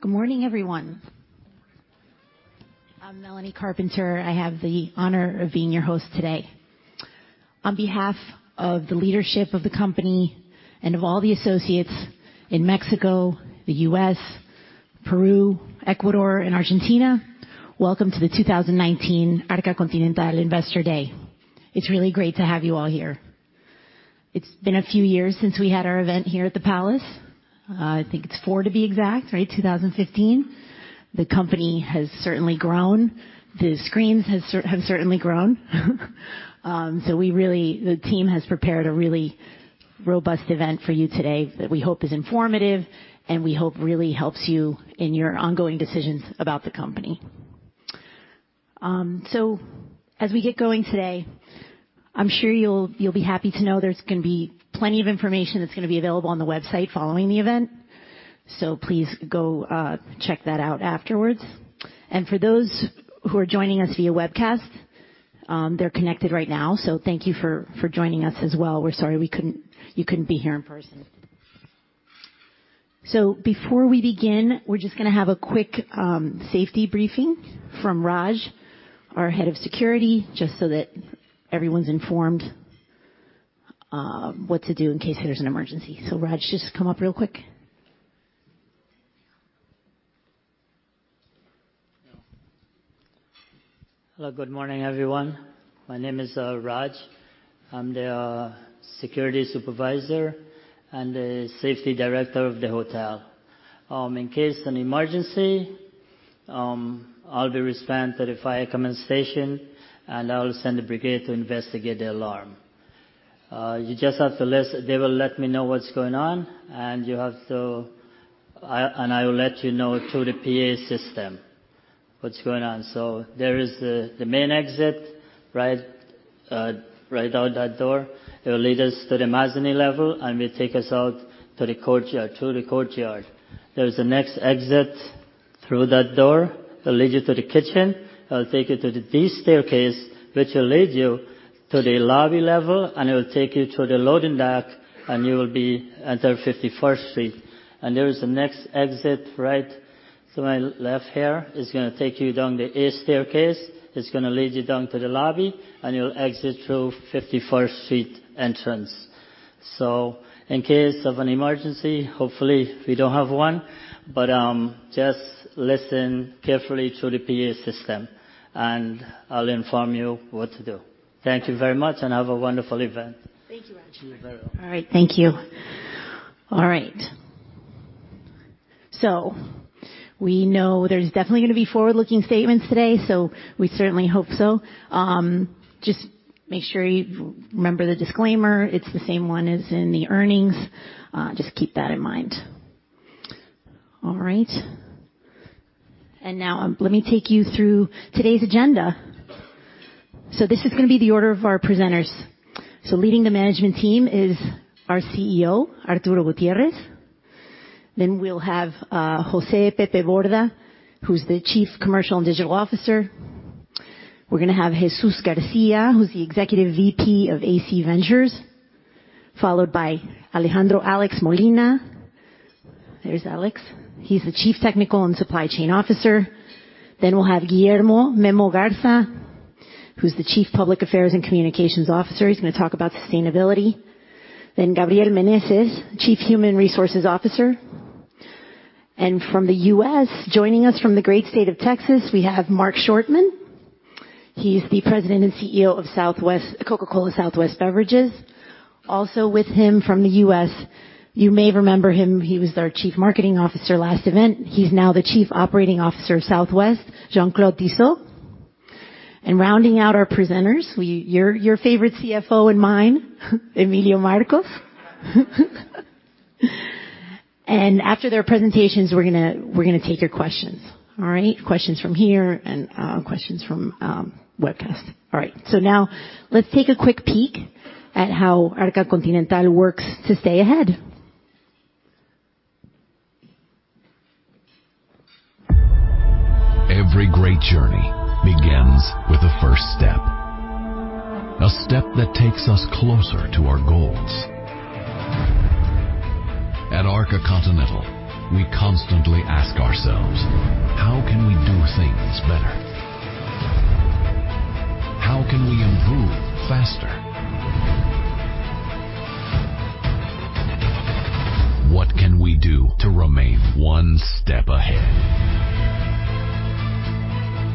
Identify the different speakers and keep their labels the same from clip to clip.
Speaker 1: Good morning, everyone. I'm Melanie Carpenter. I have the honor of being your host today. On behalf of the leadership of the company and of all the associates in Mexico, the U.S., Peru, Ecuador, and Argentina, welcome to the 2019 Arca Continental Investor Day. It's really great to have you all here. It's been a few years since we had our event here at the Palace. I think it's four to be exact, right? 2015. The company has certainly grown. The screens have certainly grown. The team has prepared a really robust event for you today that we hope is informative and we hope really helps you in your ongoing decisions about the company. As we get going today, I'm sure you'll be happy to know there's going to be plenty of information that's going to be available on the website following the event. Please go check that out afterwards. For those who are joining us via webcast, they're connected right now, thank you for joining us as well. We're sorry you couldn't be here in person. Before we begin, we're just going to have a quick safety briefing from Raj, our Head of Security, just so that everyone's informed what to do in case there's an emergency. Raj, just come up real quick. Hello, good morning, everyone. My name is Raj. I'm the security supervisor and the safety director of the hotel. In case an emergency, I'll be respond to the fire command station, and I'll send the brigade to investigate the alarm. They will let me know what's going on, and I will let you know through the PA system what's going on. There is the main exit right out that door. It will lead us to the mezzanine level, and will take us out to the courtyard. There is the next exit through that door that'll lead you to the kitchen. It'll take you to the D staircase, which will lead you to the lobby level, and it will take you to the loading dock, and you will be at the 51st Street. There is the next exit right to my left here. It's going to take you down the A staircase. It's going to lead you down to the lobby. You'll exit through 51st Street entrance. In case of an emergency, hopefully we don't have one. Just listen carefully to the PA system. I'll inform you what to do. Thank you very much. Have a wonderful event. Thank you, Raj. You're very welcome. All right, thank you. All right. We know there's definitely going to be forward-looking statements today, so we certainly hope so. Just make sure you remember the disclaimer. It's the same one as in the earnings. Just keep that in mind. All right. Now, let me take you through today's agenda. This is going to be the order of our presenters. Leading the management team is our CEO, Arturo Gutiérrez. We'll have José Pepe Borda, who's the Chief Commercial and Digital Officer. We're going to have Jesús Garcia, who's the Executive VP of AC Ventures, followed by Alejandro Alex Molina. There's Alex. He's the Chief Technical and Supply Chain Officer. We'll have Guillermo Memo Garza, who's the Chief Public Affairs and Communications Officer. He's going to talk about sustainability. Gabriel Meneses, Chief Human Resources Officer. From the U.S., joining us from the great state of Texas, we have Mark Schortman. He's the President and CEO of Coca-Cola Southwest Beverages. Also with him from the U.S., you may remember him, he was our Chief Marketing Officer last event. He's now the Chief Operating Officer of Southwest, Jean Claude Tissot. Rounding out our presenters, your favorite CFO and mine, Emilio Marcos. After their presentations, we're going to take your questions. All right? Questions from here and questions from webcast. All right. Now, let's take a quick peek at how Arca Continental works to stay ahead.
Speaker 2: Every great journey begins with a first step. A step that takes us closer to our goals. At Arca Continental, we constantly ask ourselves, how can we do things better? How can we improve faster? What can we do to remain one step ahead?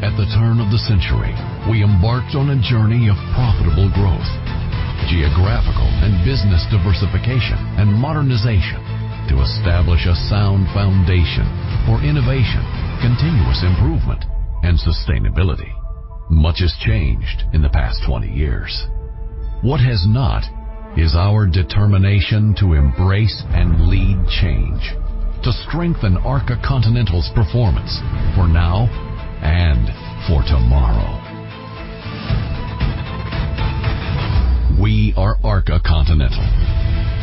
Speaker 2: At the turn of the century, we embarked on a journey of profitable growth, geographical and business diversification, and modernization to establish a sound foundation for innovation, continuous improvement, and sustainability. Much has changed in the past 20 years. What has not is our determination to embrace and lead change, to strengthen Arca Continental's performance for now and for tomorrow. We are Arca Continental,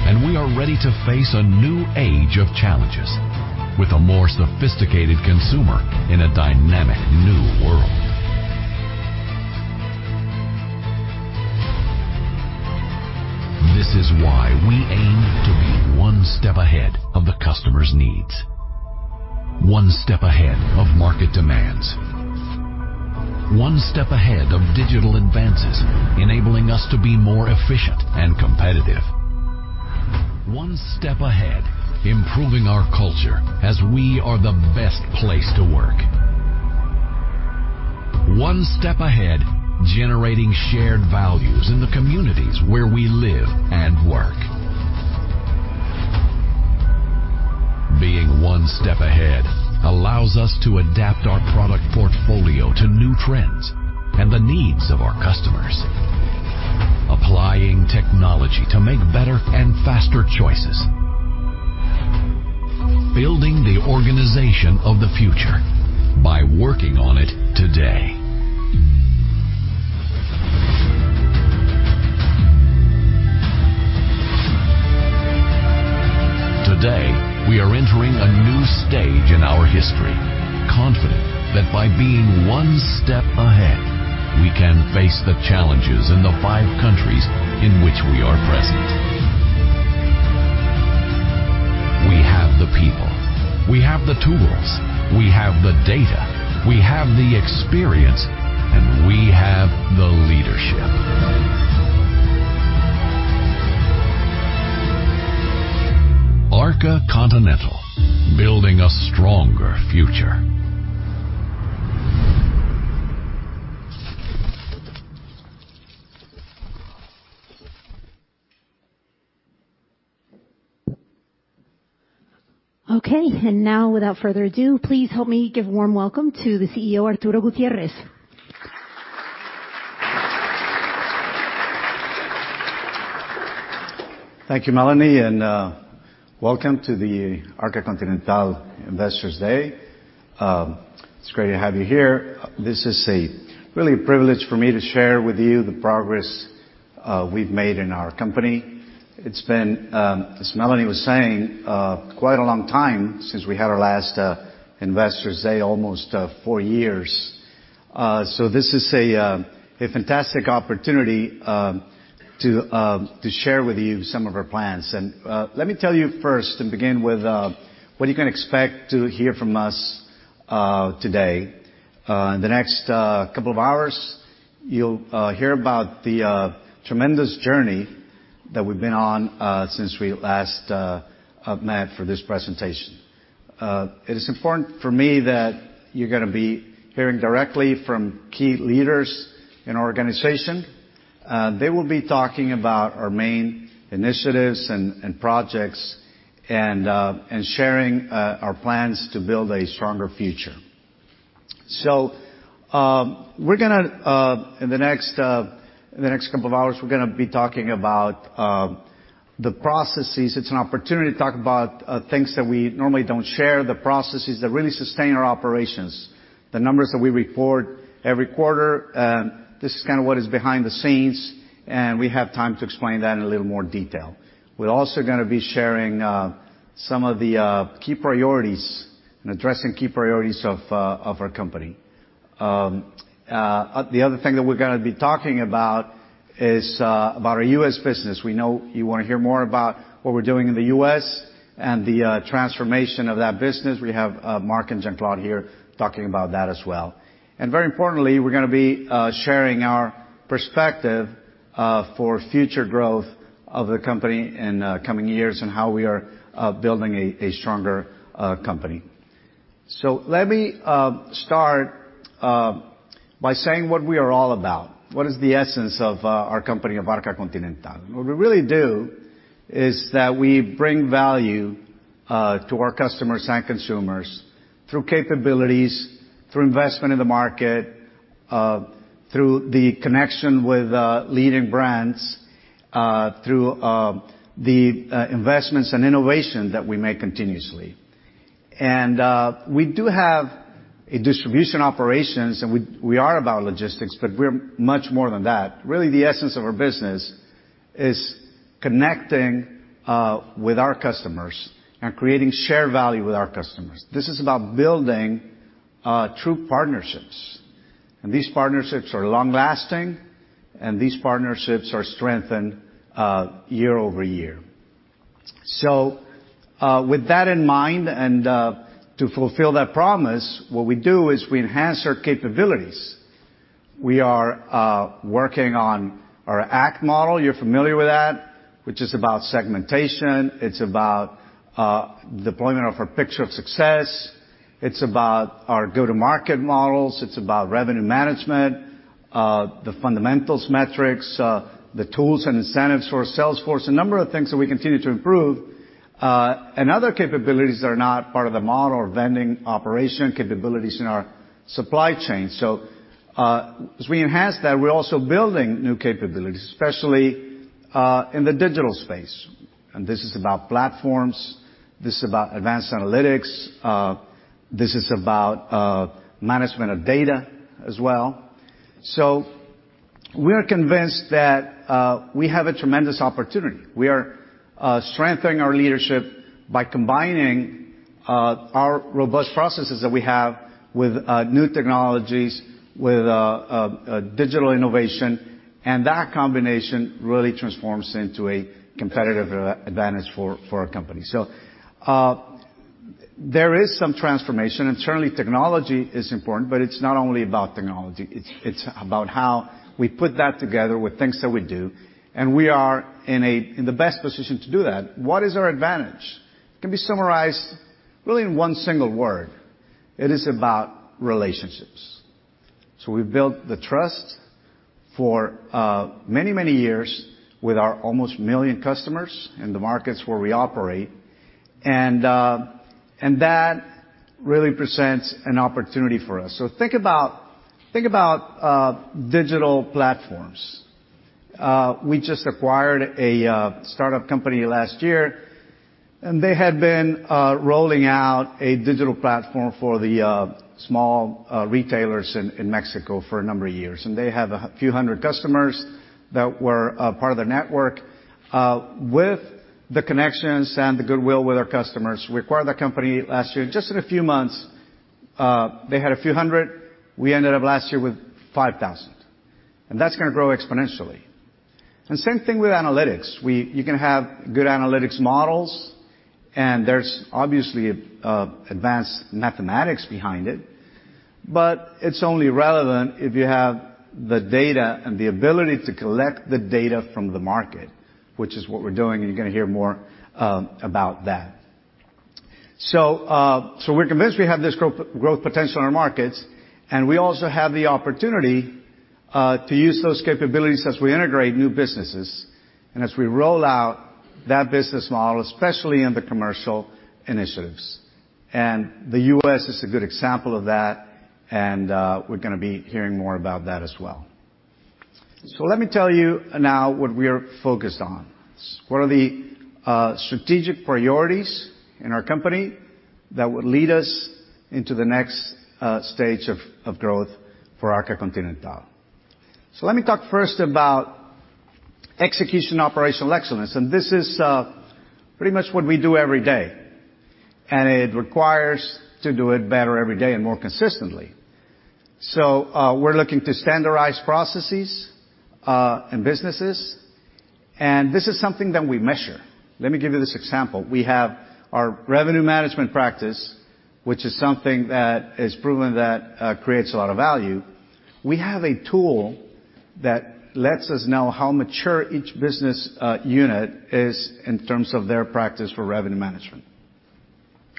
Speaker 2: and we are ready to face a new age of challenges with a more sophisticated consumer in a dynamic new world. This is why we aim to be one step ahead of the customer's needs, one step ahead of market demands, one step ahead of digital advances, enabling us to be more efficient and competitive. One step ahead, improving our culture as we are the best place to work. One step ahead, generating shared values in the communities where we live and work. Being one step ahead allows us to adapt our product portfolio to new trends and the needs of our customers. Applying technology to make better and faster choices. Building the organization of the future by working on it today. Today, we are entering a new stage in our history, confident that by being one step ahead, we can face the challenges in the five countries in which we are present. We have the people, we have the tools, we have the data, we have the experience, and we have the leadership. Arca Continental, building a stronger future.
Speaker 1: Okay. Now, without further ado, please help me give a warm welcome to the CEO, Arturo Gutiérrez.
Speaker 3: Thank you, Melanie. Welcome to the Arca Continental Investors Day. It's great to have you here. This is really a privilege for me to share with you the progress we've made in our company. It's been, as Melanie was saying, quite a long time since we had our last Investors Day, almost four years. This is a fantastic opportunity to share with you some of our plans. Let me tell you first, to begin with, what you can expect to hear from us today. In the next couple of hours, you'll hear about the tremendous journey that we've been on since we last met for this presentation. It is important for me that you're going to be hearing directly from key leaders in our organization. They will be talking about our main initiatives and projects and sharing our plans to build a stronger future. In the next couple of hours, we're going to be talking about the processes. It's an opportunity to talk about things that we normally don't share, the processes that really sustain our operations, the numbers that we report every quarter. This is kind of what is behind the scenes, and we have time to explain that in a little more detail. We're also going to be sharing some of the key priorities and addressing key priorities of our company. The other thing that we're going to be talking about is about our U.S. business. We know you want to hear more about what we're doing in the U.S. and the transformation of that business. We have Mark and Jean Claude here talking about that as well. Very importantly, we're going to be sharing our perspective for future growth of the company in coming years and how we are building a stronger company. Let me start by saying what we are all about. What is the essence of our company, of Arca Continental? What we really do is that we bring value to our customers and consumers through capabilities, through investment in the market, through the connection with leading brands, through the investments and innovation that we make continuously. We do have a distribution operations, and we are about logistics, but we're much more than that. Really, the essence of our business is connecting with our customers and creating shared value with our customers. This is about building true partnerships, and these partnerships are long-lasting, and these partnerships are strengthened year over year. With that in mind, and to fulfill that promise, what we do is we enhance our capabilities. We are working on our ACT model. You're familiar with that, which is about segmentation. It's about deployment of our picture of success. It's about our go-to-market models. It's about revenue management, the fundamentals metrics, the tools and incentives for our sales force, a number of things that we continue to improve. Other capabilities that are not part of the model, vending operation capabilities in our supply chain. As we enhance that, we're also building new capabilities, especially in the digital space. This is about platforms, this is about advanced analytics, this is about management of data as well. We are convinced that we have a tremendous opportunity. We are strengthening our leadership by combining our robust processes that we have with new technologies, with digital innovation. That combination really transforms into a competitive advantage for our company. There is some transformation, certainly technology is important, it's not only about technology, it's about how we put that together with things that we do, we are in the best position to do that. What is our advantage? It can be summarized really in one single word. It is about relationships. We've built the trust for many, many years with our almost million customers in the markets where we operate. That really presents an opportunity for us. Think about digital platforms. We just acquired a startup company last year, and they had been rolling out a digital platform for the small retailers in Mexico for a number of years, and they have a few hundred customers that were part of their network. With the connections and the goodwill with our customers, we acquired that company last year. Just in a few months, they had a few hundred. We ended up last year with 5,000, and that's going to grow exponentially. Same thing with analytics. You can have good analytics models, and there's obviously advanced mathematics behind it, but it's only relevant if you have the data and the ability to collect the data from the market, which is what we're doing, and you're going to hear more about that. We're convinced we have this growth potential in our markets, and we also have the opportunity to use those capabilities as we integrate new businesses and as we roll out that business model, especially in the commercial initiatives. The U.S. is a good example of that, and we're going to be hearing more about that as well. Let me tell you now what we are focused on. What are the strategic priorities in our company that will lead us into the next stage of growth for Arca Continental? Let me talk first about execution operational excellence, and this is pretty much what we do every day, and it requires to do it better every day and more consistently. We're looking to standardize processes and businesses, and this is something that we measure. Let me give you this example. We have our revenue management practice, which is something that has proven that creates a lot of value. We have a tool that lets us know how mature each business unit is in terms of their practice for revenue management.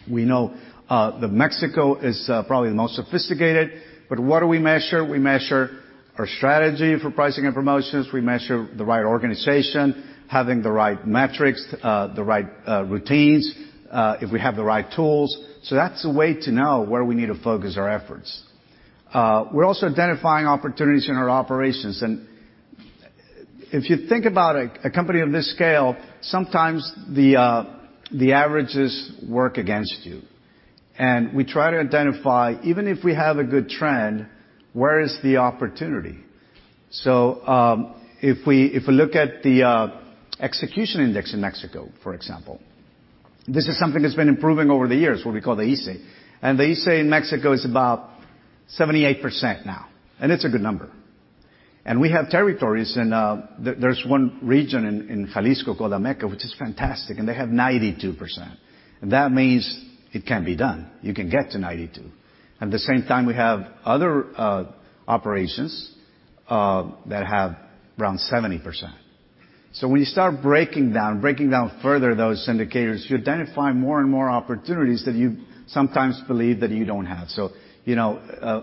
Speaker 3: We know that Mexico is probably the most sophisticated. What do we measure? We measure our strategy for pricing and promotions. We measure the right organization, having the right metrics, the right routines, if we have the right tools. That's a way to know where we need to focus our efforts. We're also identifying opportunities in our operations. If you think about a company of this scale, sometimes the averages work against you. We try to identify, even if we have a good trend, where is the opportunity? If we look at the execution index in Mexico, for example, this is something that's been improving over the years, what we call the ESE. The ESE in Mexico is about 78% now, and it's a good number. We have territories, and there's one region in Jalisco called Ameca, which is fantastic, and they have 92%. That means it can be done. You can get to 92%. At the same time, we have other operations that have around 70%. When you start breaking down further those indicators, you identify more and more opportunities that you sometimes believe that you don't have.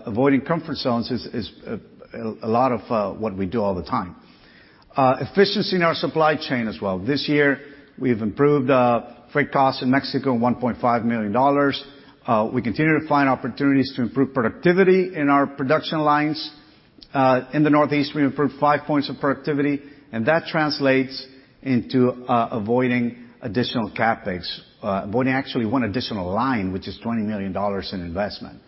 Speaker 3: Avoiding comfort zones is a lot of what we do all the time. Efficiency in our supply chain as well. This year, we've improved freight costs in Mexico of MXN 1.5 million. We continue to find opportunities to improve productivity in our production lines. In the Northeast, we improved five points of productivity. That translates into avoiding additional CapEx. Avoiding actually one additional line, which is MXN 20 million in investment.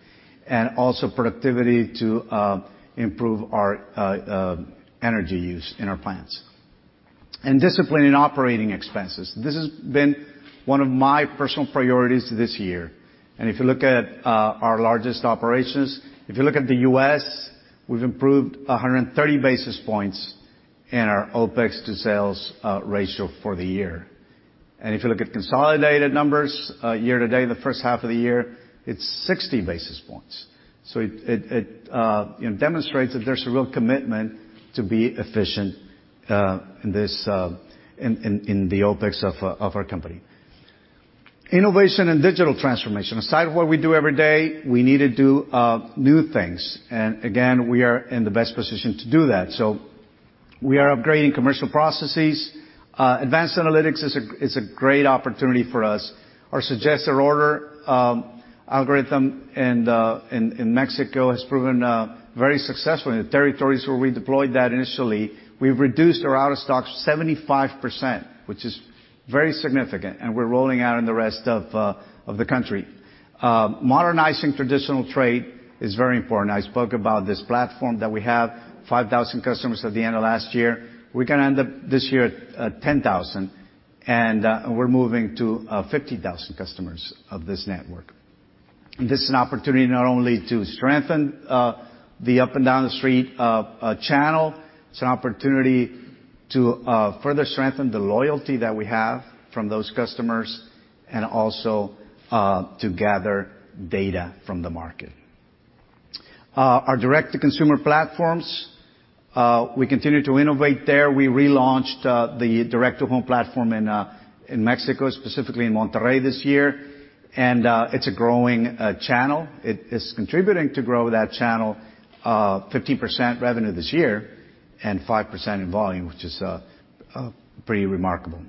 Speaker 3: Also productivity to improve our energy use in our plants. Discipline in operating expenses. This has been one of my personal priorities this year. If you look at our largest operations, if you look at the U.S., we've improved 130 basis points in our OpEx to sales ratio for the year. If you look at consolidated numbers year to date, the first half of the year, it's 60 basis points. It demonstrates that there's a real commitment to be efficient in the OpEx of our company. Innovation and digital transformation. Aside from what we do every day, we need to do new things. Again, we are in the best position to do that. We are upgrading commercial processes. Advanced analytics is a great opportunity for us. Our suggested order algorithm in Mexico has proven very successful in the territories where we deployed that initially. We've reduced our out of stocks 75%, which is very significant, and we're rolling out in the rest of the country. Modernizing traditional trade is very important. I spoke about this platform that we have 5,000 customers at the end of last year. We're going to end up this year at 10,000, and we're moving to 50,000 customers of this network. This is an opportunity not only to strengthen the up and down the street channel, it's an opportunity to further strengthen the loyalty that we have from those customers, and also to gather data from the market. Our direct-to-consumer platforms, we continue to innovate there. We relaunched the direct-to-home platform in Mexico, specifically in Monterrey this year. It's a growing channel. It is contributing to grow that channel, 15% revenue this year and 5% in volume, which is pretty remarkable.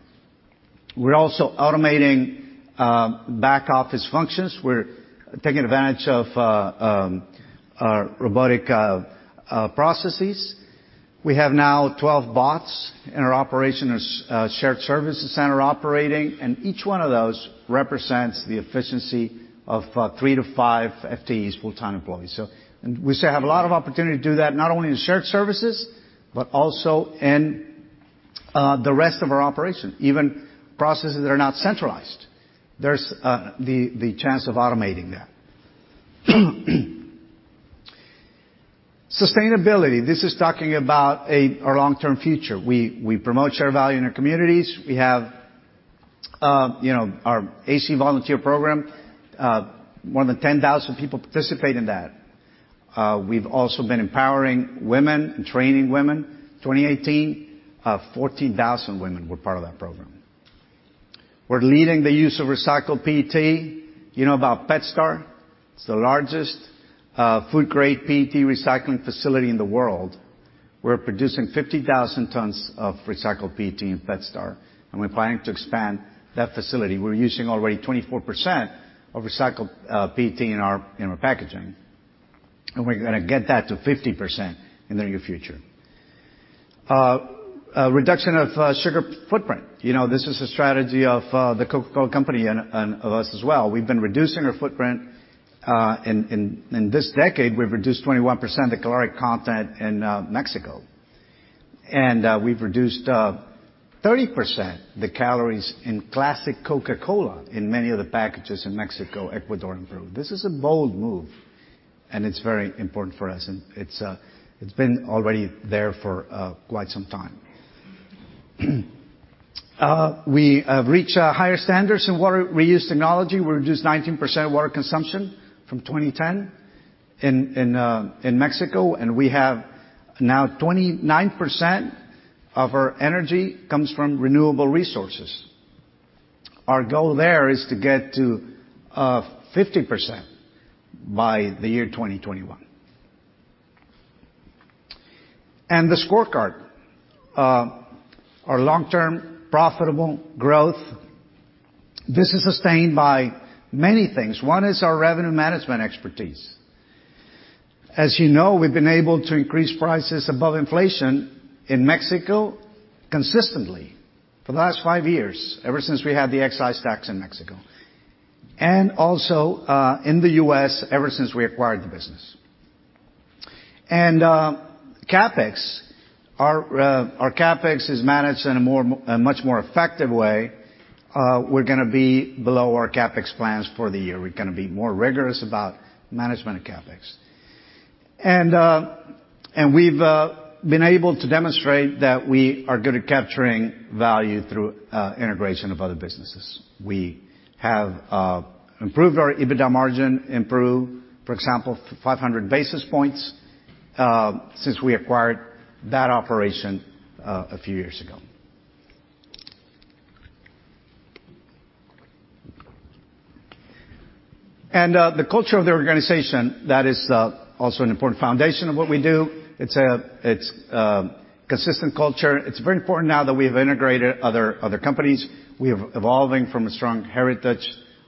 Speaker 3: We're also automating back-office functions. We're taking advantage of our robotic processes. We have now 12 bots in our operation, our shared services center operating, and each one of those represents the efficiency of three to five FTEs, full-time employees. We still have a lot of opportunity to do that, not only in shared services, but also in the rest of our operation. Even processes that are not centralized, there's the chance of automating that. Sustainability. This is talking about our long-term future. We promote shared value in our communities. We have our AC Volunteer Program. More than 10,000 people participate in that. We've also been empowering women and training women. 2018, 14,000 women were part of that program. We're leading the use of recycled PET. You know about PetStar? It's the largest food-grade PET recycling facility in the world. We're producing 50,000 tons of recycled PET in PetStar, and we're planning to expand that facility. We're using already 24% of recycled PET in our packaging, and we're going to get that to 50% in the near future. Reduction of sugar footprint. This is a strategy of The Coca-Cola Company, and of us as well. We've been reducing our footprint. In this decade, we've reduced 21% of caloric content in Mexico, and we've reduced 30% the calories in classic Coca-Cola in many of the packages in Mexico, Ecuador, and Peru. This is a bold move, and it's very important for us, and it's been already there for quite some time. We have reached higher standards in water reuse technology. We reduced 19% of water consumption from 2010 in Mexico, and we have now 29% of our energy comes from renewable resources. Our goal there is to get to 50% by the year 2021. The scorecard. Our long-term profitable growth, this is sustained by many things. One is our revenue management expertise. As you know, we've been able to increase prices above inflation in Mexico consistently for the last five years, ever since we had the excise tax in Mexico. Also, in the U.S., ever since we acquired the business. CapEx. Our CapEx is managed in a much more effective way. We're going to be below our CapEx plans for the year. We're going to be more rigorous about management of CapEx. We've been able to demonstrate that we are good at capturing value through integration of other businesses. We have improved our EBITDA margin, for example, 500 basis points since we acquired that operation a few years ago. The culture of the organization, that is also an important foundation of what we do. It's a consistent culture. It's very important now that we've integrated other companies. We are evolving from a strong heritage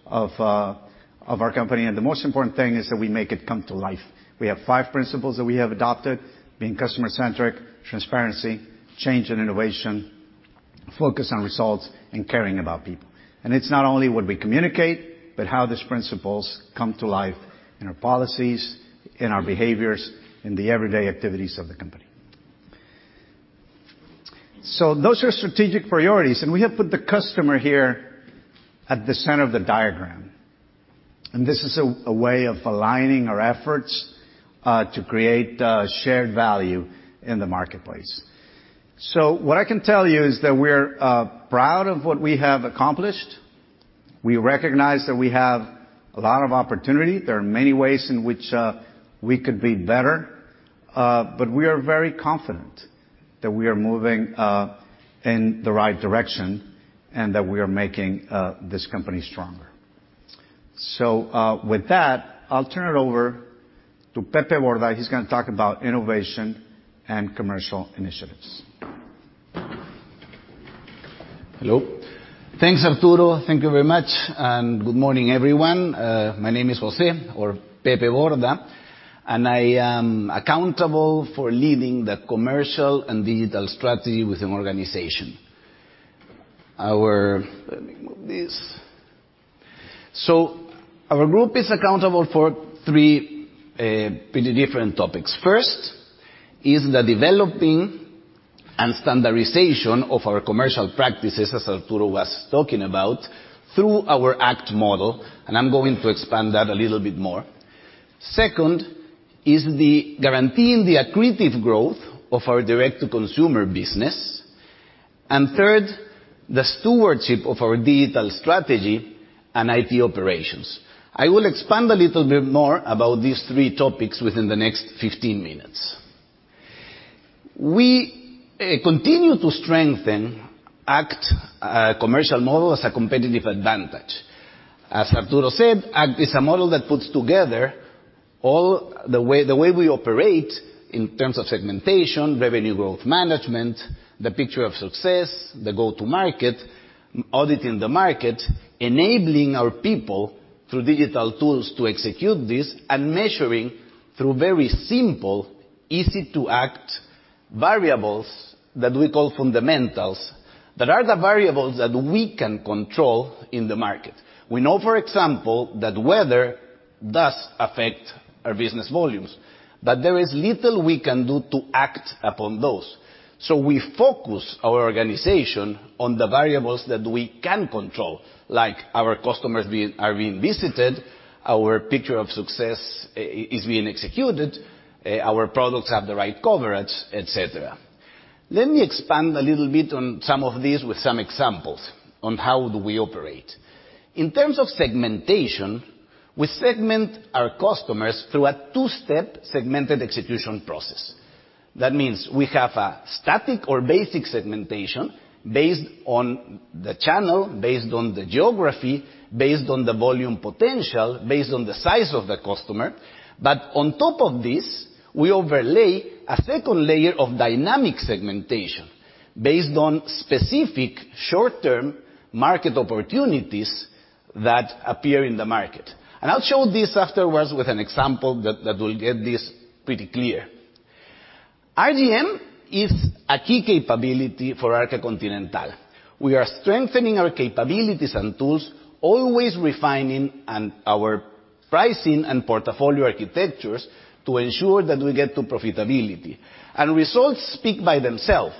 Speaker 3: of our company. The most important thing is that we make it come to life. We have five principles that we have adopted, being customer-centric, transparency, change and innovation, focus on results, and caring about people. It's not only what we communicate, but how these principles come to life in our policies, in our behaviors, in the everyday activities of the company. Those are strategic priorities, and we have put the customer here at the center of the diagram. This is a way of aligning our efforts, to create shared value in the marketplace. What I can tell you is that we're proud of what we have accomplished. We recognize that we have a lot of opportunity. There are many ways in which we could be better. We are very confident that we are moving in the right direction and that we are making this company stronger. With that, I'll turn it over to Pepe Borda. He's going to talk about innovation and commercial initiatives.
Speaker 4: Hello. Thanks, Arturo. Thank you very much. Good morning, everyone. My name is José or Pepe Borda. I am accountable for leading the commercial and digital strategy with an organization. Let me move this. Our group is accountable for three pretty different topics. First is the developing and standardization of our commercial practices, as Arturo was talking about, through our ACT model. I am going to expand that a little bit more. Second is the guaranteeing the accretive growth of our direct-to-consumer business. Third, the stewardship of our digital strategy and IT operations. I will expand a little bit more about these three topics within the next 15 minutes. We continue to strengthen ACT commercial model as a competitive advantage. As Arturo said, ACT is a model that puts together all the way we operate in terms of segmentation, revenue growth management, the picture of success, the go-to-market, auditing the market, enabling our people through digital tools to execute this, and measuring through very simple, easy-to-act variables that we call fundamentals, that are the variables that we can control in the market. We know, for example, that weather does affect our business volumes. There is little we can do to act upon those. We focus our organization on the variables that we can control, like our customers are being visited, our picture of success is being executed, our products have the right coverage, et cetera. Let me expand a little bit on some of these with some examples on how do we operate. In terms of segmentation, we segment our customers through a two-step segmented execution process. That means we have a static or basic segmentation based on the channel, based on the geography, based on the volume potential, based on the size of the customer. On top of this, we overlay a second layer of dynamic segmentation based on specific short-term market opportunities that appear in the market. I'll show this afterwards with an example that will get this pretty clear. RGM is a key capability for Arca Continental. We are strengthening our capabilities and tools, always refining and our pricing and portfolio architectures to ensure that we get to profitability. Results speak by themselves,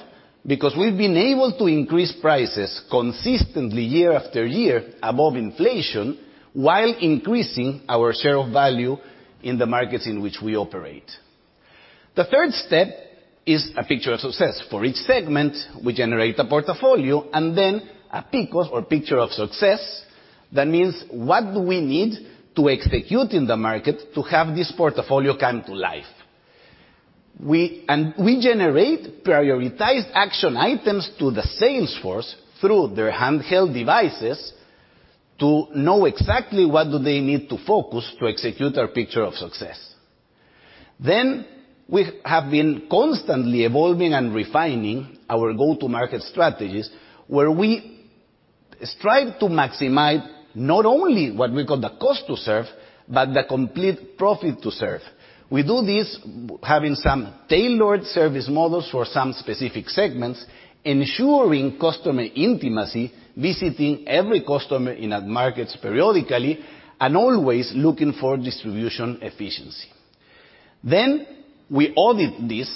Speaker 4: because we've been able to increase prices consistently year after year above inflation while increasing our share of value in the markets in which we operate. The third step is a picture of success. For each segment, we generate a portfolio and then a PICOS, or picture of success. That means, what do we need to execute in the market to have this portfolio come to life? We generate prioritized action items to the sales force through their handheld devices to know exactly what do they need to focus to execute our picture of success. We have been constantly evolving and refining our go-to-market strategies, where we strive to maximize not only what we call the cost to serve, but the complete profit to serve. We do this having some tailored service models for some specific segments, ensuring customer intimacy, visiting every customer in a market periodically, and always looking for distribution efficiency. We audit this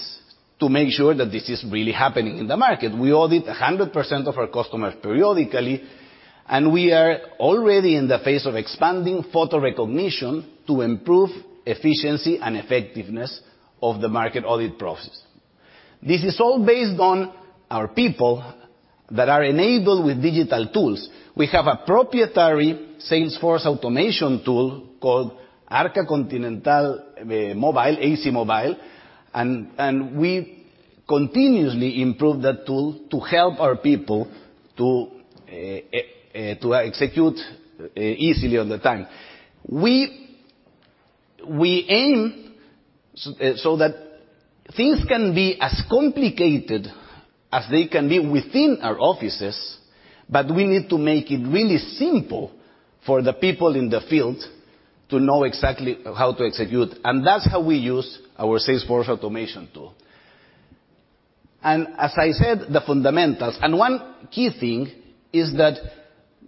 Speaker 4: to make sure that this is really happening in the market. We audit 100% of our customers periodically, and we are already in the phase of expanding photo recognition to improve efficiency and effectiveness of the market audit process. This is all based on our people that are enabled with digital tools. We have a proprietary sales force automation tool called Arca Continental Mobile, AC Mobile, and we continuously improve that tool to help our people to execute easily all the time. We aim so that things can be as complicated as they can be within our offices, but we need to make it really simple for the people in the field to know exactly how to execute, and that's how we use our sales force automation tool. As I said, the fundamentals. One key thing is that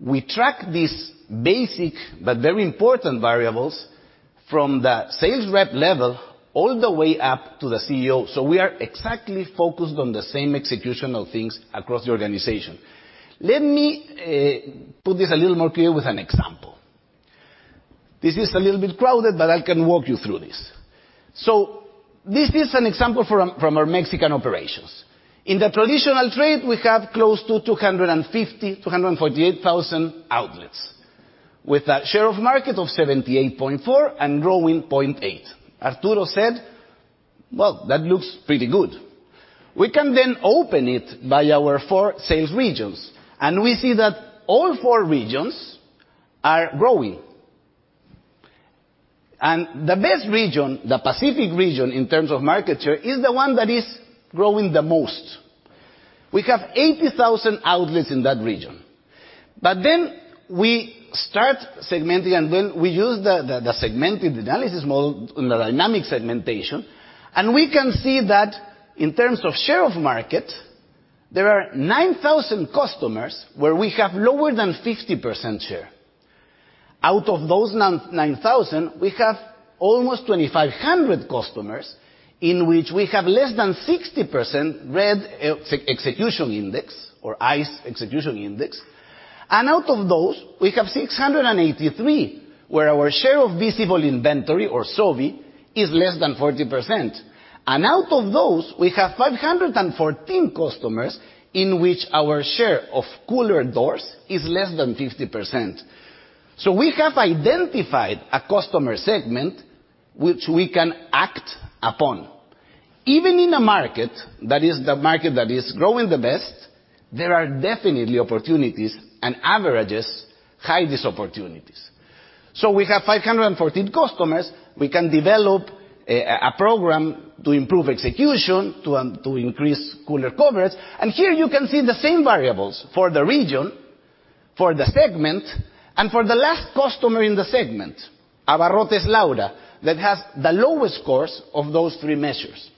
Speaker 4: we track these basic but very important variables from the sales rep level all the way up to the CEO. We are exactly focused on the same execution of things across the organization. Let me put this a little more clear with an example. This is a little bit crowded, but I can walk you through this. This is an example from our Mexican operations. In the traditional trade, we have close to 250,000, 248,000 outlets with a share of market of 78.4% and growing 0.8%. Arturo said, well, that looks pretty good. We can open it by our four sales regions, and we see that all four regions are growing. The best region, the Pacific region, in terms of market share, is the one that is growing the most. We have 80,000 outlets in that region. We start segmenting and we use the segmented analysis model on the dynamic segmentation. We can see that in terms of share of market, there are 9,000 customers where we have lower than 50% share. Out of those 9,000, we have almost 2,500 customers in which we have less than 60% RED execution index or ICE execution index. Out of those, we have 683 where our share of visible inventory or SOV is less than 40%. Out of those, we have 514 customers in which our share of cooler doors is less than 50%. We have identified a customer segment which we can act upon. Even in a market that is the market that is growing the best, there are definitely opportunities and averages hide these opportunities. We have 514 customers. We can develop a program to improve execution, to increase cooler coverage. Here you can see the same variables for the region, for the segment, and for the last customer in the segment, Abarrotes Lauda, that has the lowest scores of those three measures.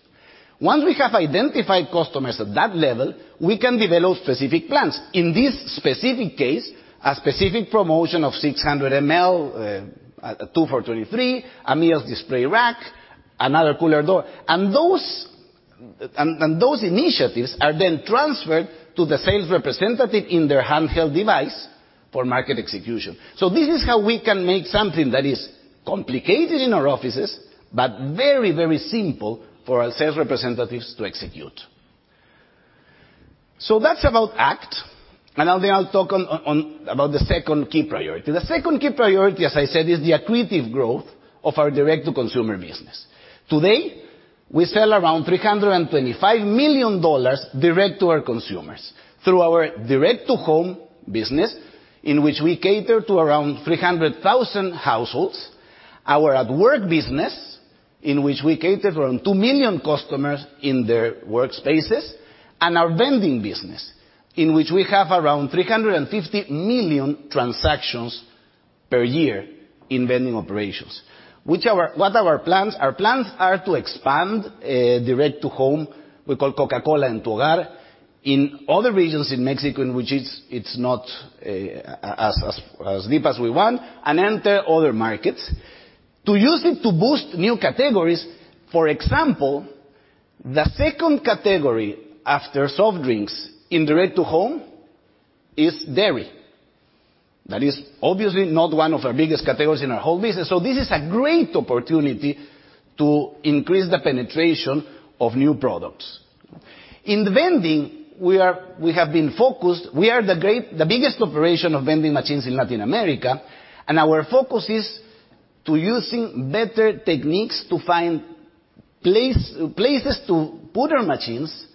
Speaker 4: Once we have identified customers at that level, we can develop specific plans. In this specific case, a specific promotion of 600 ml, a 2 for 23, a meals display rack, another cooler door. Those initiatives are then transferred to the sales representative in their handheld device for market execution. This is how we can make something that is complicated in our offices, but very, very simple for our sales representatives to execute. That's about ACT. I'll talk about the second key priority. The second key priority, as I said, is the accretive growth of our direct-to-consumer business. Today, we sell around $325 million direct to our consumers through our direct-to-home business, in which we cater to around 300,000 households, our at-work business, in which we cater for around 2 million customers in their workspaces, and our vending business, in which we have around 350 million transactions per year in vending operations. What are our plans? Our plans are to expand direct to home, we call Coca-Cola en tu Hogar, in other regions in Mexico in which it's not as deep as we want and enter other markets. To use it to boost new categories, for example, the second category after soft drinks in direct to home is dairy. That is obviously not one of our biggest categories in our whole business. This is a great opportunity to increase the penetration of new products. In vending, we have been focused. We are the biggest operation of vending machines in Latin America. Our focus is to using better techniques to find places to put our machines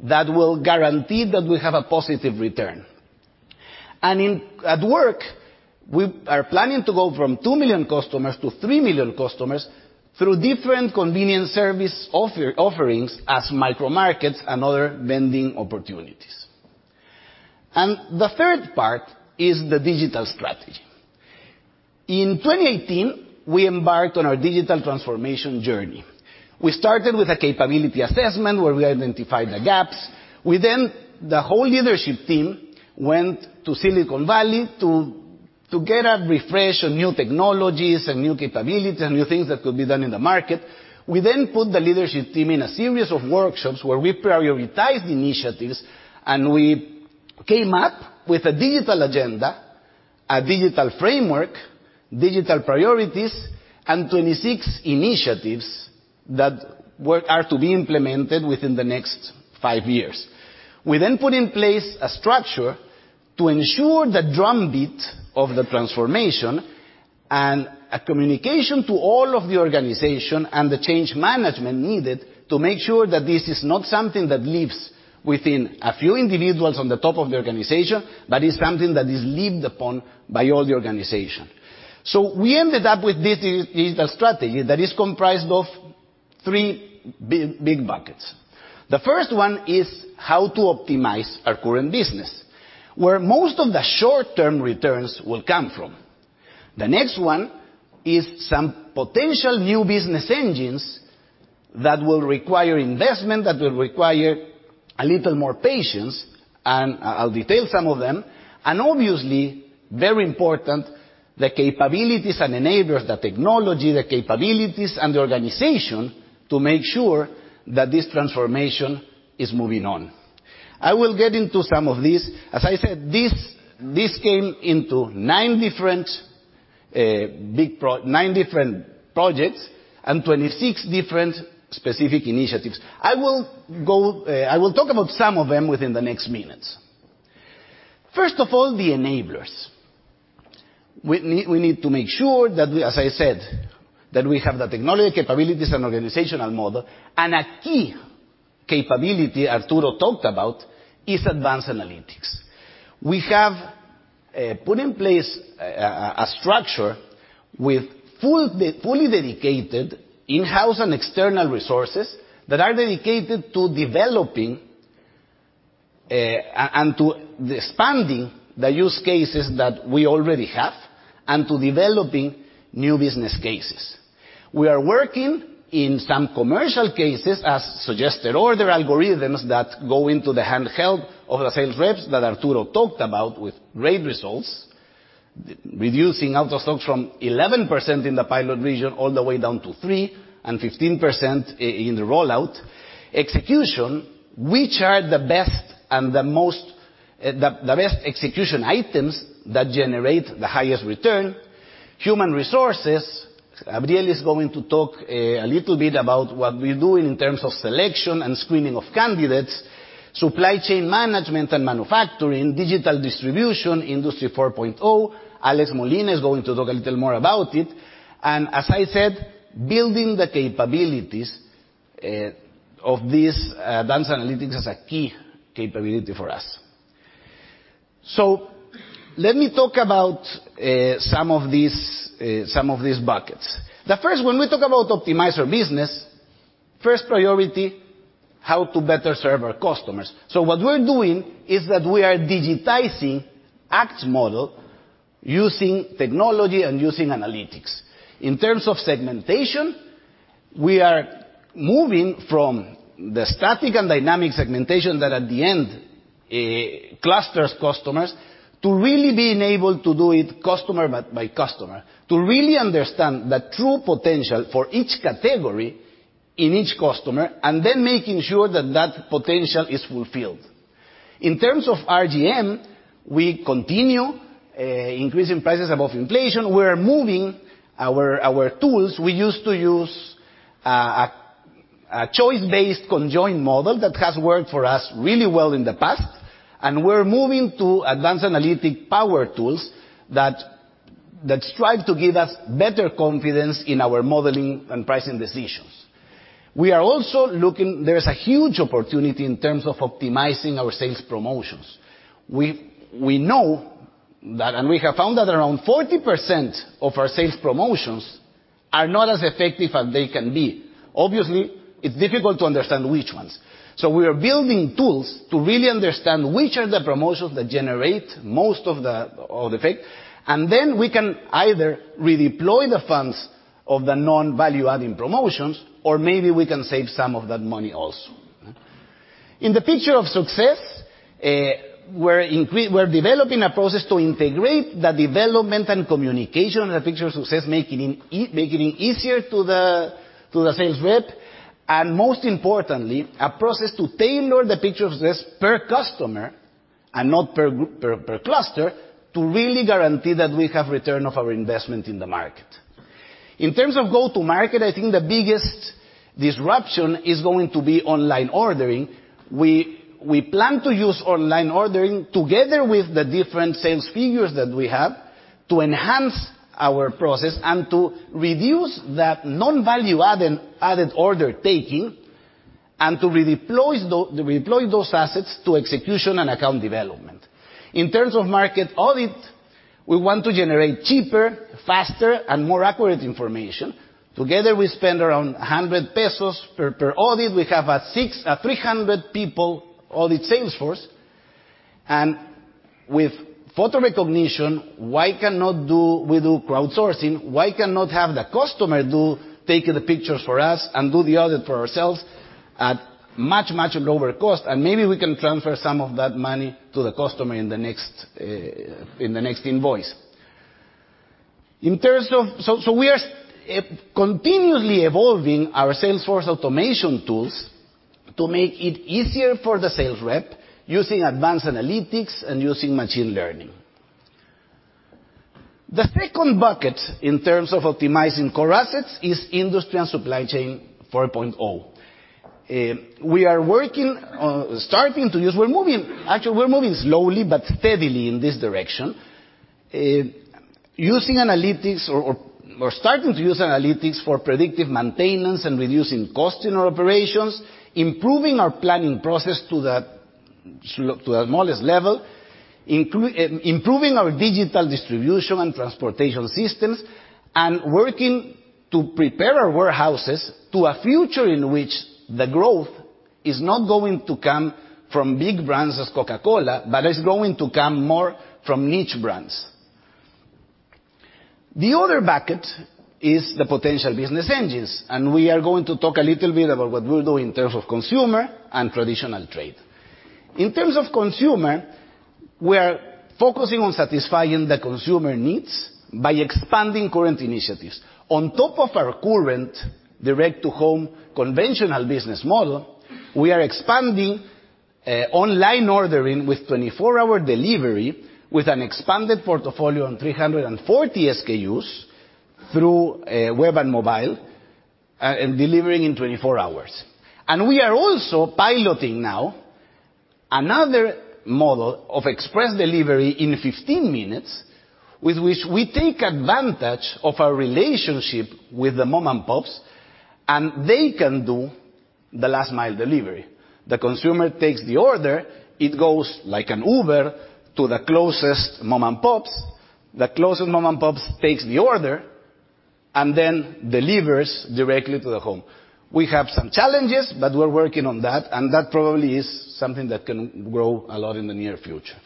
Speaker 4: that will guarantee that we have a positive return. At work, we are planning to go from 2 million customers to 3 million customers through different convenience service offerings as micro markets and other vending opportunities. The third part is the digital strategy. In 2018, we embarked on our digital transformation journey. We started with a capability assessment where we identified the gaps. The whole leadership team went to Silicon Valley to get a refresh on new technologies and new capabilities and new things that could be done in the market. We put the leadership team in a series of workshops where we prioritized initiatives. We came up with a digital agenda, a digital framework, digital priorities, and 26 initiatives that are to be implemented within the next five years. We put in place a structure to ensure the drumbeat of the transformation and a communication to all of the organization and the change management needed to make sure that this is not something that lives within a few individuals on the top of the organization, but is something that is lived upon by all the organization. We ended up with this digital strategy that is comprised of three big buckets. The first one is how to optimize our current business, where most of the short-term returns will come from. The next one is some potential new business engines that will require investment, that will require a little more patience, and I'll detail some of them. Obviously, very important, the capabilities and enablers, the technology, the capabilities and the organization to make sure that this transformation is moving on. I will get into some of these. As I said, this came into nine different projects and 26 different specific initiatives. I will talk about some of them within the next minutes. First of all, the enablers. We need to make sure that, as I said, that we have the technology capabilities and organizational model, and a key capability Arturo talked about is advanced analytics. We have put in place a structure with fully dedicated in-house and external resources that are dedicated to developing and to expanding the use cases that we already have and to developing new business cases. We are working in some commercial cases as suggested, or the algorithms that go into the handheld of the sales reps that Arturo Gutierrez talked about with great results, reducing out of stocks from 11% in the pilot region all the way down to 3% and 15% in the rollout. Execution, which are the best execution items that generate the highest return. Human resources, Gabriel is going to talk a little bit about what we're doing in terms of selection and screening of candidates. Supply chain management and manufacturing, digital distribution, Industry 4.0, Alex Molina is going to talk a little more about it. As I said, building the capabilities of these advanced analytics as a key capability for us. Let me talk about some of these buckets. The first, when we talk about optimize our business, first priority, how to better serve our customers. What we're doing is that we are digitizing ACT model using technology and using analytics. In terms of segmentation, we are moving from the static and dynamic segmentation that at the end, clusters customers, to really being able to do it customer by customer, to really understand the true potential for each category in each customer, and then making sure that that potential is fulfilled. In terms of RGM, we continue increasing prices above inflation. We're moving our tools. We used to use a choice-based conjoined model that has worked for us really well in the past, and we're moving to advanced analytic power tools that strive to give us better confidence in our modeling and pricing decisions. There is a huge opportunity in terms of optimizing our sales promotions. We know that we have found that around 40% of our sales promotions are not as effective as they can be. It's difficult to understand which ones. We are building tools to really understand which are the promotions that generate most of the effect, then we can either redeploy the funds of the non-value adding promotions, or maybe we can save some of that money also. In the Picture of Success, we're developing a process to integrate the development and communication of the Picture of Success, making it easier to the sales rep, and most importantly, a process to tailor the Picture of Success per customer and not per cluster to really guarantee that we have return of our investment in the market. In terms of go-to market, I think the biggest disruption is going to be online ordering. We plan to use online ordering together with the different sales figures that we have to enhance our process and to reduce that non-value added order taking, and to redeploy those assets to execution and account development. In terms of market audit, we want to generate cheaper, faster, and more accurate information. Together, we spend around 100 pesos per audit. We have a 300 people audit sales force. With photo recognition, why cannot we do crowdsourcing? Why cannot have the customer do take the pictures for us and do the audit for ourselves at much, much lower cost? Maybe we can transfer some of that money to the customer in the next invoice. We are continuously evolving our sales force automation tools to make it easier for the sales rep using advanced analytics and using machine learning. The second bucket in terms of optimizing core assets is Industry and supply chain 4.0. We're moving, actually, slowly but steadily in this direction, using analytics or starting to use analytics for predictive maintenance and reducing cost in our operations, improving our planning process to the smallest level, improving our digital distribution and transportation systems, and working to prepare our warehouses to a future in which the growth is not going to come from big brands as Coca-Cola, but is going to come more from niche brands. The other bucket is the potential business engines, and we are going to talk a little bit about what we'll do in terms of consumer and traditional trade. In terms of consumer, we are focusing on satisfying the consumer needs by expanding current initiatives. On top of our current direct to home conventional business model, we are expanding online ordering with 24-hour delivery with an expanded portfolio on 340 SKUs through web and mobile and delivering in 24 hours. We are also piloting now another model of express delivery in 15 minutes with which we take advantage of our relationship with the mom-and-pops. They can do the last mile delivery. The consumer takes the order, it goes like an Uber to the closest mom-and-pops. The closest mom-and-pops takes the order and then delivers directly to the home. We have some challenges, but we're working on that, and that probably is something that can grow a lot in the near future.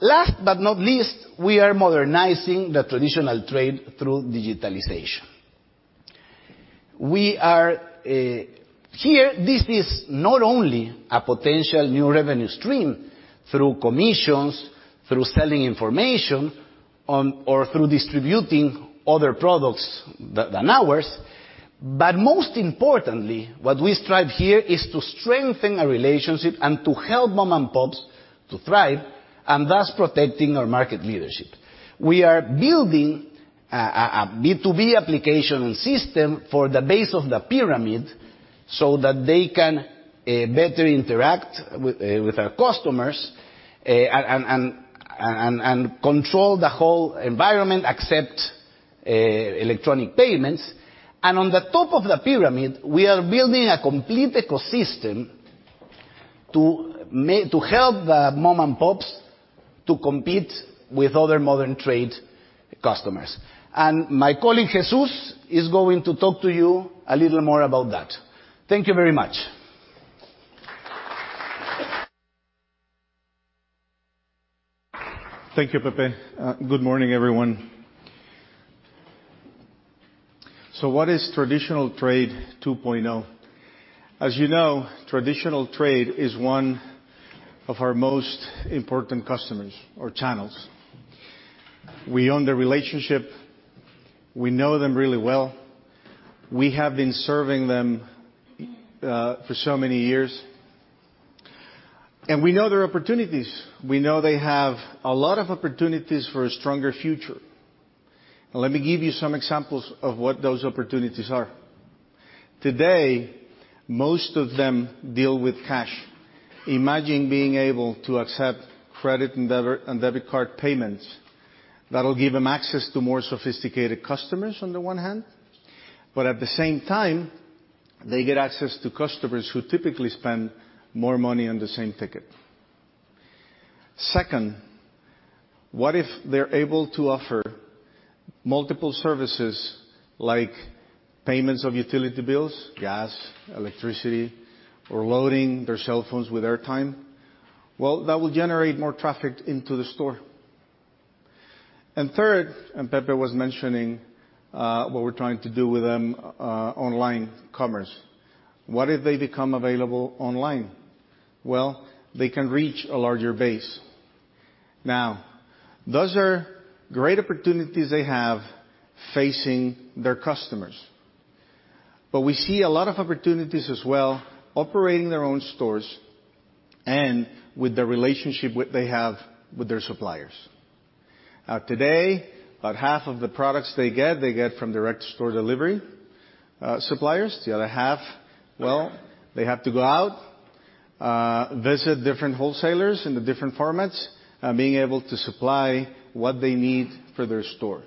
Speaker 4: Last but not least, we are modernizing the traditional trade through digitalization. Here, this is not only a potential new revenue stream through commissions, through selling information, or through distributing other products than ours. Most importantly, what we strive here is to strengthen our relationship and to help mom-and-pops to thrive, and thus protecting our market leadership. We are building a B2B application and system for the base of the pyramid so that they can better interact with our customers and control the whole environment, accept electronic payments. On the top of the pyramid, we are building a complete ecosystem to help the mom-and-pops to compete with other modern trade customers. My colleague, Jesús, is going to talk to you a little more about that. Thank you very much.
Speaker 5: Thank you, Pepe. Good morning, everyone. What is Traditional Trade 2.0? As you know, traditional trade is one of our most important customers or channels. We own the relationship. We know them really well. We have been serving them for so many years, and we know their opportunities. We know they have a lot of opportunities for a stronger future. Let me give you some examples of what those opportunities are. Today, most of them deal with cash. Imagine being able to accept credit and debit card payments. That'll give them access to more sophisticated customers on the one hand, but at the same time, they get access to customers who typically spend more money on the same ticket. Second, what if they're able to offer multiple services like payments of utility bills, gas, electricity, or loading their cell phones with airtime? That will generate more traffic into the store. Third, Pepe was mentioning what we're trying to do with them, online commerce. What if they become available online? They can reach a larger base. Those are great opportunities they have facing their customers. We see a lot of opportunities as well operating their own stores and with the relationship they have with their suppliers. Today, about half of the products they get, they get from direct store delivery suppliers. The other half, well, they have to go out, visit different wholesalers in the different formats, being able to supply what they need for their store.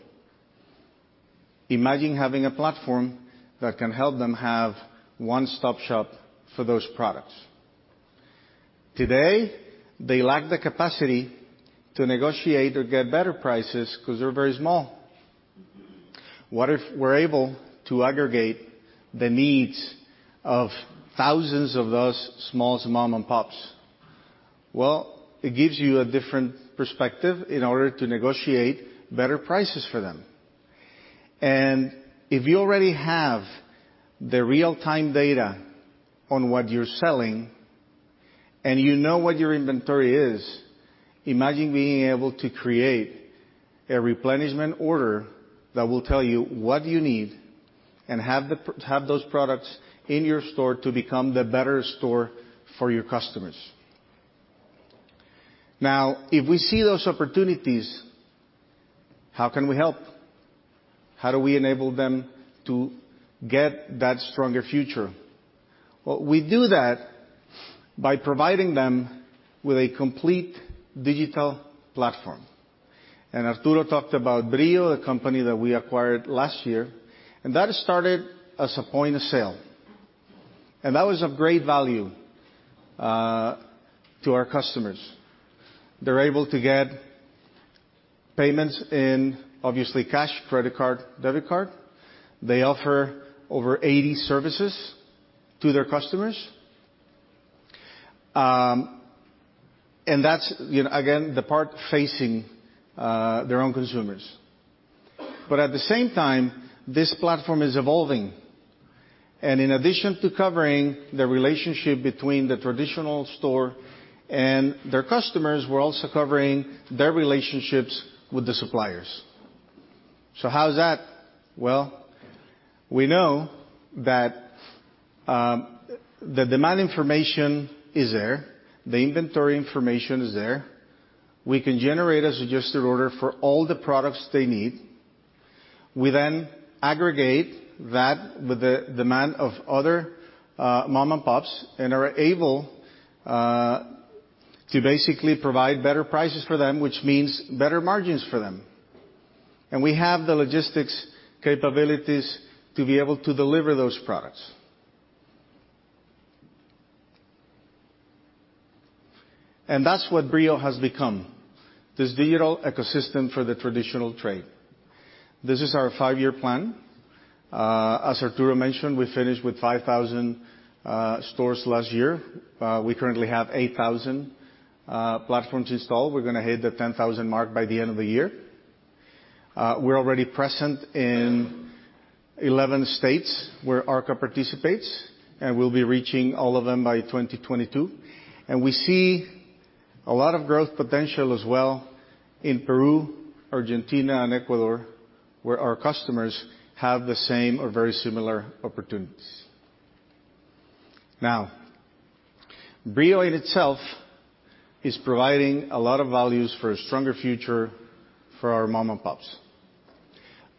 Speaker 5: Imagine having a platform that can help them have one-stop shop for those products. Today, they lack the capacity to negotiate or get better prices because they're very small. What if we're able to aggregate the needs of thousands of those smallest mom-and-pops? Well, it gives you a different perspective in order to negotiate better prices for them. If you already have the real-time data on what you're selling and you know what your inventory is, imagine being able to create a replenishment order that will tell you what you need and have those products in your store to become the better store for your customers. Now, if we see those opportunities, how can we help? How do we enable them to get that stronger future? Well, we do that by providing them with a complete digital platform. Arturo talked about Brío, the company that we acquired last year, and that started as a point of sale, and that was of great value to our customers. They're able to get payments in obviously cash, credit card, debit card. They offer over 80 services to their customers. That's again, the part facing their own consumers. At the same time, this platform is evolving. In addition to covering the relationship between the traditional store and their customers, we're also covering their relationships with the suppliers. How's that? We know that the demand information is there, the inventory information is there. We can generate a suggested order for all the products they need. We then aggregate that with the demand of other mom-and-pops and are able to basically provide better prices for them, which means better margins for them. We have the logistics capabilities to be able to deliver those products. That's what Brío has become, this digital ecosystem for the traditional trade. This is our five-year plan. As Arturo mentioned, we finished with 5,000 stores last year. We currently have 8,000 platforms installed. We're going to hit the 10,000 mark by the end of the year. We're already present in 11 states where Arca participates, we'll be reaching all of them by 2022. We see a lot of growth potential as well in Peru, Argentina, and Ecuador, where our customers have the same or very similar opportunities. Now, Brío in itself is providing a lot of values for a stronger future for our mom-and-pops.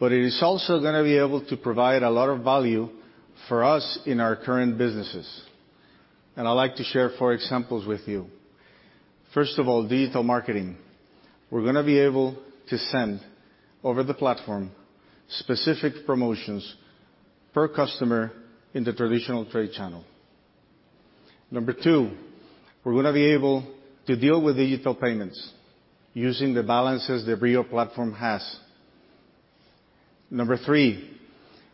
Speaker 5: It is also going to be able to provide a lot of value for us in our current businesses, and I'd like to share four examples with you. First of all, digital marketing. We're going to be able to send over the platform specific promotions per customer in the traditional trade channel. Number 2, we're going to be able to deal with digital payments using the balances the Brío platform has. Number 3,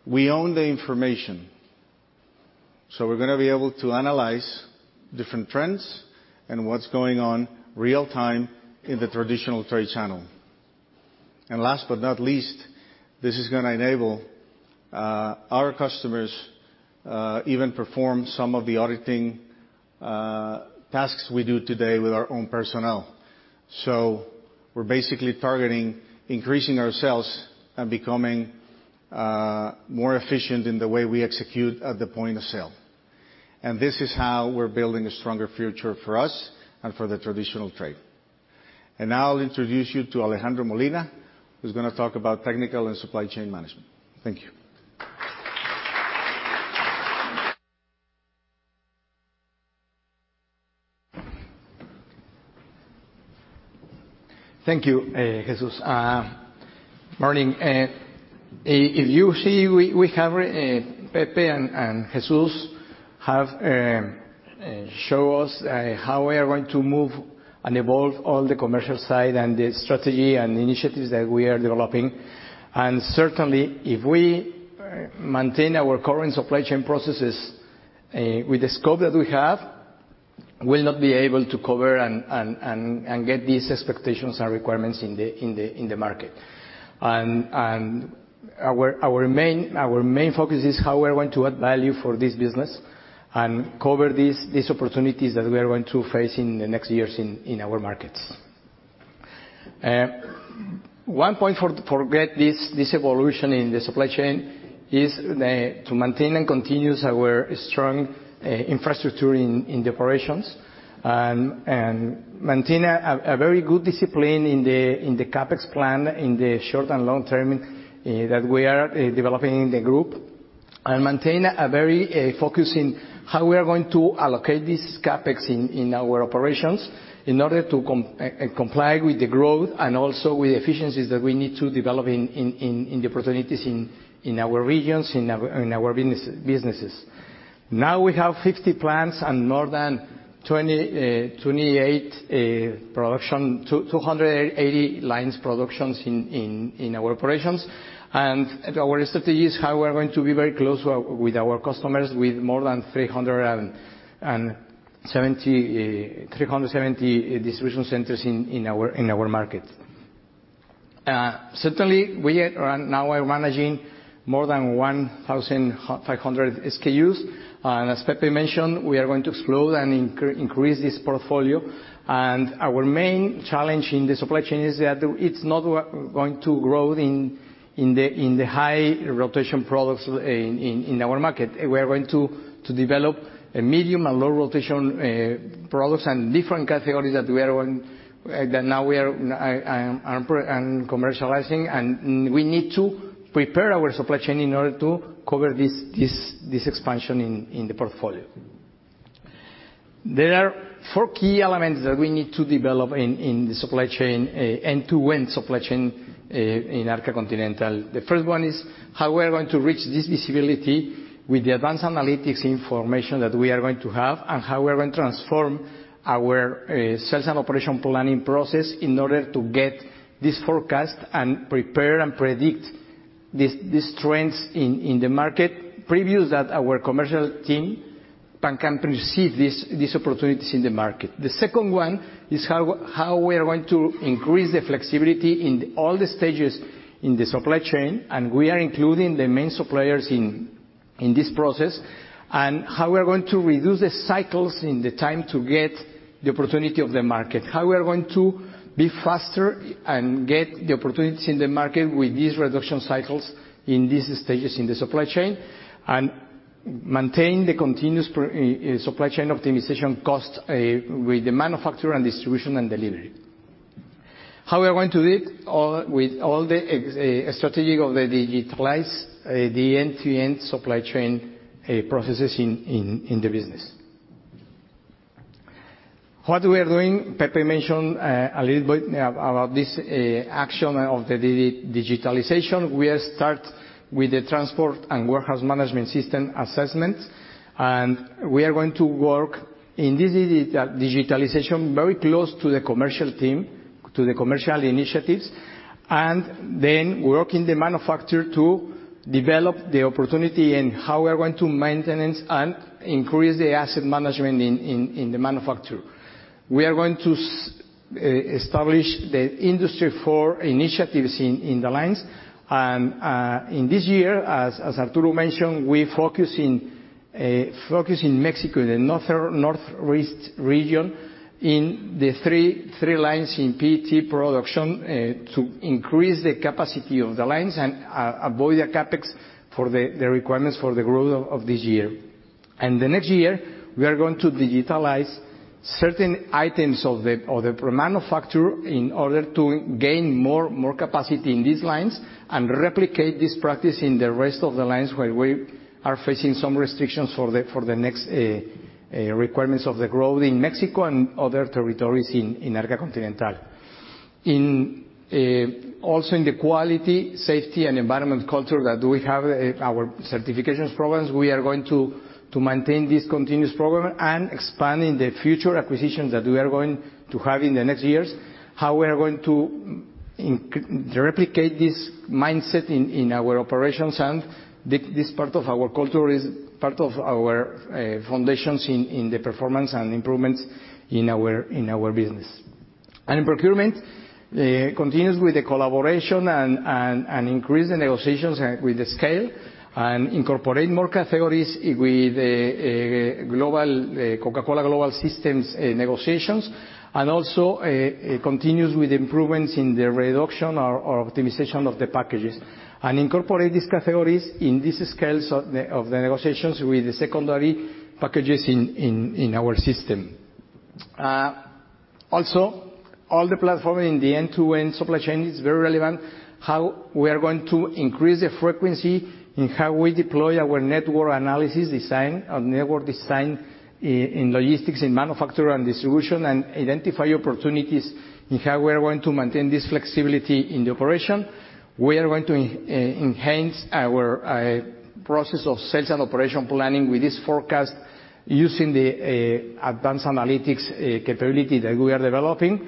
Speaker 5: we own the information. We're going to be able to analyze different trends and what's going on real-time in the traditional trade channel. Last but not least, this is going to enable our customers even perform some of the auditing tasks we do today with our own personnel. We're basically targeting increasing our sales and becoming more efficient in the way we execute at the point of sale. This is how we're building a stronger future for us and for the traditional trade. Now I'll introduce you to Alejandro Molina, who's going to talk about technical and supply chain management. Thank you.
Speaker 6: Thank you, Jesús. Morning. If you see, Pepe and Jesus have show us how we are going to move and evolve all the commercial side and the strategy and initiatives that we are developing. Certainly, if we maintain our current supply chain processes with the scope that we have, we'll not be able to cover and get these expectations and requirements in the market. Our main focus is how we are going to add value for this business and cover these opportunities that we are going to face in the next years in our markets. One point for get this evolution in the supply chain is to maintain and continue our strong infrastructure in the operations, and maintain a very good discipline in the CapEx plan in the short and long term that we are developing in the group. Maintain a very focus in how we are going to allocate this CapEx in our operations in order to comply with the growth and also with efficiencies that we need to develop in the opportunities in our regions, in our businesses. Now we have 50 plants and more than 280 lines productions in our operations. Our strategy is how we are going to be very close with our customers, with more than 370 distribution centers in our market. Certainly, we are now managing more than 1,500 SKUs, and as Pepe mentioned, we are going to explode and increase this portfolio. Our main challenge in the supply chain is that it's not going to grow in the high rotation products in our market. We are going to develop a medium and low rotation products and different categories that now we are commercializing, and we need to prepare our supply chain in order to cover this expansion in the portfolio. There are four key elements that we need to develop in the supply chain and to win supply chain in Arca Continental. The first one is how we are going to reach this visibility with the advanced analytics information that we are going to have and how we are going to transform our sales and operation planning process in order to get this forecast and prepare and predict these trends in the market, previews that our commercial team can perceive these opportunities in the market. The second one is how we are going to increase the flexibility in all the stages in the supply chain, and we are including the main suppliers in this process. How we are going to reduce the cycles and the time to get the opportunity of the market. How we are going to be faster and get the opportunities in the market with these reduction cycles in these stages in the supply chain. Maintain the continuous supply chain optimization cost with the manufacturer and distribution and delivery. How we are going to do it with all the strategic of the digitalized end-to-end supply chain processes in the business. What we are doing, Pepe mentioned a little bit about this action of the digitalization. We start with the transport and warehouse management system assessment, and we are going to work in this digitalization very close to the commercial team, to the commercial initiatives, and then work in the manufacturer to develop the opportunity and how we are going to maintenance and increase the asset management in the manufacturer. We are going to establish the Industry 4.0 initiatives in the lines. In this year, as Arturo mentioned, we focus in Mexico, the northeast region, in the three lines in PET production, to increase the capacity of the lines and avoid the CapEx for the requirements for the growth of this year. The next year, we are going to digitalize certain items of the manufacturer in order to gain more capacity in these lines and replicate this practice in the rest of the lines, where we are facing some restrictions for the next requirements of the growth in Mexico and other territories in Arca Continental. Also in the quality, safety, and environment culture that we have, our certifications programs, we are going to maintain this continuous program and expanding the future acquisitions that we are going to have in the next years, how we are going to replicate this mindset in our operations. This part of our culture is part of our foundations in the performance and improvements in our business. In procurement, continuous with the collaboration and increase the negotiations with the scale and incorporate more categories with Coca-Cola global systems negotiations, and also continuous with improvements in the reduction or optimization of the packages. Incorporate these categories in these scales of the negotiations with the secondary packages in our system. All the platform in the end-to-end supply chain is very relevant, how we are going to increase the frequency in how we deploy our network analysis design, our network design in logistics, in manufacture and distribution, and identify opportunities in how we are going to maintain this flexibility in the operation. We are going to enhance our process of Sales and Operation Planning with this forecast using the advanced analytics capability that we are developing.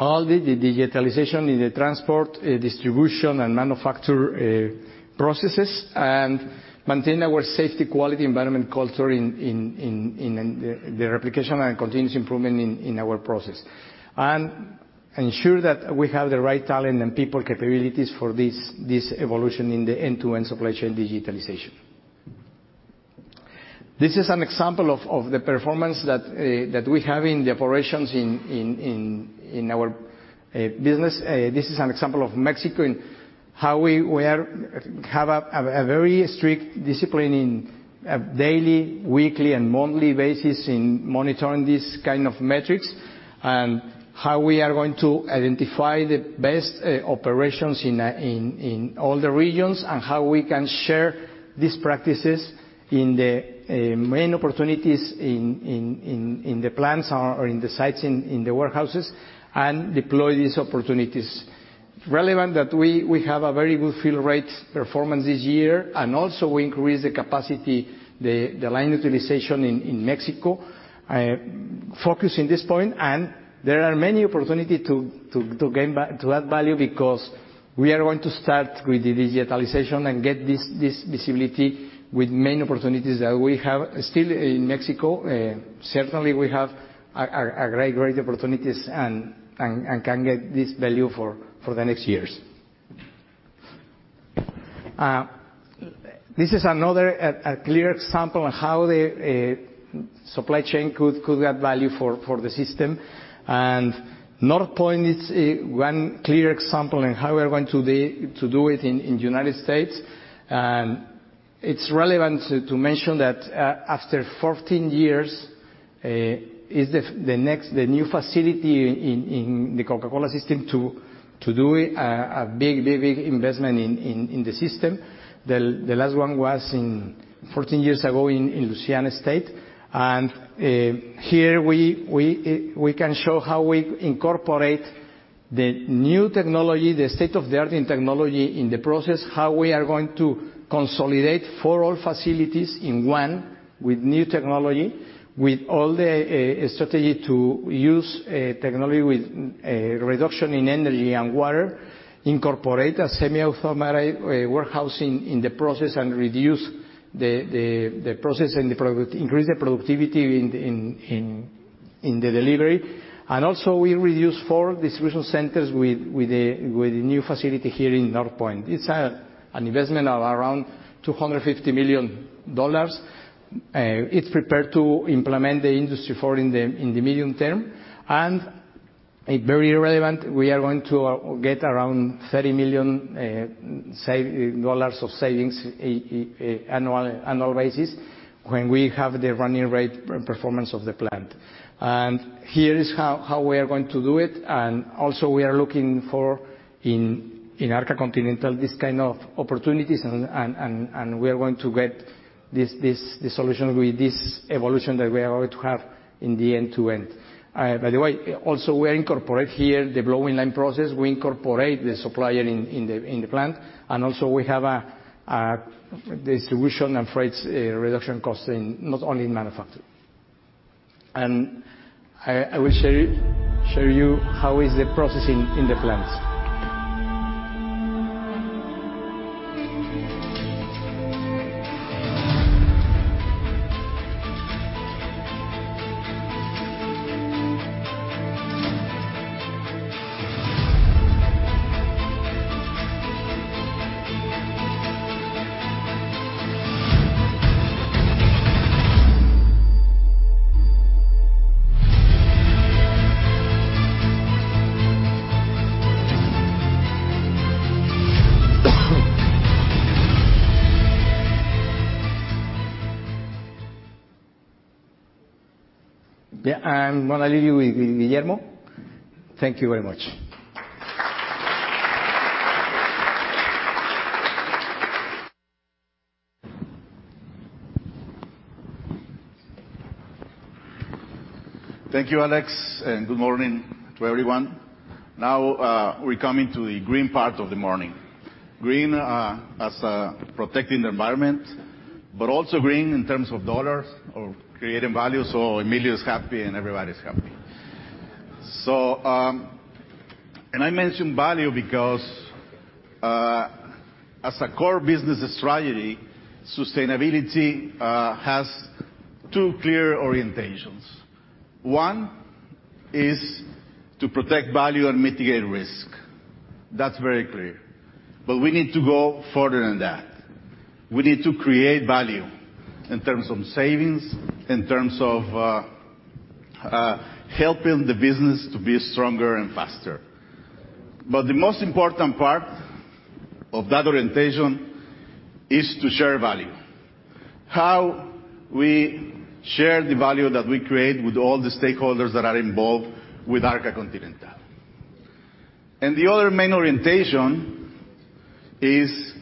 Speaker 6: All the digitalization in the transport, distribution, and manufacture processes, and maintain our safety, quality, environment, culture in the replication and continuous improvement in our process. Ensure that we have the right talent and people capabilities for this evolution in the end-to-end supply chain digitalization. This is an example of the performance that we have in the operations in our business. This is an example of Mexico and how we have a very strict discipline in a daily, weekly, and monthly basis in monitoring these kind of metrics, and how we are going to identify the best operations in all the regions, and how we can share these practices in the main opportunities in the plants or in the sites in the warehouses, and deploy these opportunities. Relevant that we have a very good fill rate performance this year, and also we increase the capacity, the line utilization in Mexico. Focus in this point, and there are many opportunity to add value because we are going to start with the digitalization and get this visibility with many opportunities that we have still in Mexico. Certainly, we have a great opportunities and can get this value for the next years. This is another clear example on how the supply chain could add value for the system. Northpoint is one clear example in how we are going to do it in the U.S. It's relevant to mention that after 14 years, is the new facility in the Coca-Cola system to do a big investment in the system. The last one was 14 years ago in Louisiana. Here we can show how we incorporate the new technology, the state-of-the-art in technology in the process, how we are going to consolidate 4 old facilities in 1 with new technology, with all the strategy to use technology with reduction in energy and water, incorporate a semiautomatic warehousing in the process, and reduce the process and increase the productivity in the delivery. Also we reduce 4 distribution centers with the new facility here in Northpoint. It's an investment of around $250 million. It's prepared to implement the Industry 4.0 in the medium term. Very relevant. We are going to get around $30 million of savings annual basis when we have the running rate performance of the plant. Here is how we are going to do it. Also we are looking for, in Arca Continental, these kind of opportunities, and we are going to get the solution with this evolution that we are going to have in the end-to-end. By the way, also we incorporate here the blowing line process. We incorporate the supplier in the plant. Also we have a distribution and freight reduction cost not only in manufacturing. I will show you how is the processing in the plants. Yeah. I'm going to leave you with Guillermo. Thank you very much.
Speaker 7: Thank you, Alex. Good morning to everyone. Now we come into the green part of the morning. Green as protecting the environment, also green in terms of dollars or creating value. Emilio is happy and everybody's happy. I mention value because as a core business strategy, sustainability has two clear orientations. One is to protect value and mitigate risk. That's very clear. We need to go further than that. We need to create value in terms of savings, in terms of helping the business to be stronger and faster. The most important part of that orientation is to share value. How we share the value that we create with all the stakeholders that are involved with Arca Continental. The other main orientation is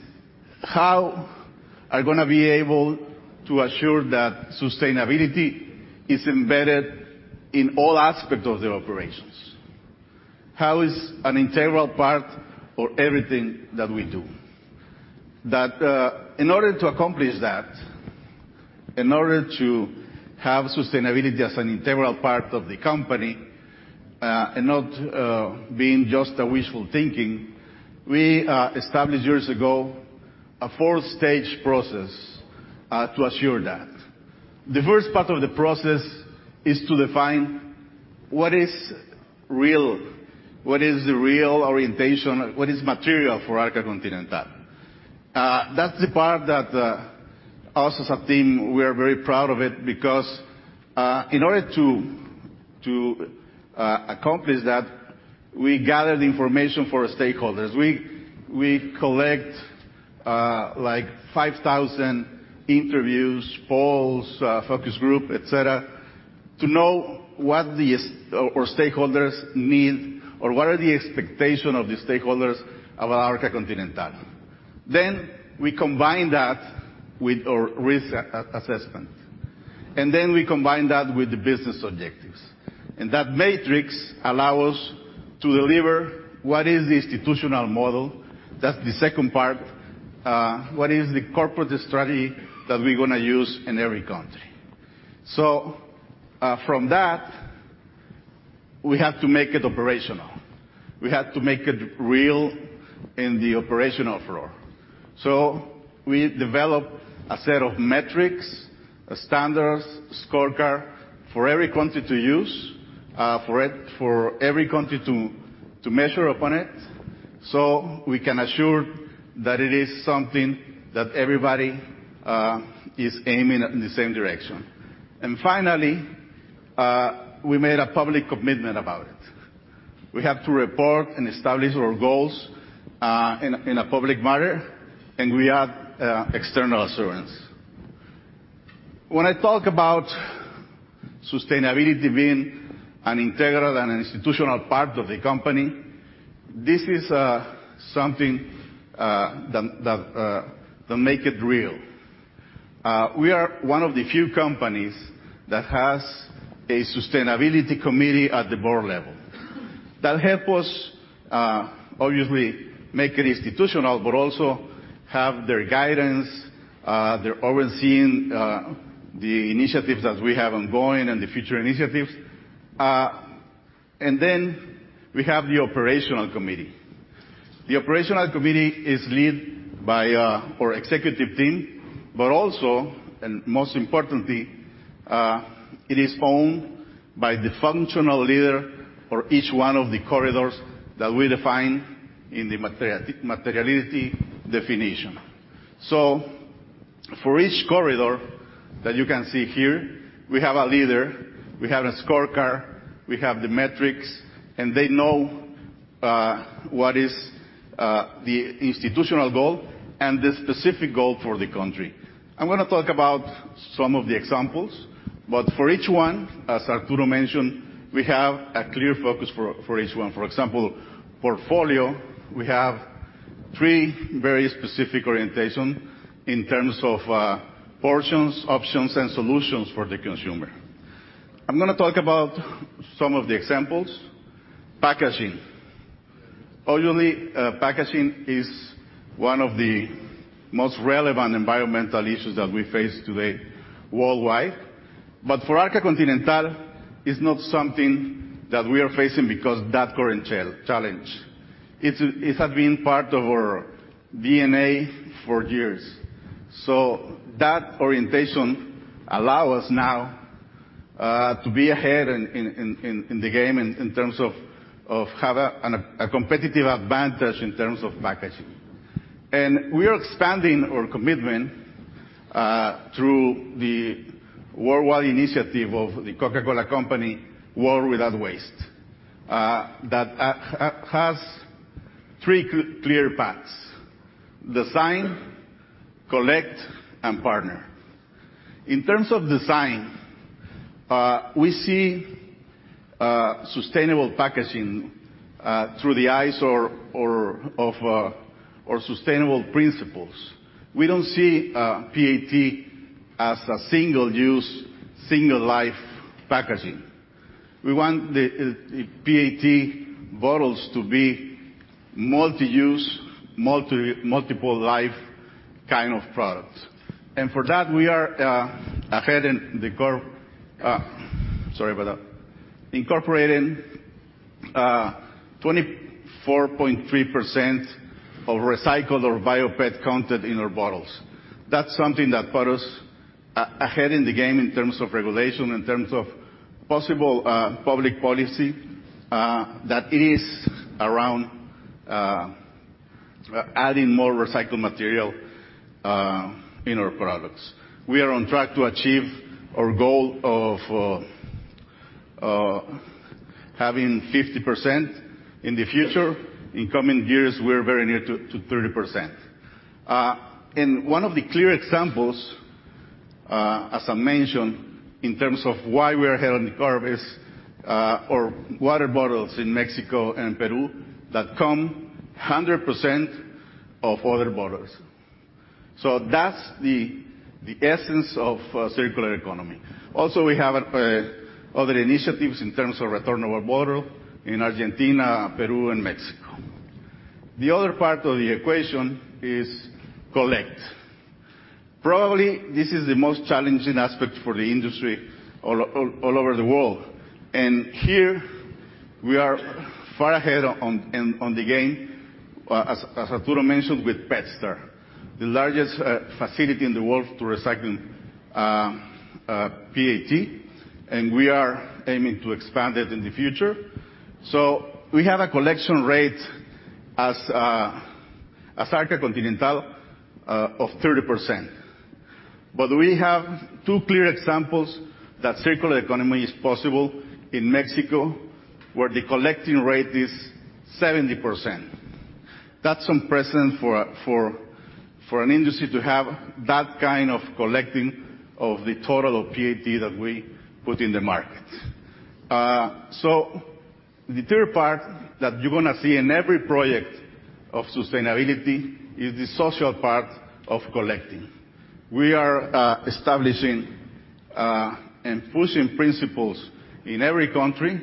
Speaker 7: how are we going to be able to assure that sustainability is embedded in all aspects of the operations. How is an integral part of everything that we do. In order to accomplish that, in order to have sustainability as an integral part of the company, and not being just a wishful thinking, we established years ago a 4-stage process to assure that. The first part of the process is to define what is real, what is the real orientation, what is material for Arca Continental. That's the part that us as a team, we are very proud of it because in order to accomplish that, we gathered information for our stakeholders. We collect like 5,000 interviews, polls, focus group, et cetera, to know what our stakeholders need or what are the expectation of the stakeholders about Arca Continental. Then we combine that with our risk assessment. Then we combine that with the business objectives. That matrix allow us to deliver what is the institutional model. That's the second part. What is the corporate strategy that we're going to use in every country? From that, we have to make it operational. We have to make it real in the operational floor. We developed a set of metrics, standards, scorecard for every country to use, for every country to measure upon it, so we can assure that it is something that everybody is aiming in the same direction. Finally, we made a public commitment about it. We have to report and establish our goals in a public manner, and we add external assurance. When I talk about sustainability being an integral and an institutional part of the company, this is something that make it real. We are one of the few companies that has a sustainability committee at the board level. That help us obviously make it institutional, but also have their guidance, they're overseeing the initiatives that we have ongoing and the future initiatives. Then we have the operational committee. The operational committee is led by our executive team, but also, and most importantly, it is owned by the functional leader for each one of the corridors that we define in the materiality definition. For each corridor that you can see here, we have a leader, we have a scorecard, we have the metrics, and they know what is the institutional goal and the specific goal for the country. I'm going to talk about some of the examples, but for each one, as Arturo mentioned, we have a clear focus for each one. For example, portfolio, we have three very specific orientation in terms of portions, options, and solutions for the consumer. I'm going to talk about some of the examples. Packaging. Obviously, packaging is one of the most relevant environmental issues that we face today worldwide. For Arca Continental, it's not something that we are facing because that current challenge. It has been part of our DNA for years. That orientation allow us now to be ahead in the game in terms of have a competitive advantage in terms of packaging. We are expanding our commitment through the worldwide initiative of The Coca-Cola Company, World Without Waste. That has three clear paths: design, collect, and partner. In terms of design, we see sustainable packaging through the eyes of our sustainable principles. We don't see PET as a single-use, single-life packaging. We want the PET bottles to be multi-use, multiple-life kind of products. For that, we are ahead in the curve. Sorry about that. Incorporating 24.3% of recycled or bio-PET content in our bottles. That's something that put us ahead in the game in terms of regulation, in terms of possible public policy, that it is around adding more recycled material in our products. We are on track to achieve our goal of having 50% in the future. In coming years, we're very near to 30%. One of the clear examples, as I mentioned, in terms of why we are ahead in the curve is our water bottles in Mexico and Peru that come 100% of other bottles. That's the essence of circular economy. Also, we have other initiatives in terms of return of our bottle in Argentina, Peru, and Mexico. The other part of the equation is collect. Probably, this is the most challenging aspect for the industry all over the world. Here we are far ahead on the game, as Arturo mentioned, with PetStar, the largest facility in the world to recycling PET, and we are aiming to expand it in the future. We have a collection rate as Arca Continental of 30%. We have two clear examples that circular economy is possible in Mexico, where the collecting rate is 70%. That's impressive for an industry to have that kind of collecting of the total of PET that we put in the market. The third part that you're going to see in every project of sustainability is the social part of collecting. We are establishing and pushing principles in every country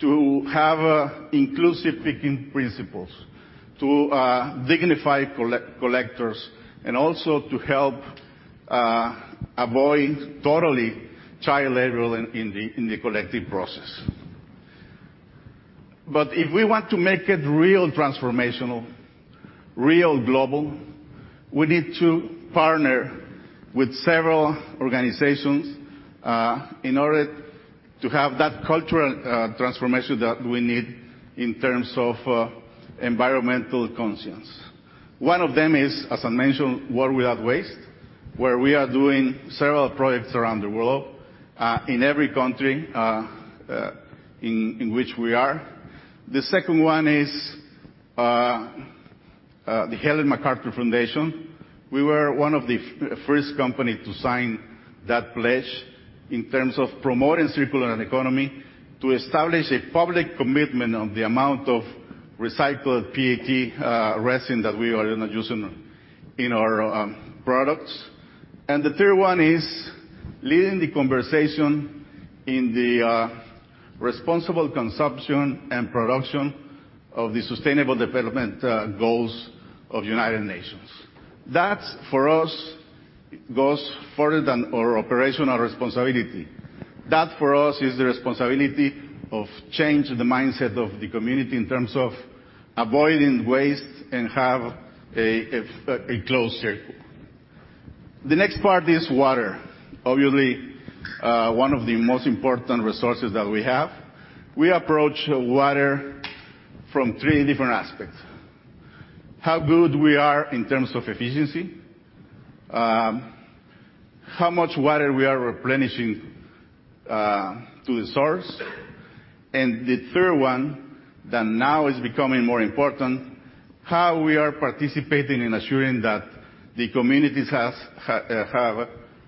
Speaker 7: to have inclusive picking principles, to dignify collectors, and also to help avoid totally child labor in the collecting process. If we want to make it real transformational, real global, we need to partner with several organizations in order to have that cultural transformation that we need in terms of environmental conscience. One of them is, as I mentioned, World Without Waste, where we are doing several projects around the world, in every country in which we are. The second one is the Ellen MacArthur Foundation. We were one of the first company to sign that pledge in terms of promoting circular economy to establish a public commitment on the amount of recycled PET resin that we are going to use in our products. The third one is leading the conversation in the responsible consumption and production of the sustainable development goals of United Nations. That, for us, goes further than our operational responsibility. That, for us, is the responsibility of change the mindset of the community in terms of avoiding waste and have a close circle. The next part is water. Obviously, one of the most important resources that we have. We approach water from three different aspects. How good we are in terms of efficiency, how much water we are replenishing to the source, and the third one, that now is becoming more important, how we are participating in ensuring that the communities have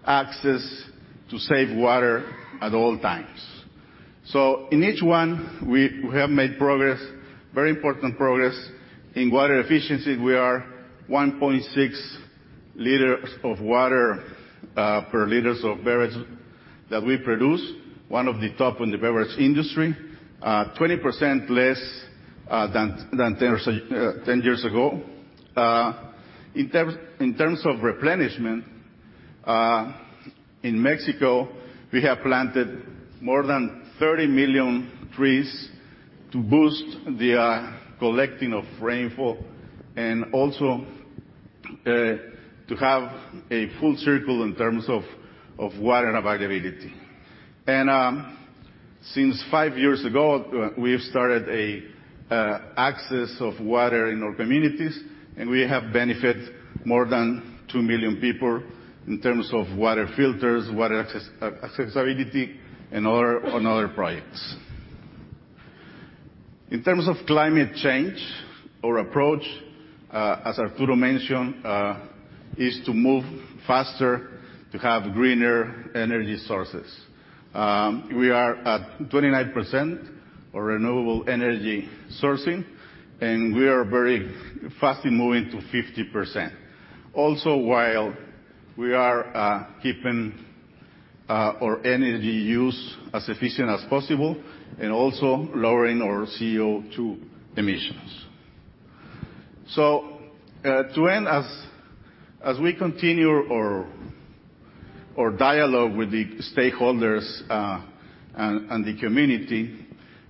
Speaker 7: access to safe water at all times. In each one, we have made progress, very important progress. In water efficiency, we are 1.6 liters of water per liters of beverage that we produce, one of the top in the beverage industry. 20% less than 10 years ago. In terms of replenishment, in Mexico, we have planted more than 30 million trees to boost the collecting of rainfall and also to have a full circle in terms of water availability. Since five years ago, we have started access of water in our communities, and we have benefited more than two million people in terms of water filters, water accessibility and on other projects. In terms of climate change, our approach, as Arturo mentioned, is to move faster to have greener energy sources. We are at 29% for renewable energy sourcing, and we are very fastly moving to 50%. While we are keeping our energy use as efficient as possible and also lowering our CO2 emissions. To end, as we continue our dialogue with the stakeholders and the community,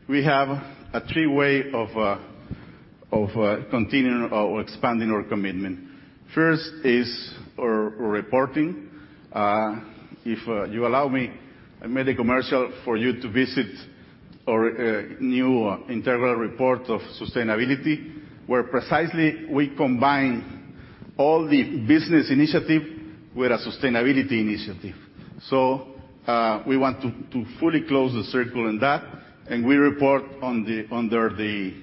Speaker 7: we have a three-way of continuing or expanding our commitment. First is our reporting. If you allow me, I made a commercial for you to visit our new Integrated Report of Sustainability, where precisely we combine all the business initiative with a sustainability initiative. We want to fully close the circle in that. We report under the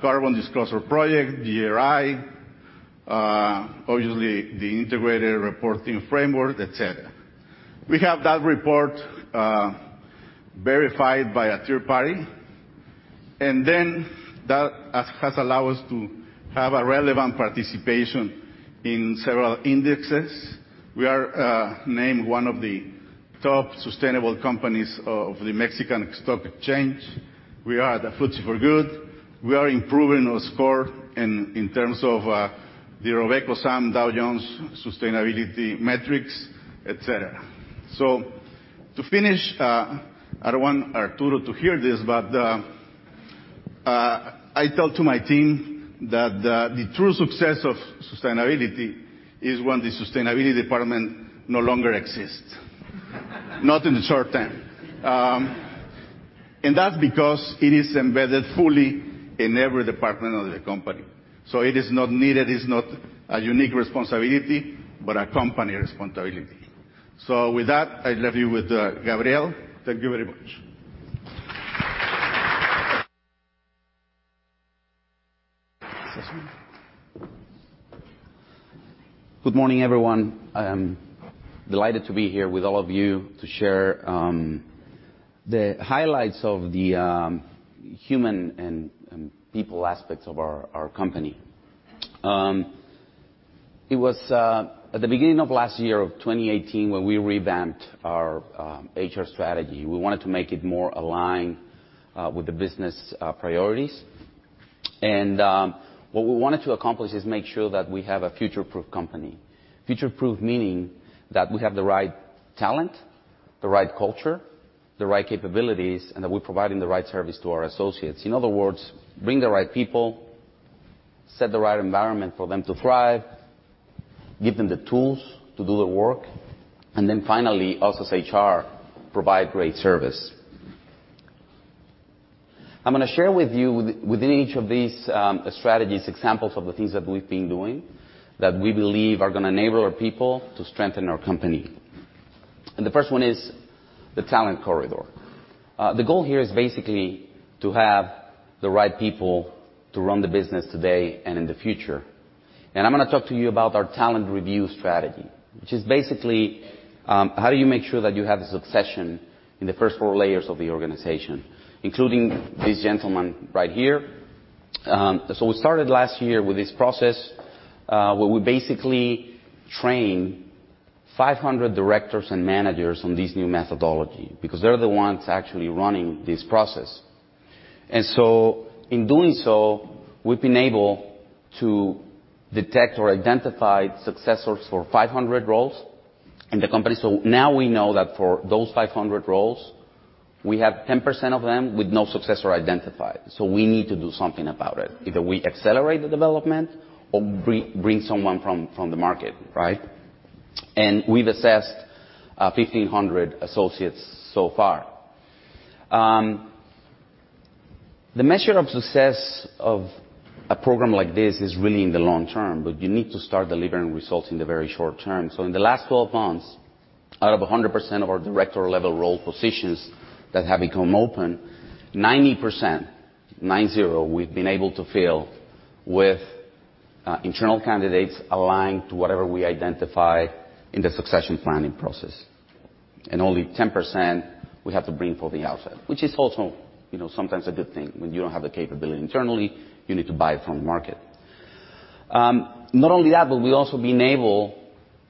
Speaker 7: Carbon Disclosure Project, GRI, obviously the integrated reporting framework, et cetera. We have that report verified by a third party, and then that has allowed us to have a relevant participation in several indexes. We are named one of the top sustainable companies of the Mexican Stock Exchange. We are at the FTSE4Good. We are improving our score in terms of the RobecoSAM Dow Jones Sustainability metrics, et cetera. To finish, I don't want Arturo to hear this, but I tell to my team that the true success of sustainability is when the sustainability department no longer exists. Not in the short term. That's because it is embedded fully in every department of the company. It is not needed, it's not a unique responsibility, but a company responsibility. With that, I leave you with Gabriel. Thank you very much.
Speaker 8: Good morning, everyone. I am delighted to be here with all of you to share the highlights of the human and people aspects of our company. It was at the beginning of last year, of 2018, when we revamped our HR strategy. We wanted to make it more aligned with the business priorities. What we wanted to accomplish is make sure that we have a future-proof company. Future-proof meaning that we have the right talent, the right culture, the right capabilities, and that we're providing the right service to our associates. In other words, bring the right people, set the right environment for them to thrive, give them the tools to do the work, and then finally, us as HR, provide great service. I'm going to share with you within each of these strategies, examples of the things that we've been doing that we believe are going to enable our people to strengthen our company. The first one is the talent corridor. The goal here is basically to have the right people to run the business today and in the future. I'm going to talk to you about our talent review strategy, which is basically how do you make sure that you have the succession in the first four layers of the organization, including this gentleman right here. We started last year with this process, where we basically trained 500 directors and managers on this new methodology because they're the ones actually running this process. In doing so, we've been able to detect or identify successors for 500 roles in the company. Now we know that for those 500 roles, we have 10% of them with no successor identified. We need to do something about it. Either we accelerate the development or bring someone from the market, right? We've assessed 1,500 associates so far. The measure of success of a program like this is really in the long term, but you need to start delivering results in the very short term. In the last 12 months, out of 100% of our director-level role positions that have become open, 90%, we've been able to fill with internal candidates aligned to whatever we identify in the succession planning process. Only 10% we have to bring from the outside, which is also sometimes a good thing. When you don't have the capability internally, you need to buy it from the market. We've also been able,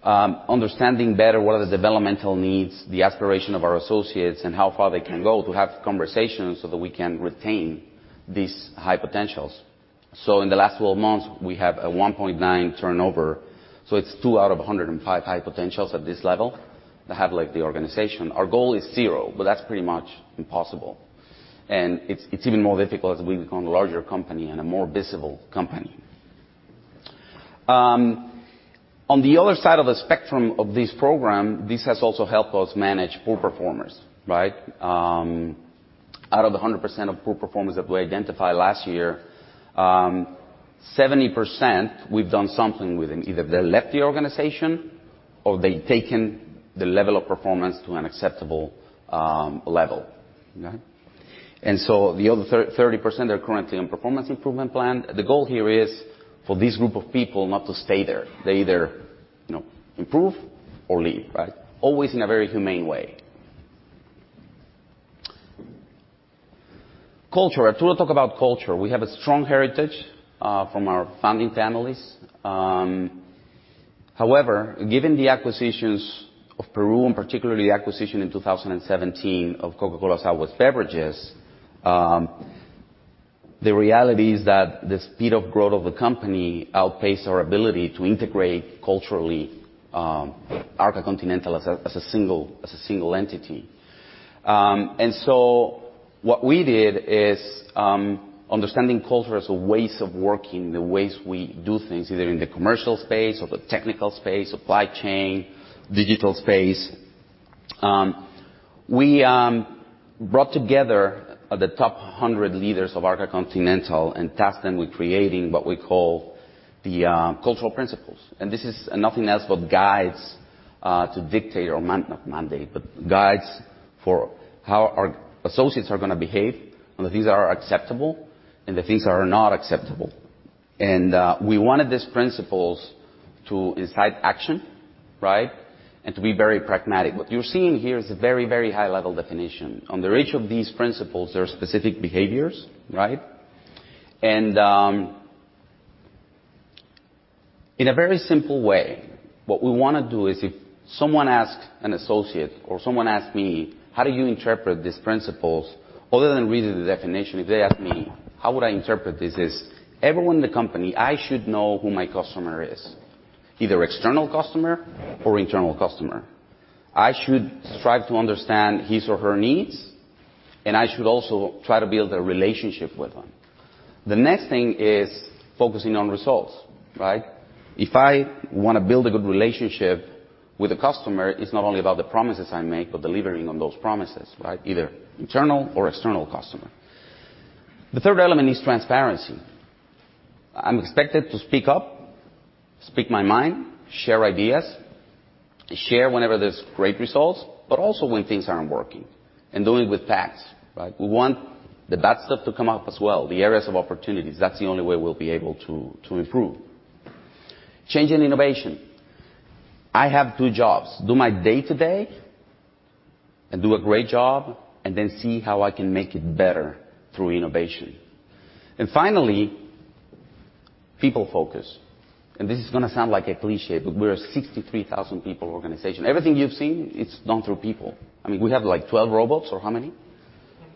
Speaker 8: understanding better what are the developmental needs, the aspiration of our associates, and how far they can go, to have conversations so that we can retain these high potentials. In the last 12 months, we have a 1.9 turnover. It's two out of 105 high potentials at this level that have left the organization. Our goal is zero, but that's pretty much impossible. It's even more difficult as we become a larger company and a more visible company. On the other side of the spectrum of this program, this has also helped us manage poor performers. Right? Out of the 100% of poor performers that we identified last year, 70%, we've done something with them. Either they left the organization or they've taken the level of performance to an acceptable level. Okay? The other 30% are currently on performance improvement plan. The goal here is for this group of people not to stay there. They either improve or leave. Right? Always in a very humane way. Culture. Arturo talked about culture. We have a strong heritage from our founding families. However, given the acquisitions of Peru, and particularly the acquisition in 2017 of Coca-Cola Southwest Beverages, the reality is that the speed of growth of the company outpaced our ability to integrate culturally Arca Continental as a single entity. What we did is understanding culture as ways of working, the ways we do things, either in the commercial space or the technical space, supply chain, digital space. We brought together the top 100 leaders of Arca Continental and tasked them with creating what we call the cultural principles. This is nothing else but guides to dictate or not mandate, but guides for how our associates are going to behave on the things that are acceptable and the things that are not acceptable. We wanted these principles to incite action, right, and to be very pragmatic. What you're seeing here is a very high-level definition. Under each of these principles, there are specific behaviors. Right. In a very simple way, what we want to do is if someone asks an associate or someone asks me, "How do you interpret these principles?" Other than reading the definition, if they ask me, how would I interpret this is, everyone in the company, I should know who my customer is, either external customer or internal customer. I should strive to understand his or her needs, and I should also try to build a relationship with them. The next thing is focusing on results. Right? If I want to build a good relationship with a customer, it's not only about the promises I make, but delivering on those promises, right? Either internal or external customer. The third element is transparency. I'm expected to speak up, speak my mind, share ideas, share whenever there's great results, but also when things aren't working, and doing it with facts. Right? We want the bad stuff to come up as well, the areas of opportunities. That's the only way we'll be able to improve. Change and innovation. I have two jobs, do my day-to-day and do a great job, then see how I can make it better through innovation. Finally, people focus. This is going to sound like a cliché, but we're a 63,000 people organization. Everything you've seen, it's done through people. We have 12 robots or how many?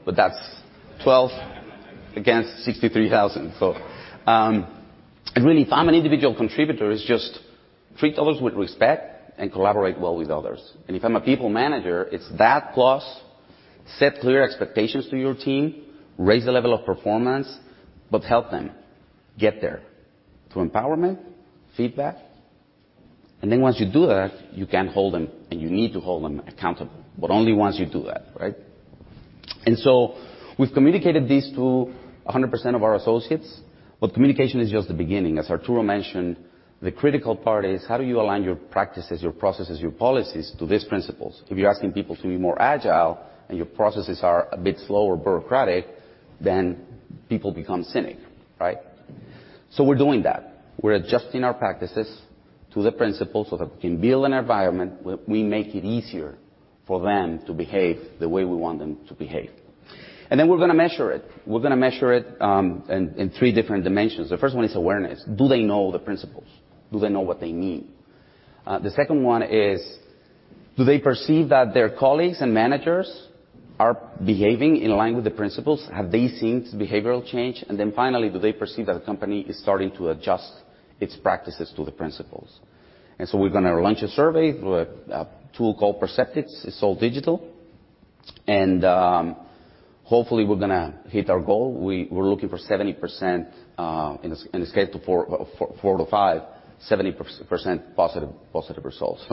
Speaker 8: That's 12 against 63,000. Really, if I'm an individual contributor, it's just treat others with respect and collaborate well with others. If I'm a people manager, it's that plus set clear expectations to your team, raise the level of performance, but help them get there through empowerment, feedback. Once you do that, you can hold them and you need to hold them accountable, but only once you do that. Right? We've communicated this to 100% of our associates, but communication is just the beginning. As Arturo mentioned, the critical part is how do you align your practices, your processes, your policies to these principles? If you're asking people to be more agile and your processes are a bit slow or bureaucratic, then people become cynical. Right? We're doing that. We're adjusting our practices to the principles so that we can build an environment where we make it easier for them to behave the way we want them to behave. We're going to measure it. We're going to measure it in three different dimensions. The first one is awareness. Do they know the principles? Do they know what they mean? The second one is do they perceive that their colleagues and managers are behaving in line with the principles? Have they seen behavioral change? Finally, do they perceive that the company is starting to adjust its practices to the principles? We're going to launch a survey through a tool called Perceptyx. It's all digital. Hopefully, we're going to hit our goal. We're looking for 70% in the scale to four to five, 70% positive results.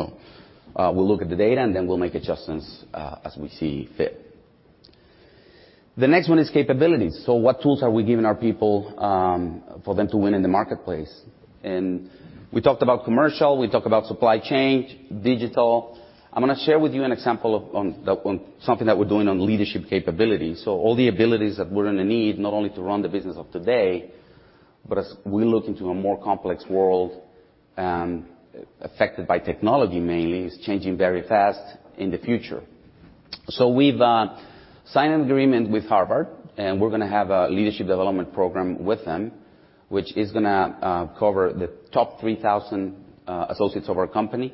Speaker 8: We'll look at the data, and then we'll make adjustments as we see fit. The next one is capabilities. What tools are we giving our people for them to win in the marketplace? We talked about commercial, we talked about supply chain, digital. I'm going to share with you an example of something that we're doing on leadership capability. All the abilities that we're going to need, not only to run the business of today, but as we look into a more complex world, affected by technology mainly, it's changing very fast in the future. We've signed an agreement with Harvard, and we're going to have a leadership development program with them, which is going to cover the top 3,000 associates of our company.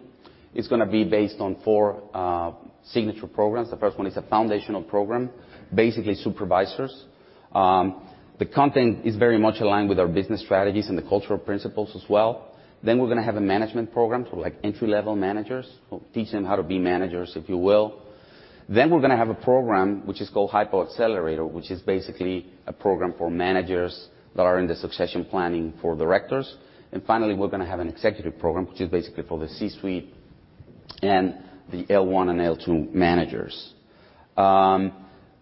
Speaker 8: It's going to be based on four signature programs. The first one is a foundational program, basically supervisors. The content is very much aligned with our business strategies and the cultural principles as well. We're going to have a management program for entry-level managers. We'll teach them how to be managers, if you will. We're going to have a program which is called Hyper Accelerator, which is basically a program for managers that are in the succession planning for directors. Finally, we're going to have an executive program, which is basically for the C-suite and the L1 and L2 managers.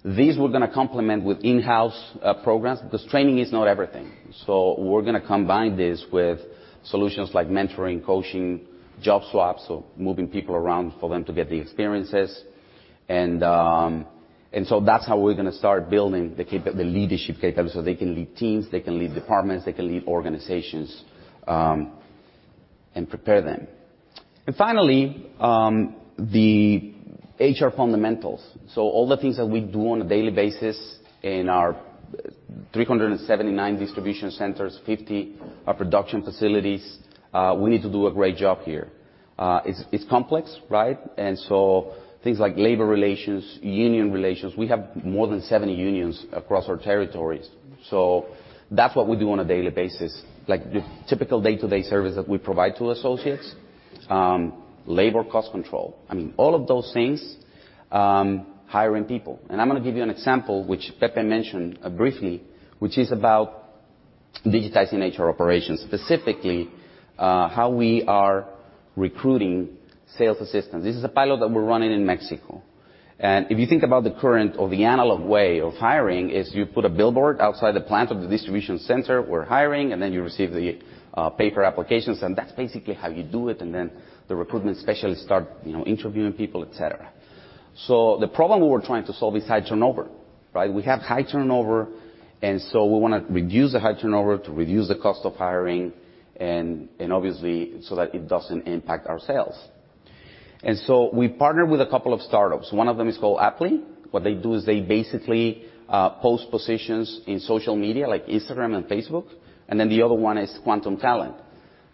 Speaker 8: These we're going to complement with in-house programs, because training is not everything. We're going to combine this with solutions like mentoring, coaching, job swaps, so moving people around for them to get the experiences. That's how we're going to start building the leadership capabilities, so they can lead teams, they can lead departments, they can lead organizations, and prepare them. Finally, the HR fundamentals. All the things that we do on a daily basis in our 379 distribution centers, 50 production facilities, we need to do a great job here. It's complex. Things like labor relations, union relations. We have more than 70 unions across our territories. That's what we do on a daily basis, like the typical day-to-day service that we provide to associates. Labor cost control. I mean, all of those things. Hiring people. I'm going to give you an example, which Pepe mentioned briefly, which is about digitizing HR operations, specifically how we are recruiting sales assistants. This is a pilot that we're running in Mexico. If you think about the current or the analog way of hiring, is you put a billboard outside the plant of the distribution center, we're hiring. Then you receive the paper applications, and that's basically how you do it. Then the recruitment specialists start interviewing people, et cetera. The problem we're trying to solve is high turnover. We have high turnover, we want to reduce the high turnover to reduce the cost of hiring and obviously, so that it doesn't impact our sales. We partnered with a couple of startups. One of them is called Apli. What they do is they basically post positions in social media like Instagram and Facebook. The other one is Quantum Talent.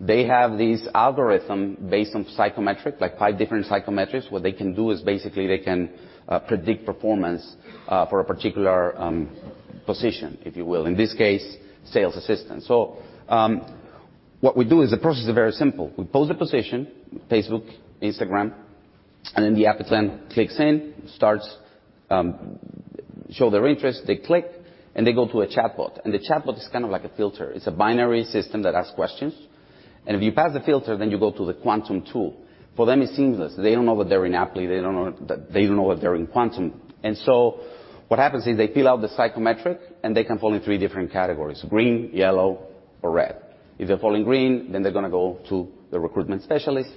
Speaker 8: They have this algorithm based on psychometric, like five different psychometrics. What they can do is basically they can predict performance for a particular position, if you will. In this case, sales assistants. What we do is the process is very simple. We post the position, Facebook, Instagram, the applicant clicks in, show their interest, they click, and they go to a chatbot. The chatbot is kind of like a filter. It's a binary system that asks questions. If you pass the filter, you go to the Quantum tool. For them, it's seamless. They don't know that they're in Appli, they don't know that they're in Quantum. What happens is they fill out the psychometric, and they can fall in three different categories, green, yellow, or red. If they're falling green, they're going to go to the recruitment specialist.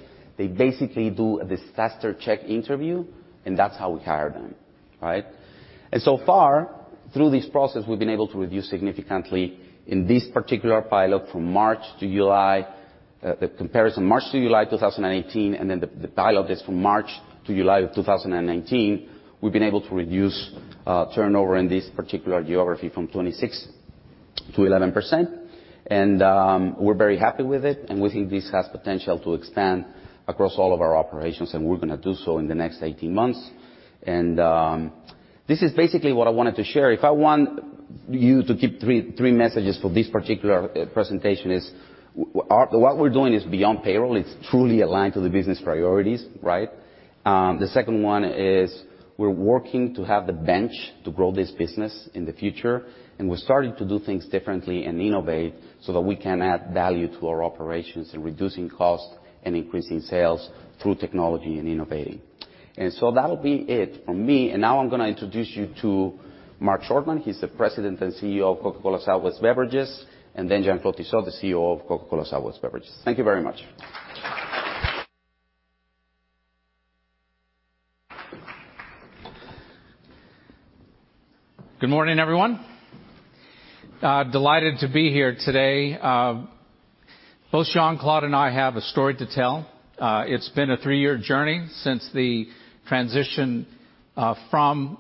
Speaker 8: They basically do a disaster check interview, and that's how we hire them. So far, through this process, we've been able to reduce significantly in this particular pilot from March to July, the comparison March to July 2018, and then the pilot is from March to July of 2019. We've been able to reduce turnover in this particular geography from 26% to 11%. We're very happy with it, and we think this has potential to expand across all of our operations, and we're going to do so in the next 18 months. This is basically what I wanted to share. If I want you to keep three messages for this particular presentation is what we're doing is beyond payroll. It's truly aligned to the business priorities. The second one is we're working to have the bench to grow this business in the future. We're starting to do things differently and innovate so that we can add value to our operations in reducing cost and increasing sales through technology and innovating. That'll be it from me. Now I'm going to introduce you to Mark Schortman. He's the President and CEO of Coca-Cola Southwest Beverages. Then Jean Claude Tissot, the CEO of Coca-Cola Southwest Beverages. Thank you very much.
Speaker 9: Good morning, everyone. Delighted to be here today. Both Jean Claude and I have a story to tell. It's been a three-year journey since the transition from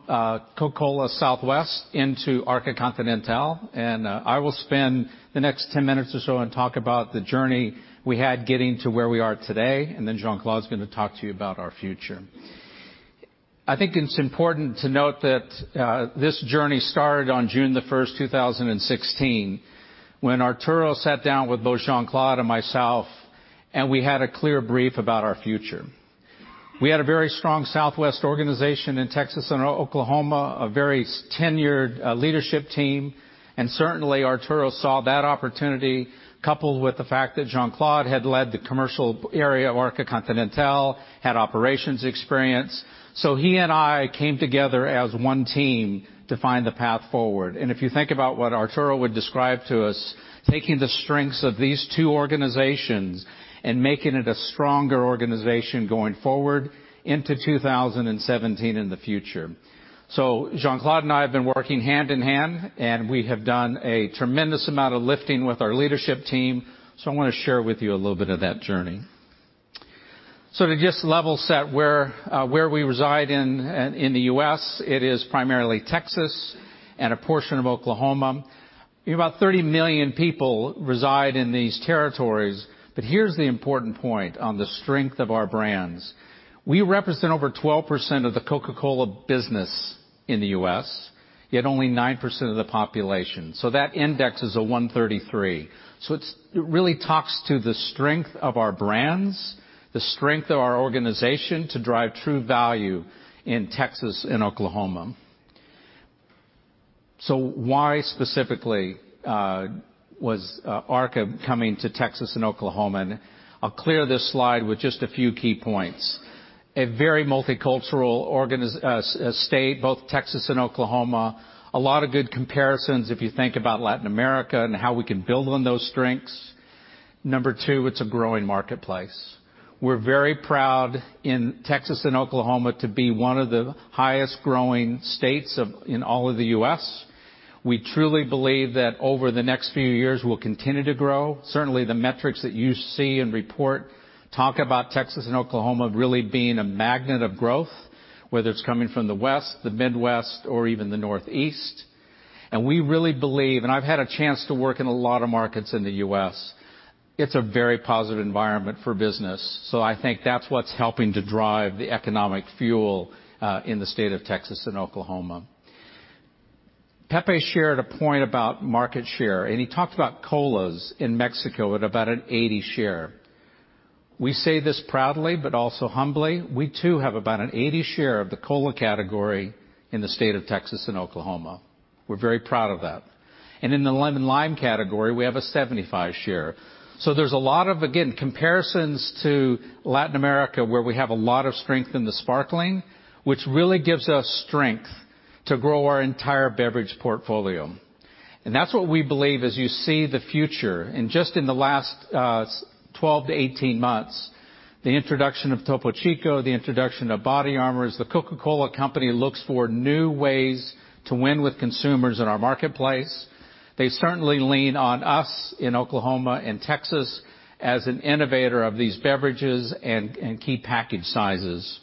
Speaker 9: Coca-Cola Southwest into Arca Continental. I will spend the next 10 minutes or so and talk about the journey we had getting to where we are today, and then Jean Claude's going to talk to you about our future. I think it's important to note that this journey started on June the 1st, 2016, when Arturo sat down with both Jean Claude and myself. We had a clear brief about our future. We had a very strong Southwest organization in Texas and Oklahoma, a very tenured leadership team. Certainly, Arturo saw that opportunity coupled with the fact that Jean Claude had led the commercial area of Arca Continental, had operations experience. He and I came together as one team to find the path forward. If you think about what Arturo would describe to us, taking the strengths of these two organizations and making it a stronger organization going forward into 2017 and the future. Jean Claude and I have been working hand in hand, and we have done a tremendous amount of lifting with our leadership team. I want to share with you a little bit of that journey. To just level set where we reside in the U.S., it is primarily Texas and a portion of Oklahoma. About 30 million people reside in these territories. Here's the important point on the strength of our brands. We represent over 12% of the Coca-Cola business in the U.S., yet only 9% of the population. That index is a 133. It really talks to the strength of our brands, the strength of our organization to drive true value in Texas and Oklahoma. Why specifically was Arca coming to Texas and Oklahoma? I'll clear this slide with just a few key points. A very multicultural state, both Texas and Oklahoma. A lot of good comparisons if you think about Latin America and how we can build on those strengths. Number 2, it's a growing marketplace. We're very proud in Texas and Oklahoma to be one of the highest growing states in all of the U.S. We truly believe that over the next few years, we'll continue to grow. Certainly, the metrics that you see and report talk about Texas and Oklahoma really being a magnet of growth, whether it's coming from the West, the Midwest, or even the Northeast. We really believe, and I've had a chance to work in a lot of markets in the U.S., it's a very positive environment for business. I think that's what's helping to drive the economic fuel in the state of Texas and Oklahoma. Pepe shared a point about market share, and he talked about colas in Mexico at about an 80% share. We say this proudly, but also humbly, we too have about an 80% share of the cola category in the state of Texas and Oklahoma. We're very proud of that. In the lemon-lime category, we have a 75% share. There's a lot of, again, comparisons to Latin America, where we have a lot of strength in the sparkling, which really gives us strength to grow our entire beverage portfolio. That's what we believe as you see the future. Just in the last 12 to 18 months, the introduction of Topo Chico, the introduction of BODYARMOR, as The Coca-Cola Company looks for new ways to win with consumers in our marketplace. They certainly lean on us in Oklahoma and Texas as an innovator of these beverages and key package sizes.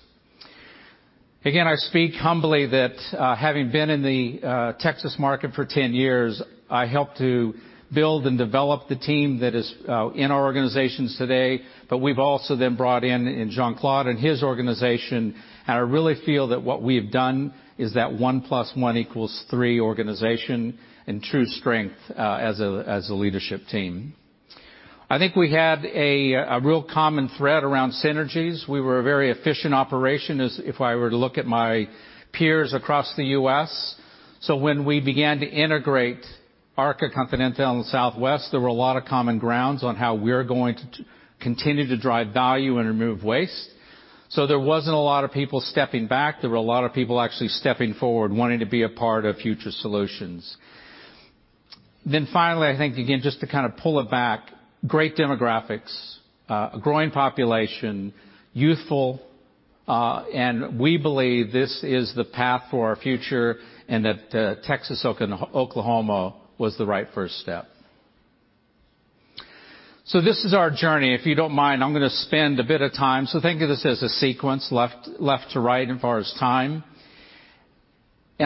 Speaker 9: Again, I speak humbly that having been in the Texas market for 10 years, I helped to build and develop the team that is in our organizations today. We've also then brought in Jean Claude and his organization, and I really feel that what we have done is that one plus one equals three organization and true strength as a leadership team. I think we had a real common thread around synergies. We were a very efficient operation, if I were to look at my peers across the U.S. When we began to integrate Arca Continental and Southwest, there were a lot of common grounds on how we're going to continue to drive value and remove waste. There wasn't a lot of people stepping back. There were a lot of people actually stepping forward, wanting to be a part of future solutions. Finally, I think, again, just to kind of pull it back, great demographics, a growing population, youthful, and we believe this is the path for our future and that Texas Oklahoma was the right first step. This is our journey. If you don't mind, I'm going to spend a bit of time. Think of this as a sequence left to right, and far as time.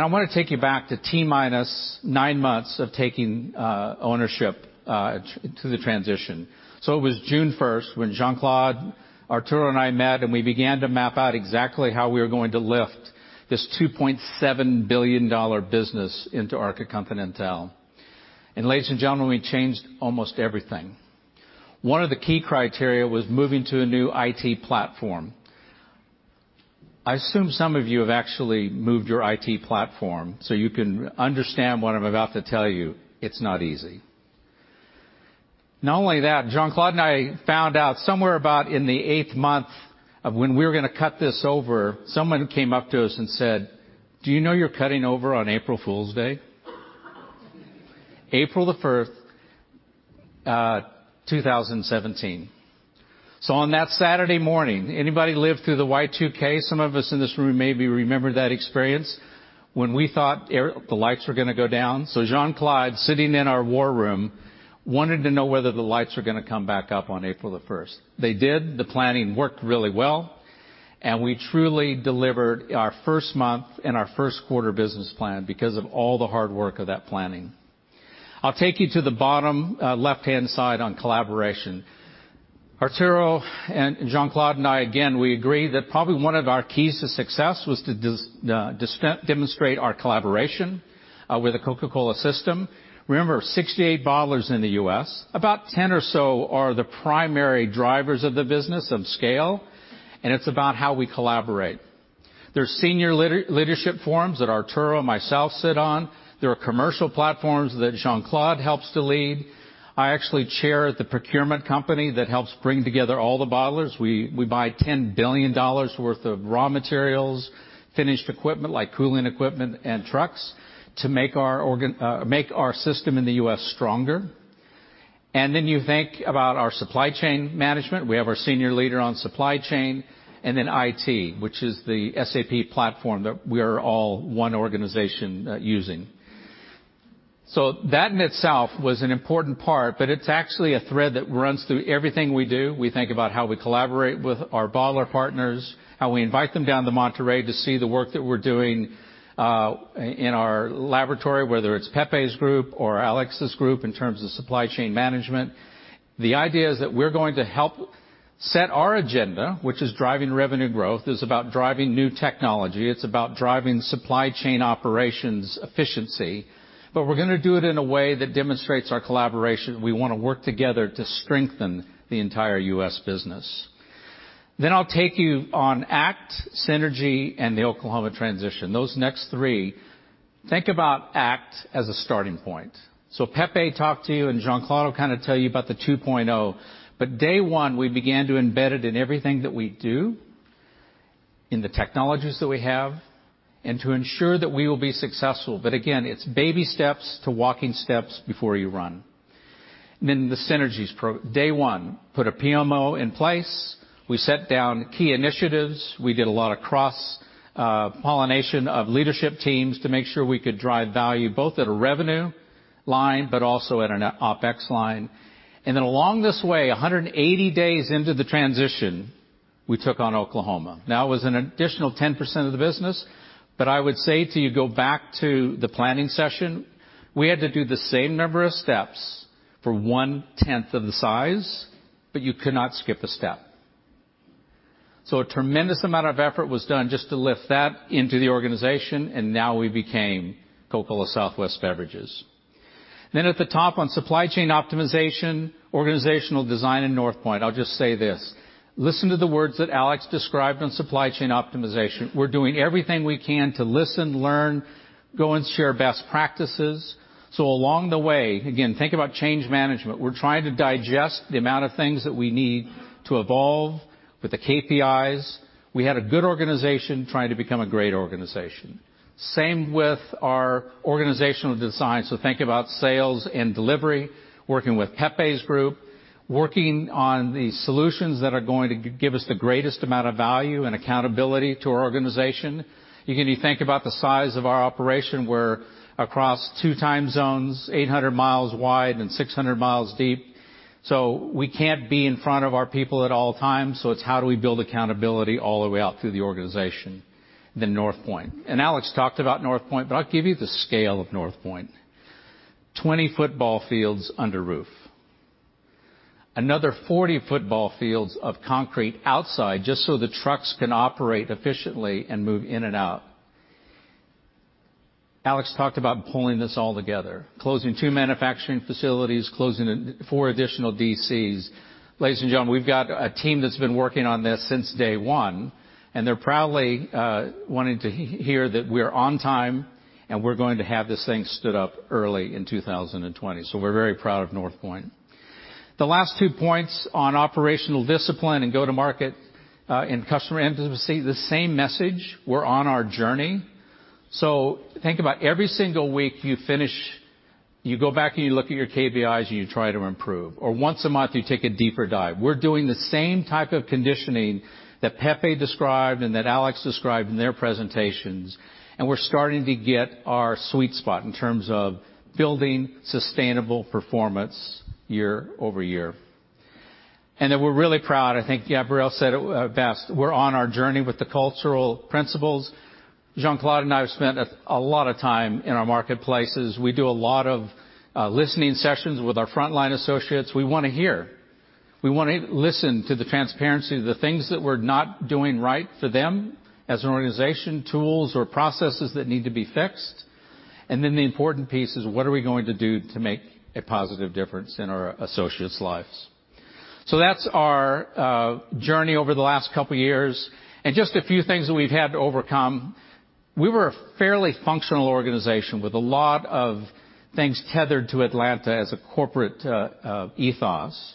Speaker 9: I want to take you back to T-minus nine months of taking ownership to the transition. It was June 1st when Jean Claude, Arturo, and I met, and we began to map out exactly how we were going to lift this MXN 2.7 billion business into Arca Continental. Ladies and gentlemen, we changed almost everything. One of the key criteria was moving to a new IT platform. I assume some of you have actually moved your IT platform, so you can understand what I'm about to tell you. It's not easy. Not only that, Jean Claude and I found out somewhere about in the eighth month of when we were going to cut this over, someone came up to us and said, "Do you know you're cutting over on April Fool's Day?" April the 1st, 2017. On that Saturday morning, anybody lived through the Y2K? Some of us in this room maybe remember that experience when we thought the lights were going to go down. Jean Claude, sitting in our war room, wanted to know whether the lights were going to come back up on April the 1st. They did. The planning worked really well, and we truly delivered our first month and our first quarter business plan because of all the hard work of that planning. I'll take you to the bottom left-hand side on collaboration. Arturo and Jean Claude and I, again, we agree that probably one of our keys to success was to demonstrate our collaboration with the Coca-Cola system. Remember, 68 bottlers in the U.S. About 10 or so are the primary drivers of the business of scale, and it's about how we collaborate. There's senior leadership forums that Arturo and myself sit on. There are commercial platforms that Jean Claude helps to lead. I actually chair the procurement company that helps bring together all the bottlers. We buy MXN 10 billion worth of raw materials, finished equipment, like cooling equipment and trucks to make our system in the U.S. stronger. You think about our supply chain management. We have our senior leader on supply chain, and then IT, which is the SAP platform that we are all one organization using. That in itself was an important part, but it's actually a thread that runs through everything we do. We think about how we collaborate with our bottler partners, how we invite them down to Monterrey to see the work that we're doing, in our laboratory, whether it's Pepe’s group or Alex’s group in terms of supply chain management. The idea is that we're going to help set our agenda, which is driving revenue growth. It's about driving new technology. It's about driving supply chain operations efficiency. We're going to do it in a way that demonstrates our collaboration. We want to work together to strengthen the entire U.S. business. I'll take you on ACT, synergy, and the Oklahoma transition. Those next three, think about ACT as a starting point. Pepe talked to you, and Jean Claude will kind of tell you about the 2.0. Day one, we began to embed it in everything that we do, in the technologies that we have, and to ensure that we will be successful. Again, it's baby steps to walking steps before you run. The synergies day one, put a PMO in place. We set down key initiatives. We did a lot of cross-pollination of leadership teams to make sure we could drive value both at a revenue line, also at an OpEx line. Along this way, 180 days into the transition, we took on Oklahoma. It was an additional 10% of the business, I would say to you, go back to the planning session. We had to do the same number of steps for one-tenth of the size, you could not skip a step. A tremendous amount of effort was done just to lift that into the organization, and now we became Coca-Cola Southwest Beverages. At the top on supply chain optimization, organizational design, and Northpoint, I'll just say this, listen to the words that Alex described on supply chain optimization. We're doing everything we can to listen, learn, go and share best practices. Along the way, again, think about change management. We're trying to digest the amount of things that we need to evolve with the KPIs. We had a good organization trying to become a great organization. Same with our organizational design. Think about sales and delivery, working with Pepe's group, working on the solutions that are going to give us the greatest amount of value and accountability to our organization. Again, you think about the size of our operation, we're across two time zones, 800 miles wide and 600 miles deep. We can't be in front of our people at all times, so it's how do we build accountability all the way out through the organization. Northpoint. Alex talked about Northpoint, but I'll give you the scale of Northpoint. 20 football fields under roof. Another 40 football fields of concrete outside just so the trucks can operate efficiently and move in and out. Alex talked about pulling this all together, closing two manufacturing facilities, closing four additional DCs. Ladies and gentlemen, we've got a team that's been working on this since day one, and they're proudly wanting to hear that we're on time, and we're going to have this thing stood up early in 2020. We're very proud of Northpoint. The last two points on operational discipline and go-to-market, and customer intimacy, the same message. We're on our journey. Think about every single week you finish, you go back and you look at your KPIs, and you try to improve. Once a month, you take a deeper dive. We're doing the same type of conditioning that Pepe described and that Alex described in their presentations, and we're starting to get our sweet spot in terms of building sustainable performance year-over-year. We're really proud, I think Gabriel said it best. We're on our journey with the cultural principles. Jean Claude and I have spent a lot of time in our marketplaces. We do a lot of listening sessions with our frontline associates. We want to hear. We want to listen to the transparency, the things that we're not doing right for them as an organization, tools or processes that need to be fixed. The important piece is what are we going to do to make a positive difference in our associates' lives? That's our journey over the last couple of years, and just a few things that we've had to overcome. We were a fairly functional organization with a lot of things tethered to Atlanta as a corporate ethos.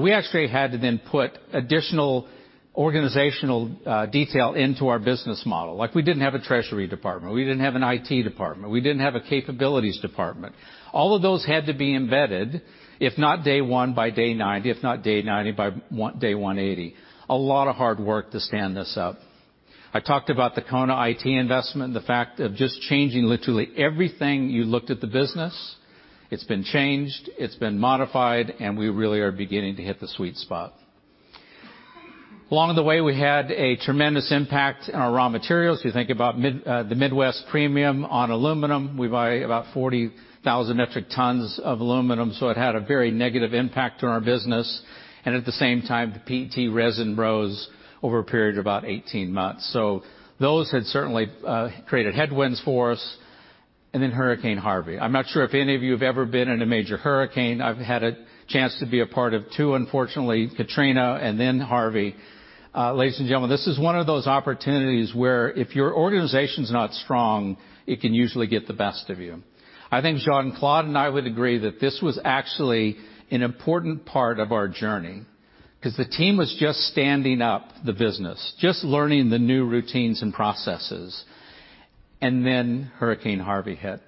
Speaker 9: We actually had to then put additional organizational detail into our business model. Like we didn't have a treasury department, we didn't have an IT department, we didn't have a capabilities department. All of those had to be embedded, if not day one, by day 90. If not day 90, by day 180. A lot of hard work to stand this up. I talked about the CONA IT investment and the fact of just changing literally everything you looked at the business. It's been changed, it's been modified, and we really are beginning to hit the sweet spot. Along the way, we had a tremendous impact in our raw materials. You think about the Midwest premium on aluminum. We buy about 40,000 metric tons of aluminum, so it had a very negative impact on our business. At the same time, the PET resin rose over a period of about 18 months. Those had certainly created headwinds for us. Hurricane Harvey. I'm not sure if any of you have ever been in a major hurricane. I've had a chance to be a part of two, unfortunately, Katrina and then Harvey. Ladies and gentlemen, this is one of those opportunities where if your organization's not strong, it can usually get the best of you. I think Jean Claude and I would agree that this was actually an important part of our journey, because the team was just standing up the business, just learning the new routines and processes, then Hurricane Harvey hit.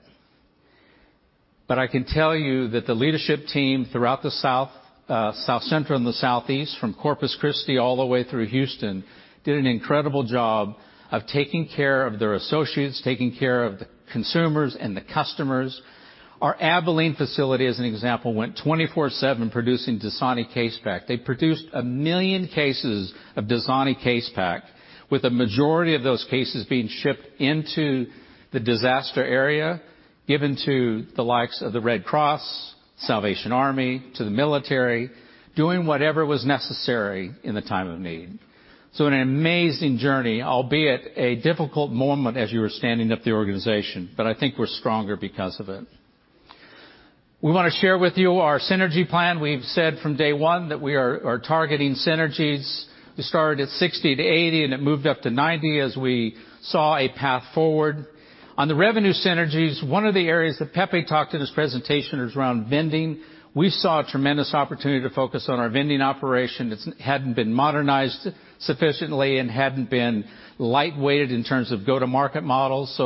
Speaker 9: I can tell you that the leadership team throughout the South Central, and the Southeast, from Corpus Christi all the way through Houston, did an incredible job of taking care of their associates, taking care of the consumers and the customers. Our Abilene facility, as an example, went 24/7 producing Dasani case pack. They produced 1 million cases of Dasani case pack, with a majority of those cases being shipped into the disaster area, given to the likes of the Red Cross, The Salvation Army, to the military, doing whatever was necessary in the time of need. An amazing journey, albeit a difficult moment as you were standing up the organization. I think we're stronger because of it. We want to share with you our synergy plan. We've said from day one that we are targeting synergies. We started at 60-80, and it moved up to 90 as we saw a path forward. On the revenue synergies, one of the areas that Pepe talked in his presentation is around vending. We saw a tremendous opportunity to focus on our vending operation that hadn't been modernized sufficiently and hadn't been light-weighted in terms of go-to-market models.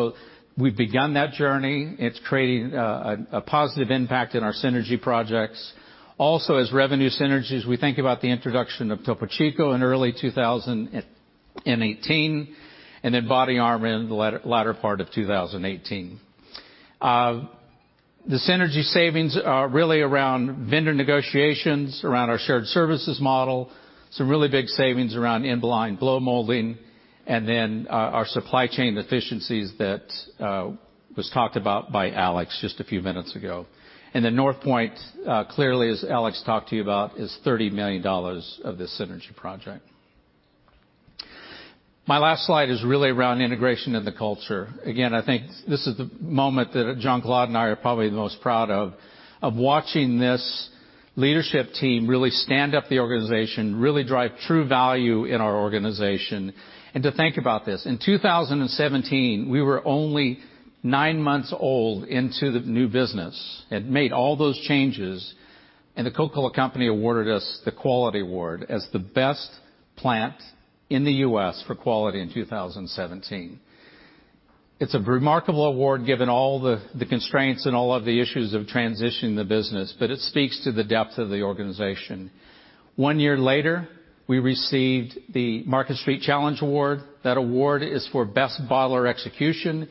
Speaker 9: We've begun that journey. It's creating a positive impact in our synergy projects. As revenue synergies, we think about the introduction of Topo Chico in early 2018 and then BODYARMOR in the latter part of 2018. The synergy savings are really around vendor negotiations, around our shared services model, some really big savings around in-line blow molding, and then our supply chain efficiencies that was talked about by Alex just a few minutes ago. Northpoint, clearly, as Alex talked to you about, is $30 million of this synergy project. My last slide is really around integration of the culture. I think this is the moment that Jean Claude and I are probably the most proud of watching this leadership team really stand up the organization, really drive true value in our organization. To think about this, in 2017, we were only nine months old into the new business and made all those changes, The Coca-Cola Company awarded us the quality award as the best plant in the U.S. for quality in 2017. It's a remarkable award, given all the constraints and all of the issues of transitioning the business, it speaks to the depth of the organization. One year later, we received the Market Street Challenge award. That award is for best bottler execution,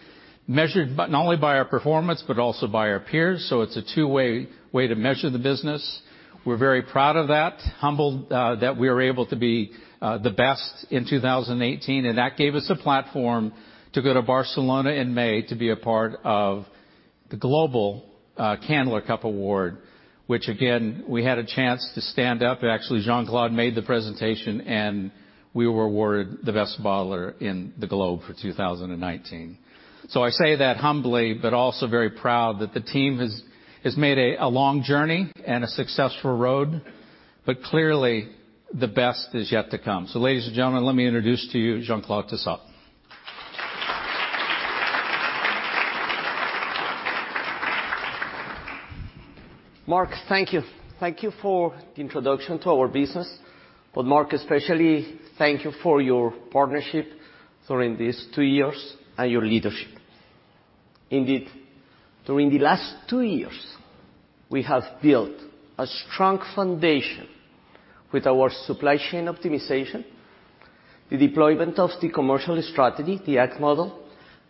Speaker 9: measured not only by our performance but also by our peers. It's a two-way to measure the business. We're very proud of that, humbled that we were able to be the best in 2018. That gave us a platform to go to Barcelona in May to be a part of the global Candler Cup award, which, again, we had a chance to stand up. Actually, Jean Claude made the presentation. We were awarded the best bottler in the globe for 2019. I say that humbly. Also very proud that the team has made a long journey and a successful road. Clearly, the best is yet to come. Ladies and gentlemen, let me introduce to you Jean Claude Tissot.
Speaker 10: Mark, thank you. Thank you for the introduction to our business. Mark, especially thank you for your partnership during these 2 years and your leadership. Indeed, during the last 2 years, we have built a strong foundation with our supply chain optimization, the deployment of the commercial strategy, the ACT model,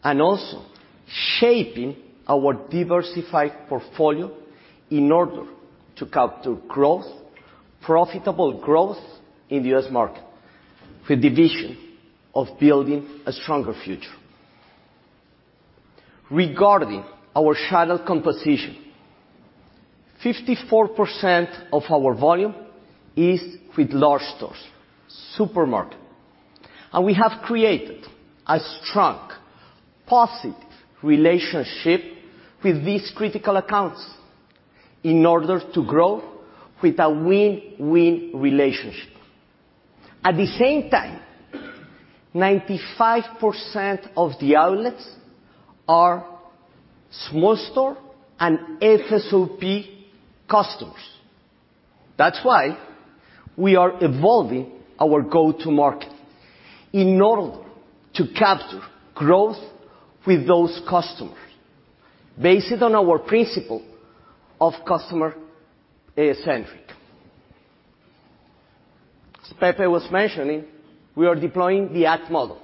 Speaker 10: and also shaping our diversified portfolio in order to capture growth, profitable growth, in the U.S. market with the vision of building a stronger future. Regarding our channel composition, 54% of our volume is with large stores, supermarket. We have created a strong, positive relationship with these critical accounts in order to grow with a win-win relationship. At the same time, 95% of the outlets are small store and FSOP customers. That's why we are evolving our go-to-market, in order to capture growth with those customers based on our principle of customer-centric. As Pepe was mentioning, we are deploying the ACT model.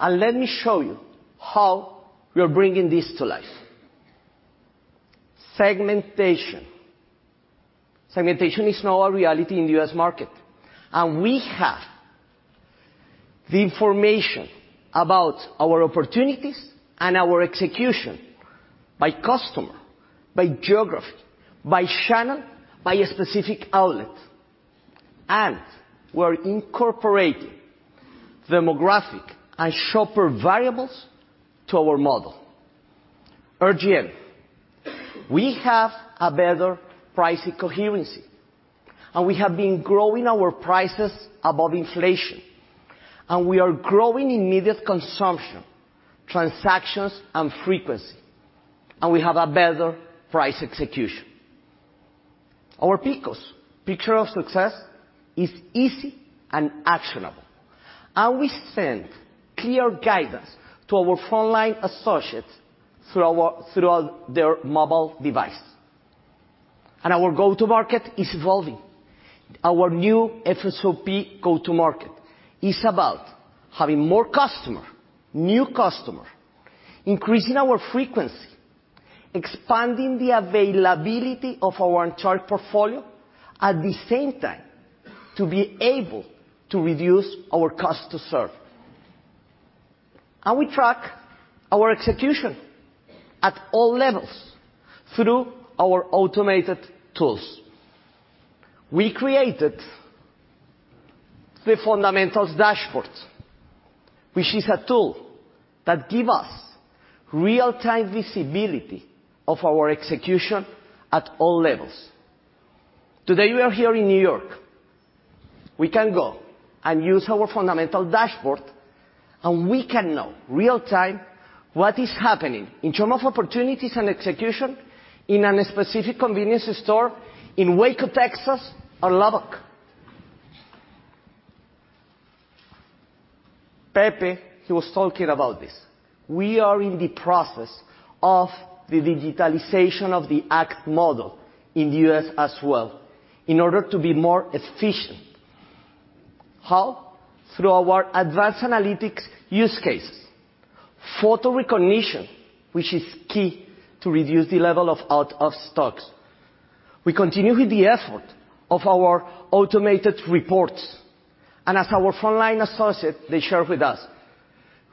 Speaker 10: Let me show you how we are bringing this to life. Segmentation. Segmentation is now a reality in the U.S. market, and we have the information about our opportunities and our execution by customer, by geography, by channel, by a specific outlet. We're incorporating demographic and shopper variables to our model. RGM, we have a better pricing coherency, and we have been growing our prices above inflation. We are growing immediate consumption, transactions, and frequency, and we have a better price execution. Our PICoS, picture of success, is easy and actionable, and we send clear guidance to our frontline associates through their mobile device. Our go-to-market is evolving. Our new FSOP go-to-market is about having more customer, new customer, increasing our frequency, expanding the availability of our uncharted portfolio. At the same time, to be able to reduce our cost to serve. We track our execution at all levels through our automated tools. We created the fundamentals dashboard, which is a tool that give us real-time visibility of our execution at all levels. Today, we are here in New York. We can go and use our fundamental dashboard, and we can know real-time what is happening in term of opportunities and execution in an specific convenience store in Waco, Texas, or Lubbock. Pepe, he was talking about this. We are in the process of the digitalization of the ACT model in the U.S. as well, in order to be more efficient. How? Through our advanced analytics use cases, photo recognition, which is key to reduce the level of out of stocks. We continue with the effort of our automated reports, as our frontline associates, they share with us.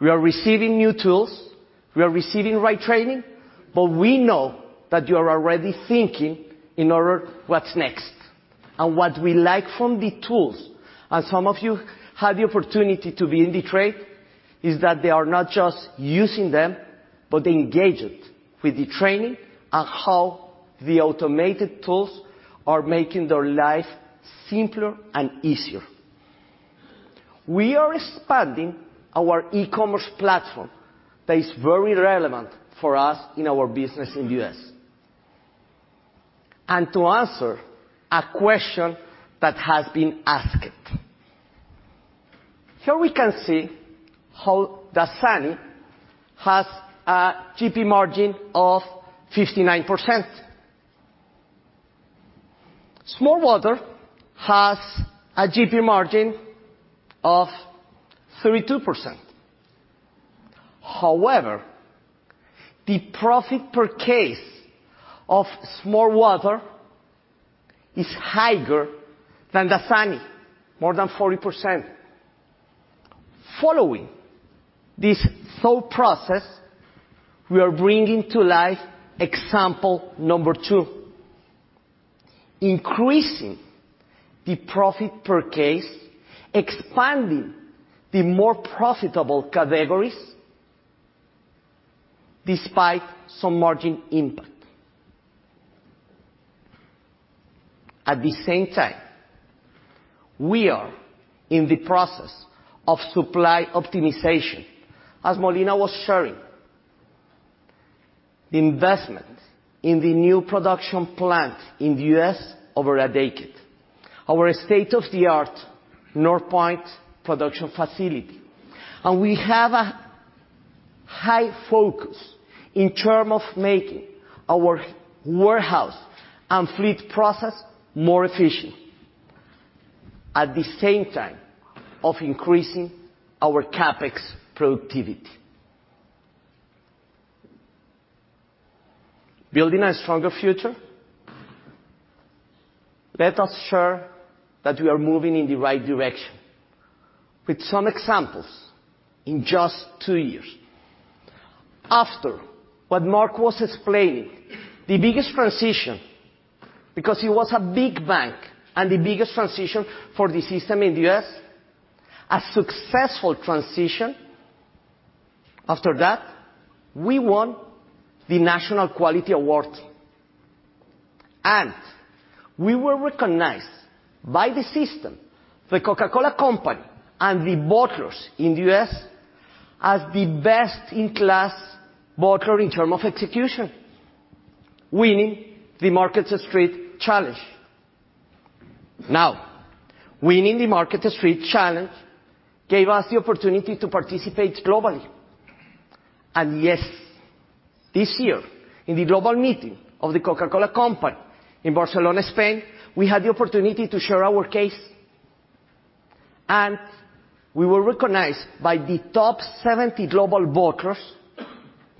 Speaker 10: We are receiving new tools, we are receiving the right training, we know that you are already thinking in order what's next. What we like from the tools, and some of you had the opportunity to be in the trade, is that they are not just using them, but engaged with the training and how the automated tools are making their life simpler and easier. We are expanding our e-commerce platform that is very relevant for us in our business in the U.S. To answer a question that has been asked. Here we can see how Dasani has a GP margin of 59%. smartwater has a GP margin of 32%. However, the profit per case of smartwater is higher than Dasani, more than 40%. Following this thought process, we are bringing to life example number 2, increasing the profit per case, expanding the more profitable categories despite some margin impact. At the same time, we are in the process of supply optimization, as Molina was sharing. Investment in the new production plant in the U.S. over a decade, our state-of-the-art Northpoint production facility. We have a high focus in term of making our warehouse and fleet process more efficient. At the same time of increasing our CapEx productivity. Building a stronger future. Let us share that we are moving in the right direction with some examples in just two years. After what Mark was explaining, the biggest transition, because it was a big bang and the biggest transition for the system in the U.S., a successful transition. After that, we won the National Quality Award, and we were recognized by the system, The Coca-Cola Company and the bottlers in the U.S., as the best-in-class bottler in term of execution, winning the Market Street Challenge. Now, winning the Market Street Challenge gave us the opportunity to participate globally. Yes, this year in the global meeting of The Coca-Cola Company in Barcelona, Spain, we had the opportunity to share our case, and we were recognized by the top 70 global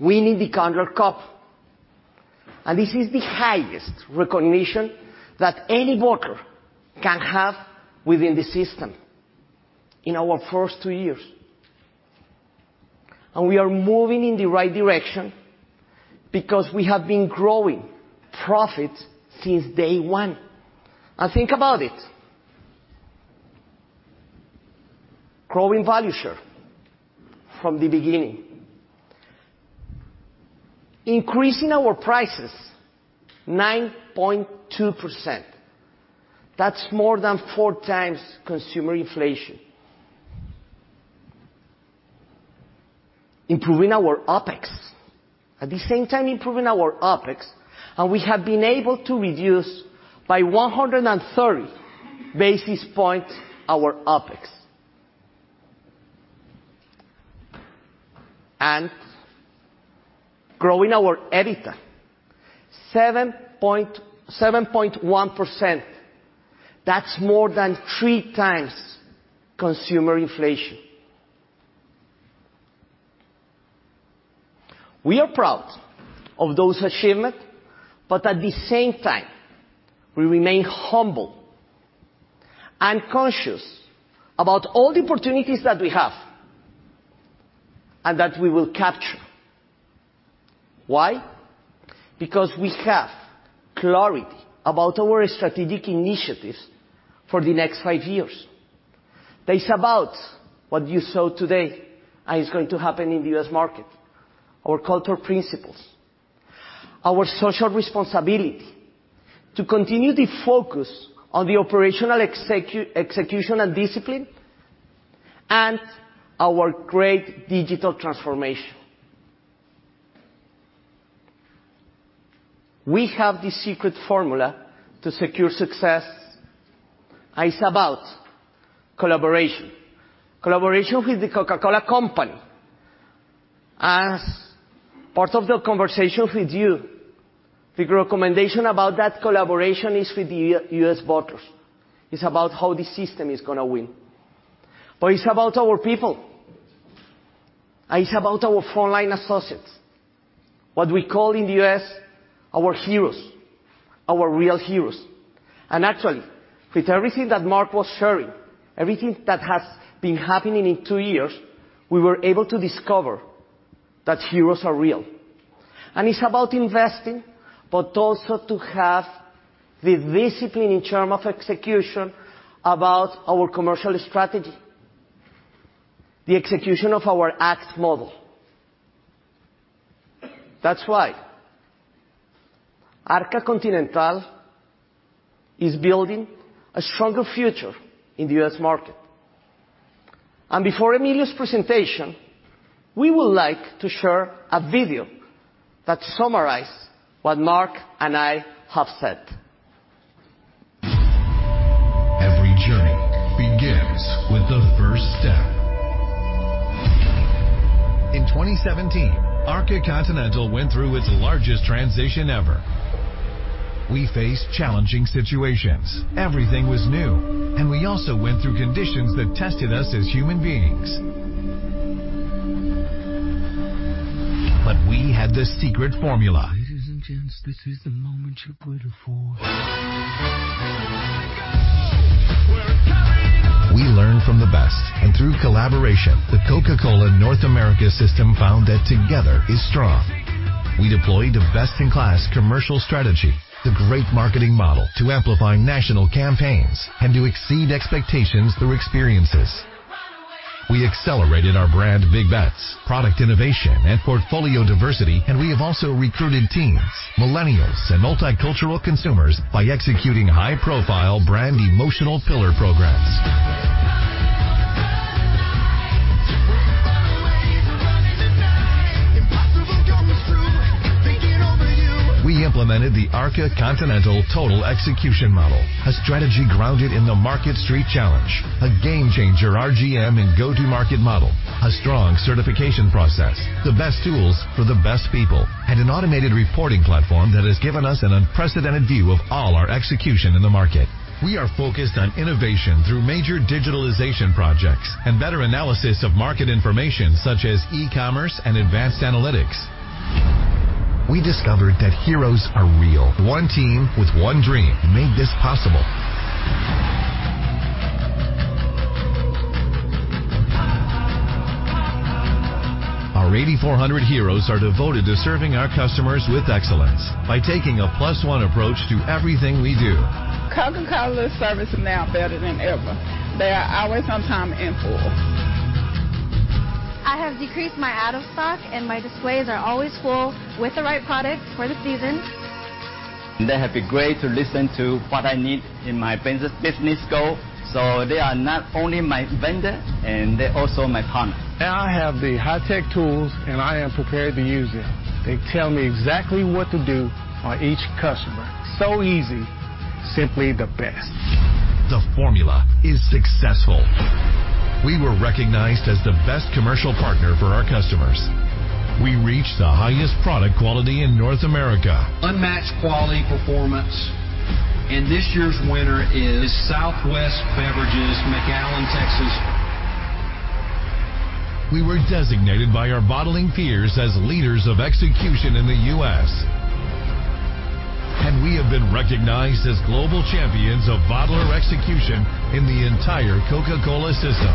Speaker 10: bottlers, winning the Candler Cup. This is the highest recognition that any bottler can have within the system in our first two years. We are moving in the right direction because we have been growing profits since day one. Think about it. Growing value share from the beginning. Increasing our prices 9.2%. That's more than four times consumer inflation. Improving our OpEx. At the same time, improving our OpEx, and we have been able to reduce by 130 basis points our OpEx. Growing our EBITDA 7.1%. That's more than three times consumer inflation. We are proud of those achievements, but at the same time, we remain humble and conscious about all the opportunities that we have and that we will capture. Why? Because we have clarity about our strategic initiatives for the next five years. That is about what you saw today and is going to happen in the U.S. market, our cultural principles, our social responsibility to continue the focus on the operational execution and discipline, and our great digital transformation. We have the secret formula to secure success, and it's about collaboration. Collaboration with The Coca-Cola Company as part of the conversation with you, the recommendation about that collaboration is with the U.S. bottlers. It's about how the system is going to win. It's about our people, and it's about our frontline associates, what we call in the U.S. our heroes, our real heroes. Actually, with everything that Mark was sharing, everything that has been happening in 2 years, we were able to discover that heroes are real. It's about investing, but also to have the discipline in term of execution about our commercial strategy, the execution of our ACT model. That's why Arca Continental is building a stronger future in the U.S. market. Before Emilio's presentation, we would like to share a video that summarize what Mark and I have said.
Speaker 2: Every journey begins with the first step. In 2017, Arca Continental went through its largest transition ever. We faced challenging situations. Everything was new, and we also went through conditions that tested us as human beings. We had the secret formula. Ladies and gents, this is the moment you've waited for. We learn from the best, and through collaboration, the Coca-Cola North America system found that together is strong. We deployed a best-in-class commercial strategy, the great marketing model to amplify national campaigns and to exceed expectations through experiences. We accelerated our brand big bets, product innovation, and portfolio diversity, and we have also recruited teens, millennials, and multicultural consumers by executing high-profile brand emotional pillar programs. Run away, run away. Run away to a better life. Run away to run tonight. Impossible comes true. Taking over you. We implemented the Arca Continental Total Execution Model, a strategy grounded in the Market Street Challenge, a game-changer RGM and go-to-market model, a strong certification process, the best tools for the best people, and an automated reporting platform that has given us an unprecedented view of all our execution in the market. We are focused on innovation through major digitalization projects and better analysis of market information such as e-commerce and advanced analytics. We discovered that heroes are real. One team with one dream made this possible. Oh. Ah. Our 8,400 heroes are devoted to serving our customers with excellence by taking a plus one approach to everything we do. Coca-Cola service is now better than ever. They are always on time and full. I have decreased my out of stock, and my displays are always full with the right product for the season. They have been great to listen to what I need in my business goal, so they are not only my vendor, and they're also my partner. Now I have the high-tech tools, and I am prepared to use them. They tell me exactly what to do on each customer. Easy, simply the best. The formula is successful. We were recognized as the best commercial partner for our customers. We reached the highest product quality in North America. Unmatched quality performance. This year's winner is Southwest Beverages, McAllen, Texas. We were designated by our bottling peers as leaders of execution in the U.S. We have been recognized as global champions of bottler execution in the entire Coca-Cola system.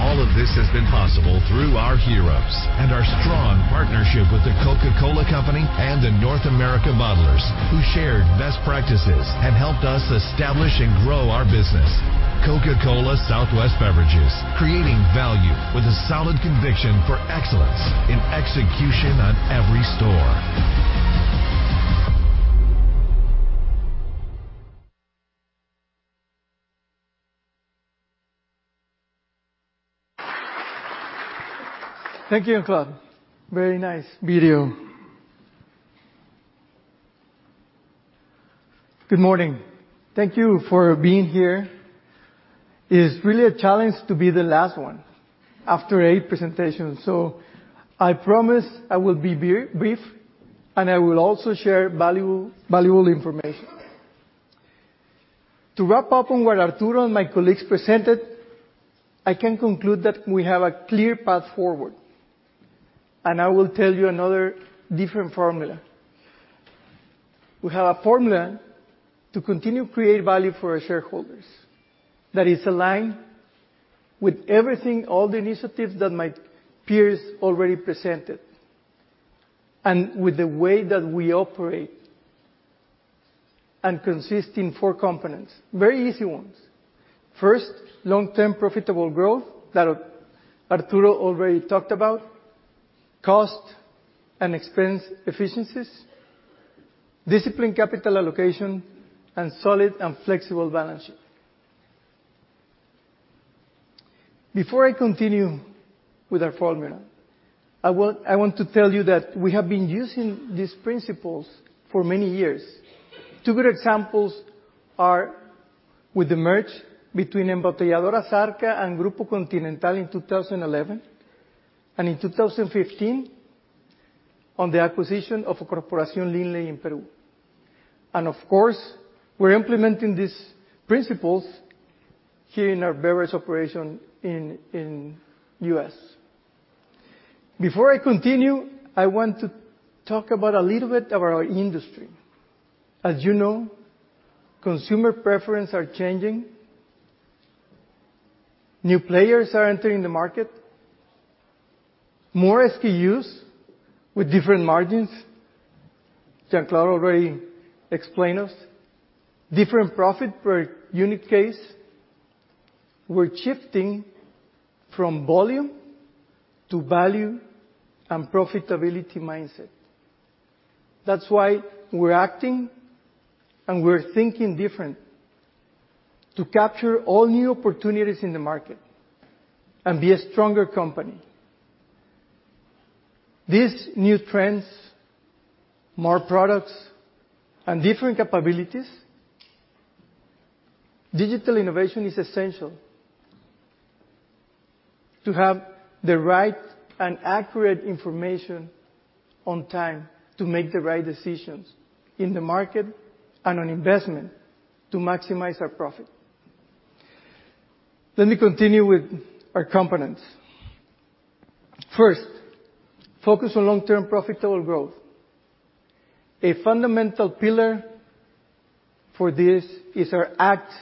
Speaker 2: All of this has been possible through our heroes and our strong partnership with The Coca-Cola Company and the North America bottlers, who shared best practices and helped us establish and grow our business. Coca-Cola Southwest Beverages, creating value with a solid conviction for excellence in execution on every store.
Speaker 11: Thank you, Jean Claude. Very nice video. Good morning. Thank you for being here. It is really a challenge to be the last one after eight presentations, so I promise I will be brief, and I will also share valuable information. To wrap up on what Arturo and my colleagues presented, I can conclude that we have a clear path forward, and I will tell you another different formula. We have a formula to continue create value for our shareholders that is aligned with everything, all the initiatives that my peers already presented, and with the way that we operate, and consist in four components. Very easy ones. First, long-term profitable growth that Arturo already talked about, cost and expense efficiencies, disciplined capital allocation, and solid and flexible balance sheet. Before I continue with our formula, I want to tell you that we have been using these principles for many years. Two good examples are with the merge between Embotelladoras Arca and Grupo Continental in 2011, and in 2015 on the acquisition of Corporación Lindley in Peru. Of course, we're implementing these principles here in our beverage operation in U.S. Before I continue, I want to talk about a little bit about our industry. As you know, consumer preference are changing. New players are entering the market. More SKUs with different margins. Jean Claude already explained us. Different profit per unit case. We're shifting from volume to value and profitability mindset. That's why we're acting and we're thinking different to capture all new opportunities in the market and be a stronger company. These new trends, more products, and different capabilities, digital innovation is essential to have the right and accurate information on time to make the right decisions in the market and on investment to maximize our profit. Let me continue with our components. First, focus on long-term profitable growth. A fundamental pillar for this is our ACT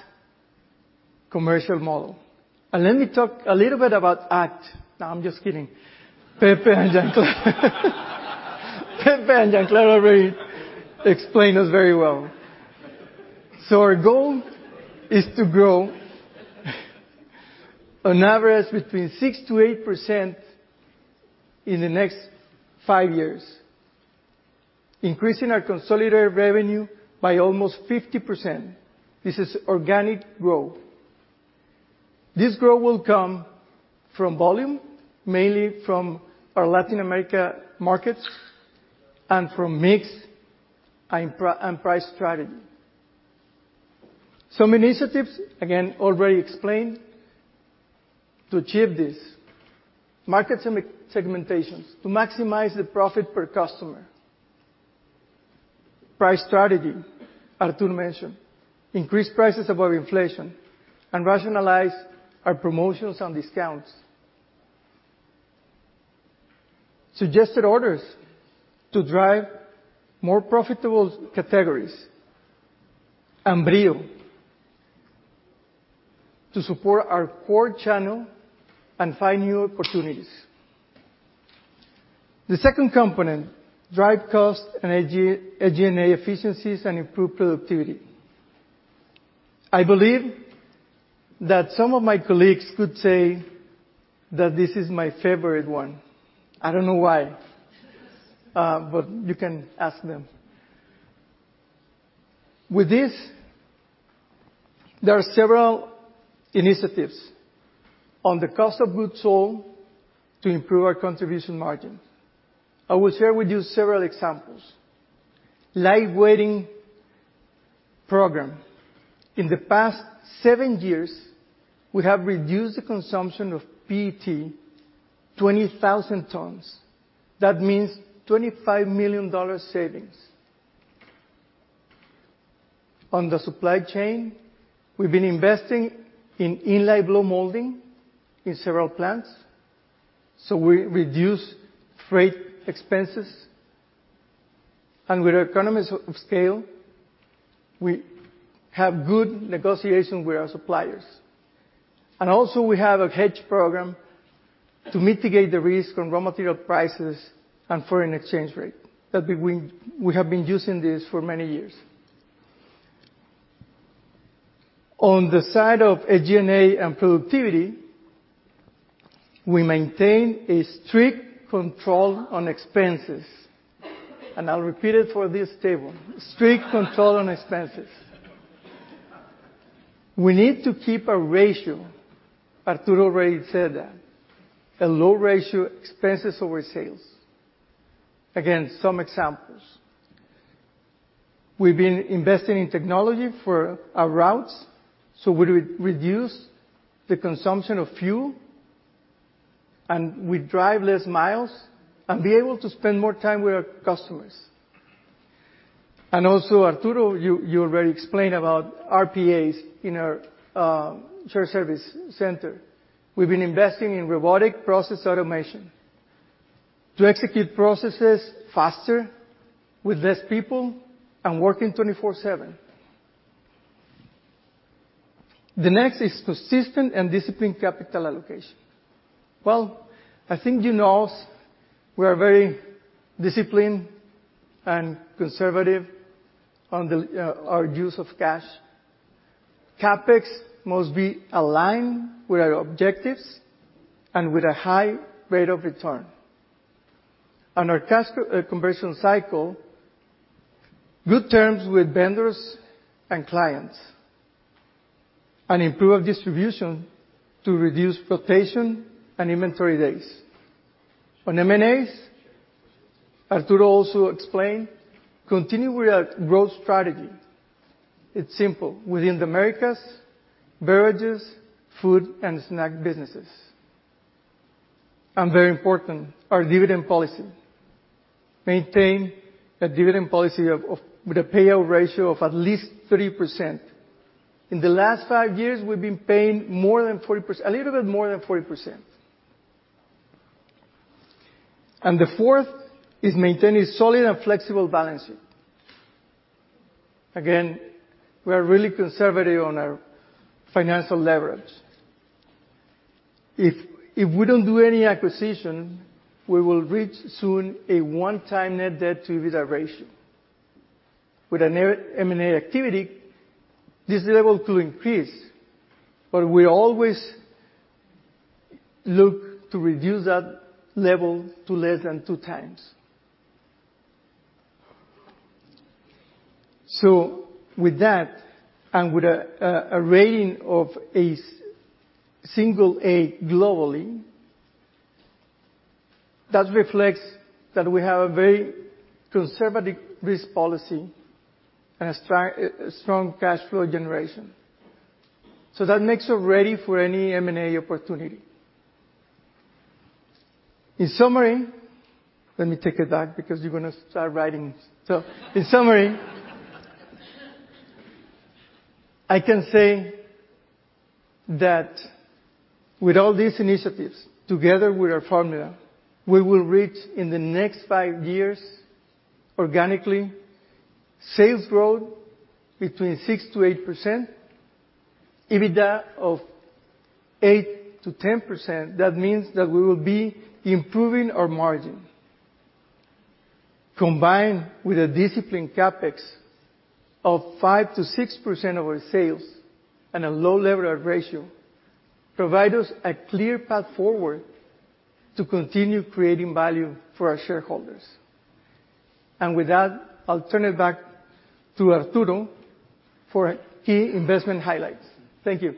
Speaker 11: commercial model. Let me talk a little bit about ACT. No, I'm just kidding. Pepe and Jean Claude already explained us very well. Our goal is to grow on average between 6%-8% in the next 5 years, increasing our consolidated revenue by almost 50%. This is organic growth. This growth will come from volume, mainly from our Latin America markets and from mix and price strategy. Some initiatives, again, already explained to achieve this. Market segmentations to maximize the profit per customer. Price strategy, Arturo mentioned. Increased prices above inflation and rationalize our promotions and discounts. Suggested orders to drive more profitable categories. Brío to support our core channel and find new opportunities. The second component, drive cost and SG&A efficiencies and improve productivity. I believe that some of my colleagues could say that this is my favorite one. I don't know why. You can ask them. With this, there are several initiatives on the cost of goods sold to improve our contribution margin. I will share with you several examples. Light Weighting Program. In the past seven years, we have reduced the consumption of PET 20,000 tons. That means MXN 25 million savings. On the supply chain, we've been investing in in-line blow molding in several plants. We reduce freight expenses. With economies of scale, we have good negotiation with our suppliers. Also we have a hedge program to mitigate the risk on raw material prices and foreign exchange rate. We have been using this for many years. On the side of SG&A and productivity, we maintain a strict control on expenses. I'll repeat it for this table. Strict control on expenses. We need to keep a ratio, Arturo already said that, a low ratio expenses over sales. Again, some examples. We've been investing in technology for our routes, so we reduce the consumption of fuel, and we drive less miles and be able to spend more time with our customers. Also, Arturo, you already explained about RPAs in our shared service center. We've been investing in robotic process automation to execute processes faster with less people and working 24/7. The next is consistent and disciplined capital allocation. Well, I think you know us, we are very disciplined and conservative on our use of cash. CapEx must be aligned with our objectives and with a high rate of return. On our cash conversion cycle, good terms with vendors and clients, and improved distribution to reduce flotation and inventory days. On M&As, Arturo also explained, continue with our growth strategy. It's simple. Within the Americas, beverages, food, and snack businesses. Very important, our dividend policy. Maintain a dividend policy with a payout ratio of at least 30%. In the last five years, we've been paying a little bit more than 40%. The fourth is maintaining solid and flexible balancing. Again, we are really conservative on our financial leverage. If we don't do any acquisition, we will reach soon a one-time net debt to EBITDA ratio. With M&A activity, this is able to increase, but we always look to reduce that level to less than two times. With that, and with a rating of a single A globally, that reflects that we have a very conservative risk policy and a strong cash flow generation. That makes us ready for any M&A opportunity. In summary Let me take it back because you're going to start writing. In summary, I can say that with all these initiatives, together with our formula, we will reach in the next five years, organically, sales growth between 6%-8%, EBITDA of 8%-10%. That means that we will be improving our margin. Combined with a disciplined CapEx of 5%-6% of our sales and a low levered ratio, provide us a clear path forward to continue creating value for our shareholders. With that, I'll turn it back to Arturo for key investment highlights. Thank you.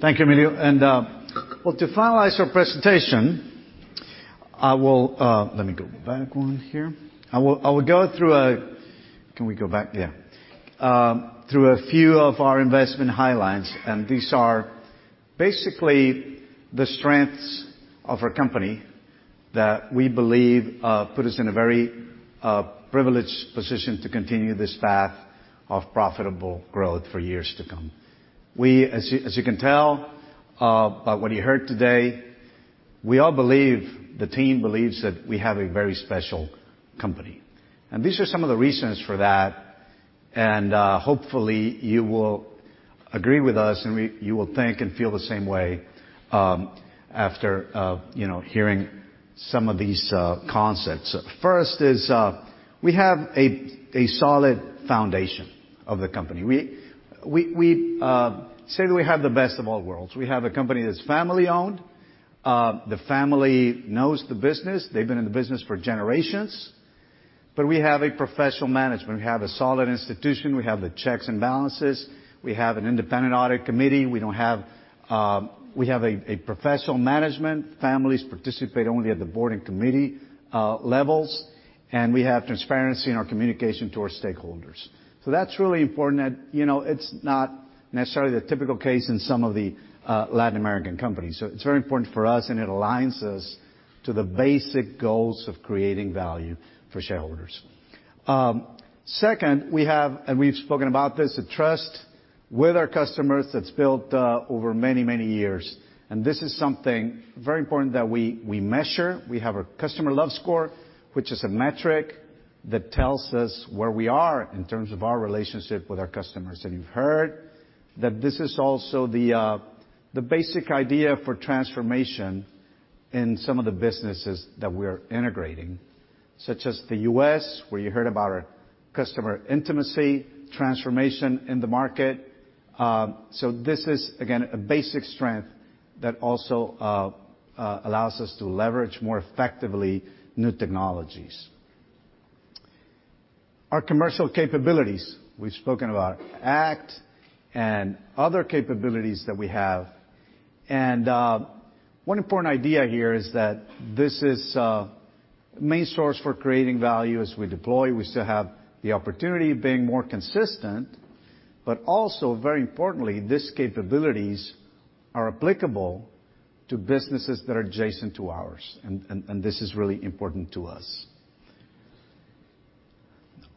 Speaker 3: Thank you, Emilio. To finalize our presentation, through a few of our investment highlights, these are basically the strengths of our company that we believe put us in a very privileged position to continue this path of profitable growth for years to come. As you can tell by what you heard today, we all believe, the team believes, that we have a very special company. These are some of the reasons for that, and hopefully you will agree with us, and you will think and feel the same way after hearing some of these concepts. First is we have a solid foundation of the company. We say that we have the best of all worlds. We have a company that's family owned. The family knows the business. They've been in the business for generations. We have a professional management. We have a solid institution. We have the checks and balances. We have an independent audit committee. We have a professional management. Families participate only at the board and committee levels. We have transparency in our communication to our stakeholders. That's really important that it's not necessarily the typical case in some of the Latin American companies. It's very important for us, and it aligns us to the basic goals of creating value for shareholders. Second, we have, and we've spoken about this, a trust with our customers that's built over many, many years. This is something very important that we measure. We have our Customer Love Score, which is a metric that tells us where we are in terms of our relationship with our customers. You've heard that this is also the basic idea for transformation in some of the businesses that we are integrating, such as the U.S., where you heard about our customer intimacy transformation in the market. This is, again, a basic strength that also allows us to leverage more effectively new technologies. Our commercial capabilities, we've spoken about ACT and other capabilities that we have. One important idea here is that this is a main source for creating value. As we deploy, we still have the opportunity of being more consistent, but also, very importantly, these capabilities are applicable to businesses that are adjacent to ours. This is really important to us.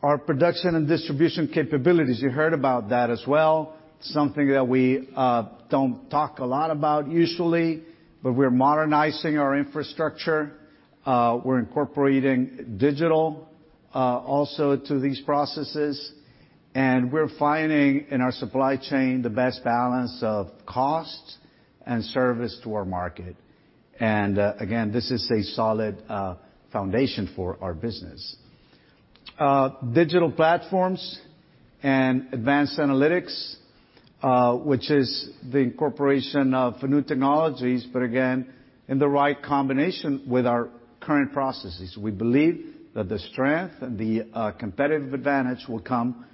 Speaker 3: Our production and distribution capabilities, you heard about that as well. Something that we don't talk a lot about usually, but we're modernizing our infrastructure. We're incorporating digital also to these processes, and we're finding in our supply chain the best balance of cost and service to our market. Again, this is a solid foundation for our business. Digital platforms and advanced analytics, which is the incorporation of new technologies, but again, in the right combination with our current processes. We believe that the strength and the competitive advantage will come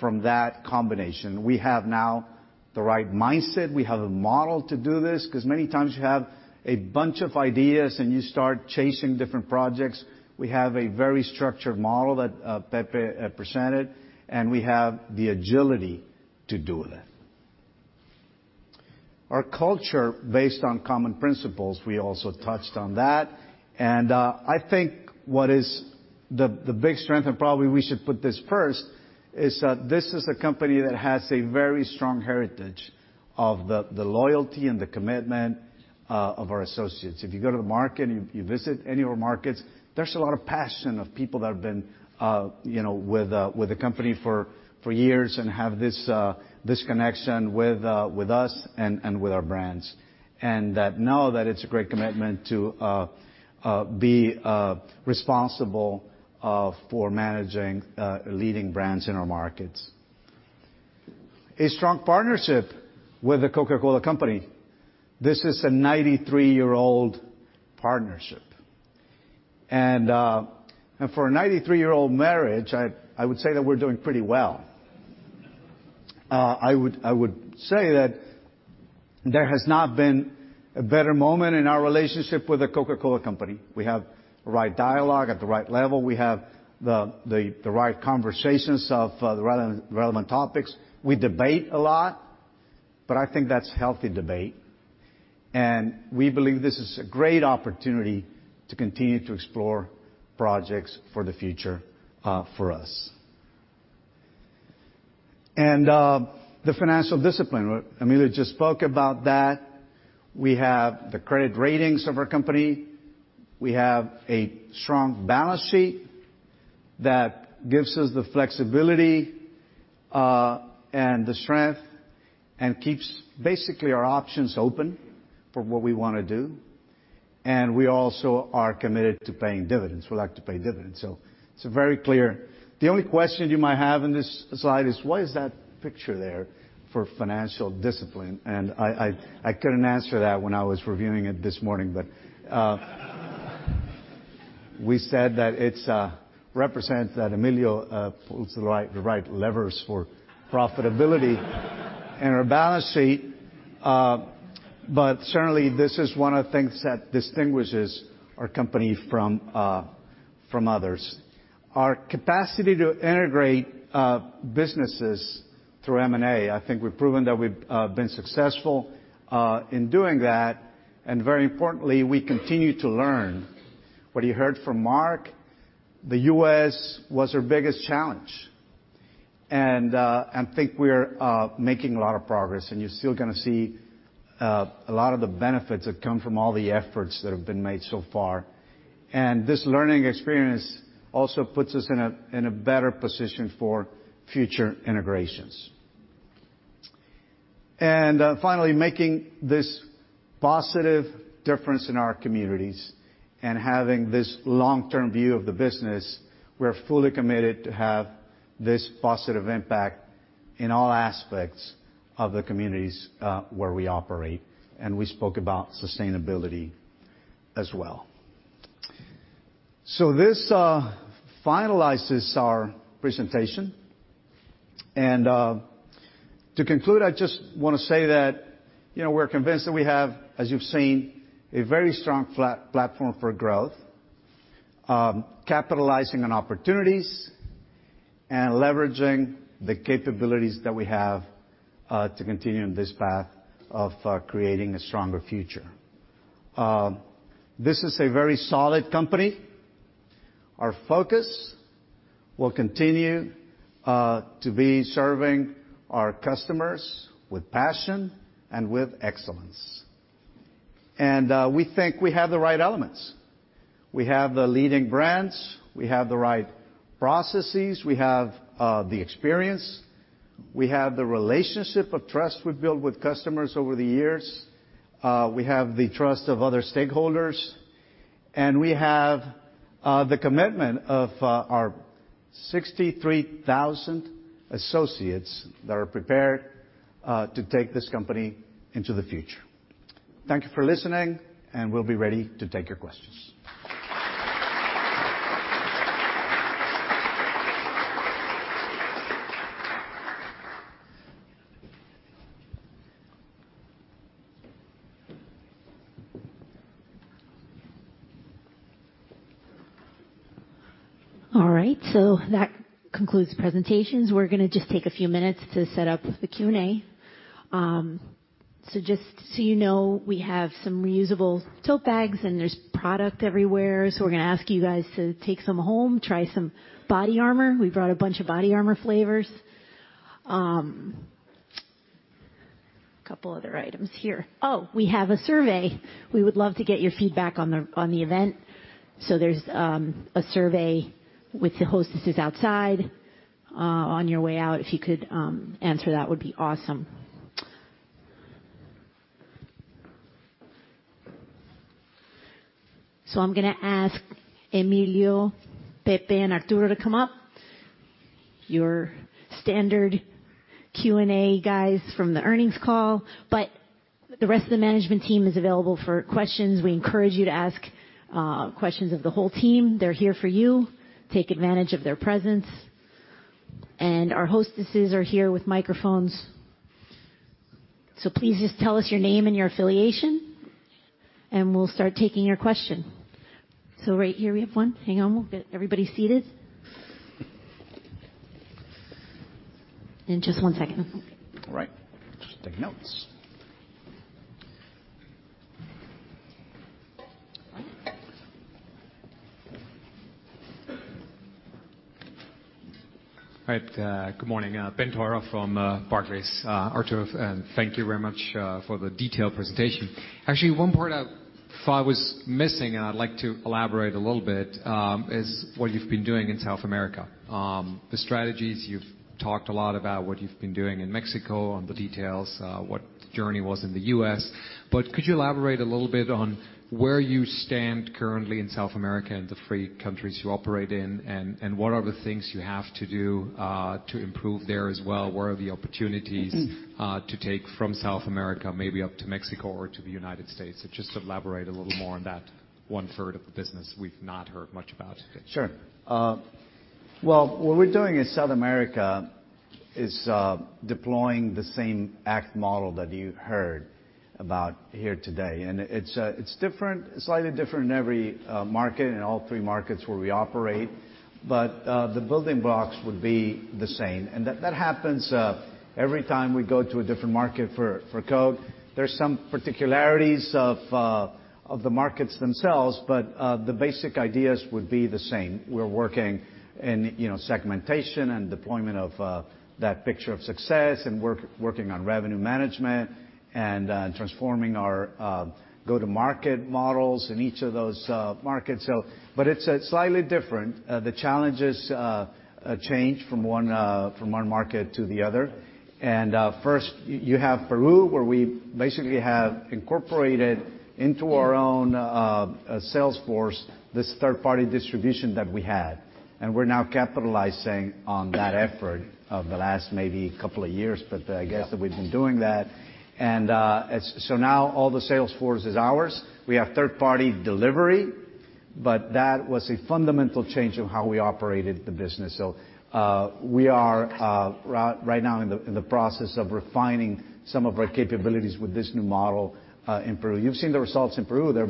Speaker 3: from that combination. We have now the right mindset. We have a model to do this because many times you have a bunch of ideas and you start chasing different projects. We have a very structured model that Pepe presented, and we have the agility to do that. Our culture based on common principles, we also touched on that. I think what is the big strength, and probably we should put this first, is that this is a company that has a very strong heritage of the loyalty and the commitment of our associates. If you go to the market, if you visit any of our markets, there's a lot of passion of people that have been with the company for years and have this connection with us and with our brands. That now that it's a great commitment to be responsible for managing leading brands in our markets. A strong partnership with The Coca-Cola Company. This is a 93-year-old partnership. For a 93-year-old marriage, I would say that we're doing pretty well. I would say that there has not been a better moment in our relationship with The Coca-Cola Company. We have the right dialogue at the right level. We have the right conversations of the relevant topics. We debate a lot, but I think that's healthy debate. We believe this is a great opportunity to continue to explore projects for the future for us. The financial discipline, Emilio just spoke about that. We have the credit ratings of our company. We have a strong balance sheet that gives us the flexibility and the strength and keeps basically our options open for what we want to do. We also are committed to paying dividends. We like to pay dividends. It's very clear. The only question you might have in this slide is, why is that picture there for financial discipline? I couldn't answer that when I was reviewing it this morning. We said that it represents that Emilio pulls the right levers for profitability and our balance sheet. Certainly, this is one of the things that distinguishes our company from others. Our capacity to integrate businesses through M&A, I think we've proven that we've been successful in doing that. Very importantly, we continue to learn. What you heard from Mark, the U.S. was our biggest challenge. I think we're making a lot of progress, and you're still going to see a lot of the benefits that come from all the efforts that have been made so far. This learning experience also puts us in a better position for future integrations. Finally, making this positive difference in our communities and having this long-term view of the business. We're fully committed to have this positive impact in all aspects of the communities where we operate. We spoke about sustainability as well. This finalizes our presentation. To conclude, I just want to say that we're convinced that we have, as you've seen, a very strong platform for growth, capitalizing on opportunities and leveraging the capabilities that we have to continue on this path of creating a stronger future. This is a very solid company. Our focus will continue to be serving our customers with passion and with excellence. We think we have the right elements. We have the leading brands. We have the right processes. We have the experience. We have the relationship of trust we've built with customers over the years. We have the trust of other stakeholders, and we have the commitment of our 63,000 associates that are prepared to take this company into the future. Thank you for listening, and we'll be ready to take your questions.
Speaker 1: All right. That concludes the presentations. We're going to just take a few minutes to set up the Q&A. Just so you know, we have some reusable tote bags, and there's product everywhere. We're going to ask you guys to take some home, try some BODYARMOR. We brought a bunch of BODYARMOR flavors. A couple other items here. We have a survey. We would love to get your feedback on the event. There's a survey with the hostesses outside. On your way out, if you could answer that would be awesome. I'm going to ask Emilio, Pepe and Arturo to come up. Your standard Q&A guys from the earnings call, but the rest of the management team is available for questions. We encourage you to ask questions of the whole team. They're here for you. Take advantage of their presence. Our hostesses are here with microphones. Please just tell us your name and your affiliation, and we'll start taking your question. Right here we have one. Hang on. We'll get everybody seated. Just one second.
Speaker 3: All right. Just taking notes.
Speaker 1: All right.
Speaker 12: All right. Good morning. Ben Toro from Barclays. Arturo, thank you very much for the detailed presentation. Actually, one part I thought was missing, and I'd like to elaborate a little bit, is what you've been doing in South America. The strategies, you've talked a lot about what you've been doing in Mexico and the details, what the journey was in the U.S. Could you elaborate a little bit on where you stand currently in South America and the three countries you operate in, and what are the things you have to do to improve there as well? Where are the opportunities? to take from South America, maybe up to Mexico or to the United States? Just elaborate a little more on that one-third of the business we've not heard much about.
Speaker 3: Sure. Well, what we're doing in South America is deploying the same ACT model that you heard about here today. It's slightly different in every market, in all three markets where we operate. The building blocks would be the same. That happens every time we go to a different market for Coke. There's some particularities of the markets themselves, but the basic ideas would be the same. We're working in segmentation and deployment of that picture of success and working on revenue management and transforming our go-to-market models in each of those markets. It's slightly different. The challenges change from one market to the other. First you have Peru, where we basically have incorporated into our own sales force, this third-party distribution that we had. We're now capitalizing on that effort of the last maybe couple of years. Yeah that we've been doing that. Now all the sales force is ours. We have third-party delivery, but that was a fundamental change of how we operated the business. We are right now in the process of refining some of our capabilities with this new model in Peru. You've seen the results in Peru. They're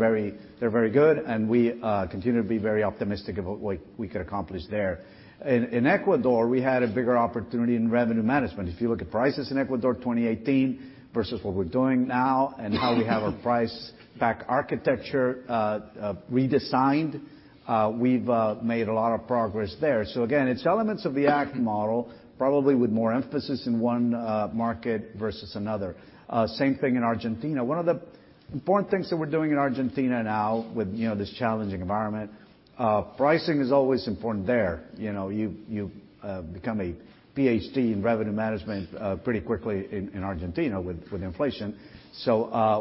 Speaker 3: very good, and we continue to be very optimistic about what we could accomplish there. In Ecuador, we had a bigger opportunity in revenue management. If you look at prices in Ecuador 2018 versus what we're doing now and how we have our price pack architecture redesigned, we've made a lot of progress there. Again, it's elements of the ACT model, probably with more emphasis in one market versus another. Same thing in Argentina. One of the important things that we're doing in Argentina now with this challenging environment, pricing is always important there. You become a PhD in revenue management pretty quickly in Argentina with inflation.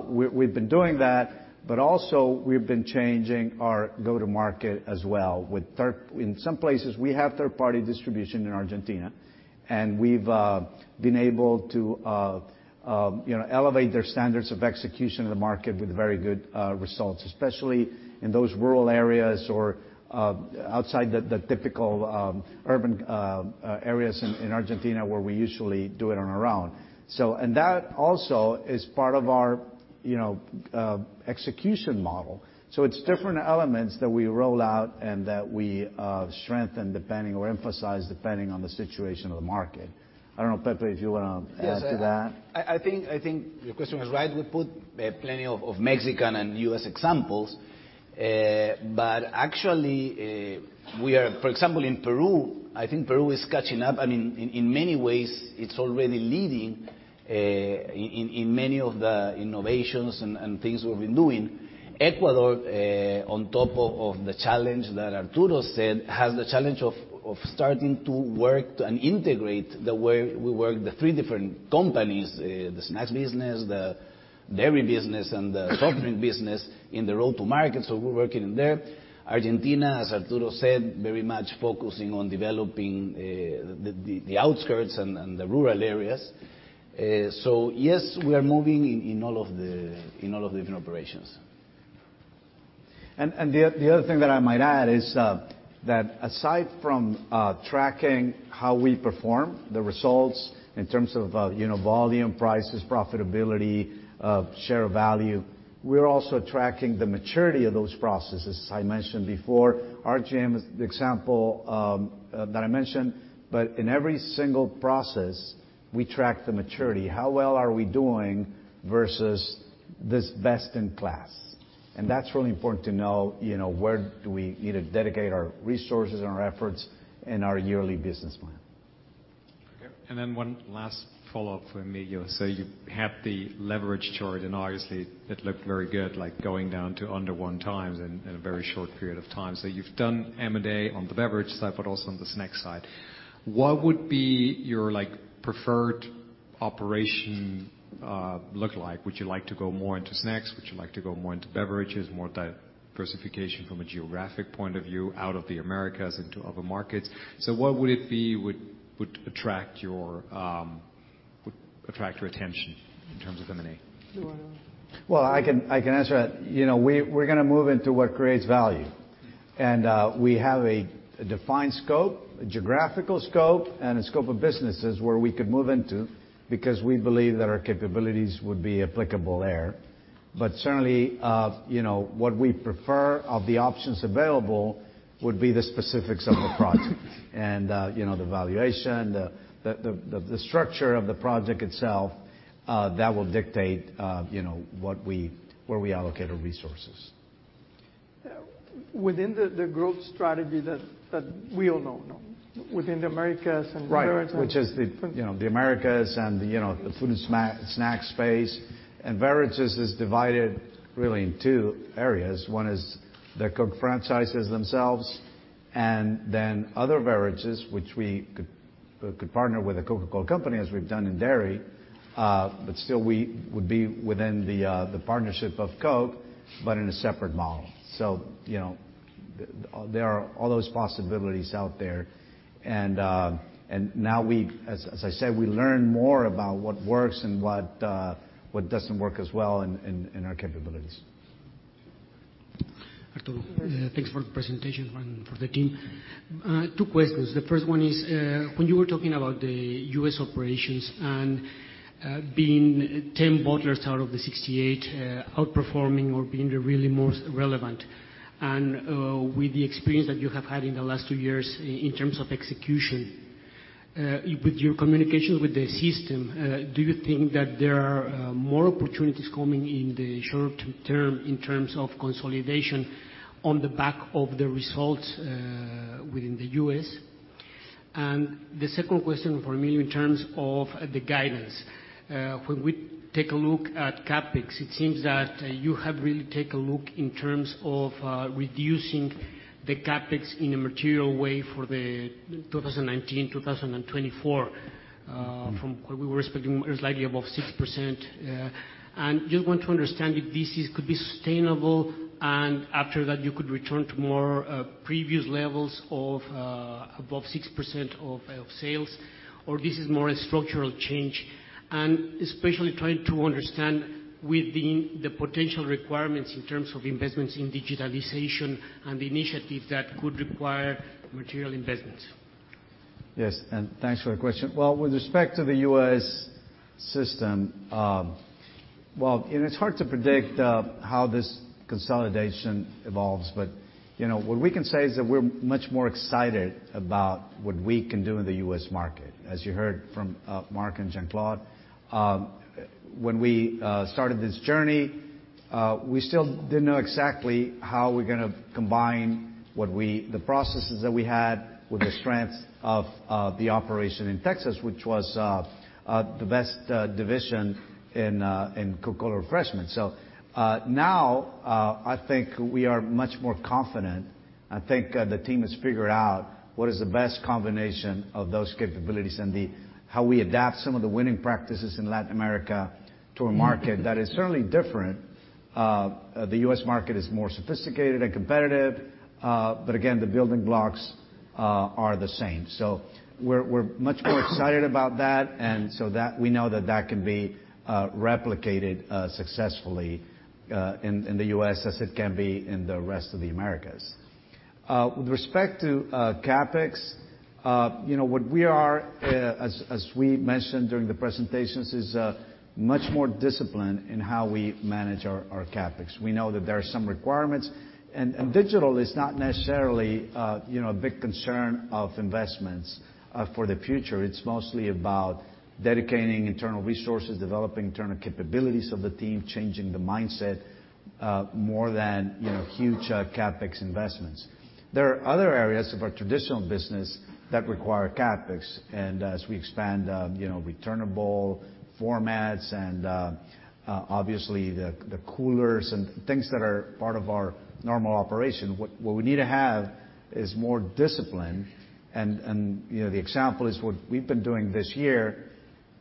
Speaker 3: We've been doing that, but also we've been changing our go-to-market as well. In some places, we have third-party distribution in Argentina, and we've been able to elevate their standards of execution in the market with very good results, especially in those rural areas or outside the typical urban areas in Argentina where we usually do it on our own. That also is part of our execution model. It's different elements that we roll out and that we strengthen or emphasize depending on the situation of the market. I don't know, Pepe, if you want to add to that?
Speaker 4: Yes. I think your question was right. We put plenty of Mexican and U.S. examples. Actually, for example, in Peru, I think Peru is catching up, and in many ways, it's already leading in many of the innovations and things we've been doing. Ecuador, on top of the challenge that Arturo said, has the challenge of starting to work and integrate the way we work the three different companies, the snacks business, the dairy business, and the soft drink business in the road to market. We're working there. Argentina, as Arturo said, very much focusing on developing the outskirts and the rural areas. Yes, we are moving in all of the different operations.
Speaker 3: The other thing that I might add is that aside from tracking how we perform, the results in terms of volume, prices, profitability, share value, we're also tracking the maturity of those processes. As I mentioned before, RGM is the example that I mentioned. In every single process, we track the maturity. How well are we doing versus this best in class? That's really important to know where do we either dedicate our resources and our efforts in our yearly business plan.
Speaker 12: One last follow-up for Emilio. You have the leverage chart, and obviously, it looked very good, like going down to under one times in a very short period of time. You've done M&A on the beverage side, but also on the snacks side. What would be your preferred operation look like? Would you like to go more into snacks? Would you like to go more into beverages, more diversification from a geographic point of view, out of the Americas into other markets? What would it be would attract your attention in terms of M&A?
Speaker 4: You want to-
Speaker 3: Well, I can answer that. We're going to move into what creates value. We have a defined scope, a geographical scope, and a scope of businesses where we could move into, because we believe that our capabilities would be applicable there. Certainly, what we prefer of the options available would be the specifics of the project. The valuation, the structure of the project itself, that will dictate where we allocate our resources.
Speaker 4: Within the growth strategy that we all know. Within the Americas.
Speaker 3: Right
Speaker 4: beverages
Speaker 3: Which is the Americas and the food and snack space. Beverages is divided really in 2 areas. One is the Coke franchises themselves, and then other beverages, which we could partner with The Coca-Cola Company as we've done in dairy. Still, we would be within the partnership of Coke, but in a separate model. There are all those possibilities out there. Now as I said, we learn more about what works and what doesn't work as well in our capabilities.
Speaker 13: Arturo, thanks for the presentation and for the team. Two questions. The first one is, when you were talking about the U.S. operations and being 10 bottlers out of the 68 outperforming or being the really most relevant, and with the experience that you have had in the last two years in terms of execution, with your communications with the system, do you think that there are more opportunities coming in the short term in terms of consolidation on the back of the results within the U.S.? The second question for me in terms of the guidance. When we take a look at CapEx, it seems that you have really taken a look in terms of reducing the CapEx in a material way for the 2019-2024 from what we were expecting, slightly above 6%. Just want to understand if this could be sustainable, and after that you could return to more previous levels of above 6% of sales, or this is more a structural change? Especially trying to understand within the potential requirements in terms of investments in digitalization and initiatives that could require material investments.
Speaker 3: Yes, thanks for the question. With respect to the U.S. system, it's hard to predict how this consolidation evolves, but what we can say is that we're much more excited about what we can do in the U.S. market. As you heard from Mark and Jean Claude, when we started this journey, we still didn't know exactly how we're going to combine the processes that we had with the strength of the operation in Texas, which was the best division in Coca-Cola Refreshments. Now, I think we are much more confident. I think the team has figured out what is the best combination of those capabilities and how we adapt some of the winning practices in Latin America to a market that is certainly different. The U.S. market is more sophisticated and competitive. Again, the building blocks are the same. We're much more excited about that, and so we know that that can be replicated successfully in the U.S. as it can be in the rest of the Americas. With respect to CapEx, what we are, as we mentioned during the presentations, is much more disciplined in how we manage our CapEx. We know that there are some requirements, and digital is not necessarily a big concern of investments for the future. It's mostly about dedicating internal resources, developing internal capabilities of the team, changing the mindset, more than huge CapEx investments. There are other areas of our traditional business that require CapEx, and as we expand returnable formats and obviously the coolers and things that are part of our normal operation, what we need to have is more discipline. The example is what we've been doing this year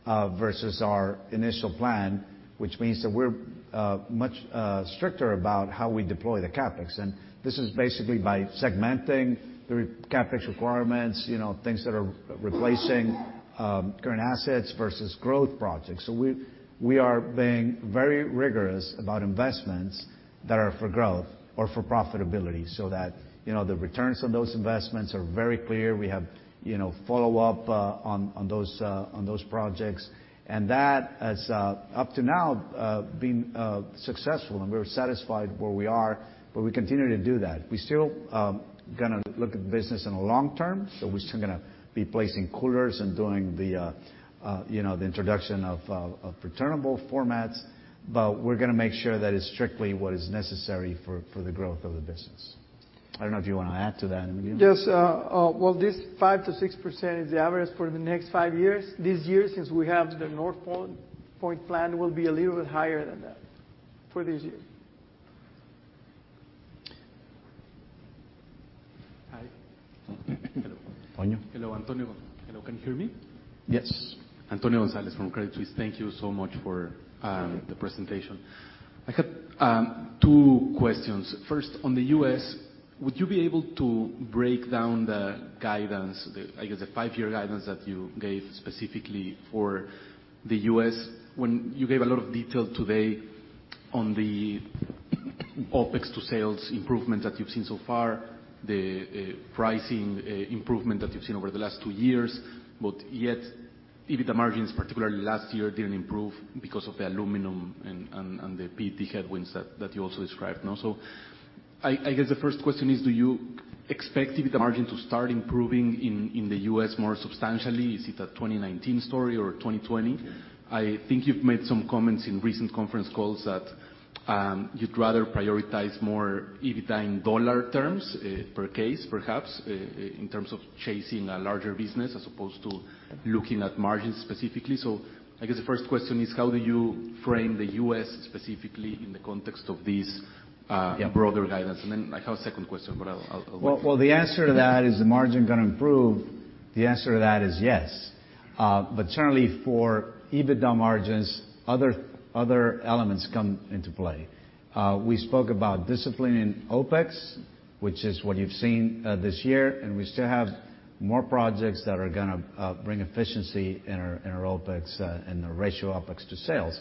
Speaker 3: versus our initial plan, which means that we're much stricter about how we deploy the CapEx. This is basically by segmenting the CapEx requirements, things that are replacing current assets versus growth projects. We are being very rigorous about investments that are for growth or for profitability so that the returns on those investments are very clear. We have follow-up on those projects. That has up to now been successful, and we're satisfied where we are, but we continue to do that. We're still going to look at the business in the long term, so we're still going to be placing coolers and doing the introduction of returnable formats. We're going to make sure that it's strictly what is necessary for the growth of the business. I don't know if you want to add to that, Emilio.
Speaker 11: Yes. Well, this 5%-6% is the average for the next five years. This year, since we have the Northpoint plan, will be a little bit higher than that for this year.
Speaker 13: Hi.
Speaker 3: Toño.
Speaker 13: Hello, Antonio. Hello, can you hear me?
Speaker 3: Yes.
Speaker 13: Antonio Gonzalez from Credit Suisse. Thank you so much for the presentation. I had two questions. First, on the U.S., would you be able to break down the guidance, I guess the 5-year guidance that you gave specifically for the U.S. when you gave a lot of detail today on the OpEx to sales improvement that you've seen so far, the pricing improvement that you've seen over the last 2 years. Yet, EBITDA margins, particularly last year, didn't improve because of the aluminum and the PET headwinds that you also described now. I guess the first question is, do you expect EBITDA margin to start improving in the U.S. more substantially? Is it a 2019 story or 2020? I think you've made some comments in recent conference calls that you'd rather prioritize more EBITDA in dollar terms per case, perhaps, in terms of chasing a larger business as opposed to looking at margins specifically. I guess the first question is, how do you frame the U.S. specifically in the context of this broader guidance? I have a second question, but I'll wait.
Speaker 3: Well, the answer to that, is the margin going to improve? The answer to that is yes. Generally for EBITDA margins, other elements come into play. We spoke about discipline in OpEx, which is what you've seen this year, and we still have more projects that are going to bring efficiency in our OpEx and the ratio OpEx to sales.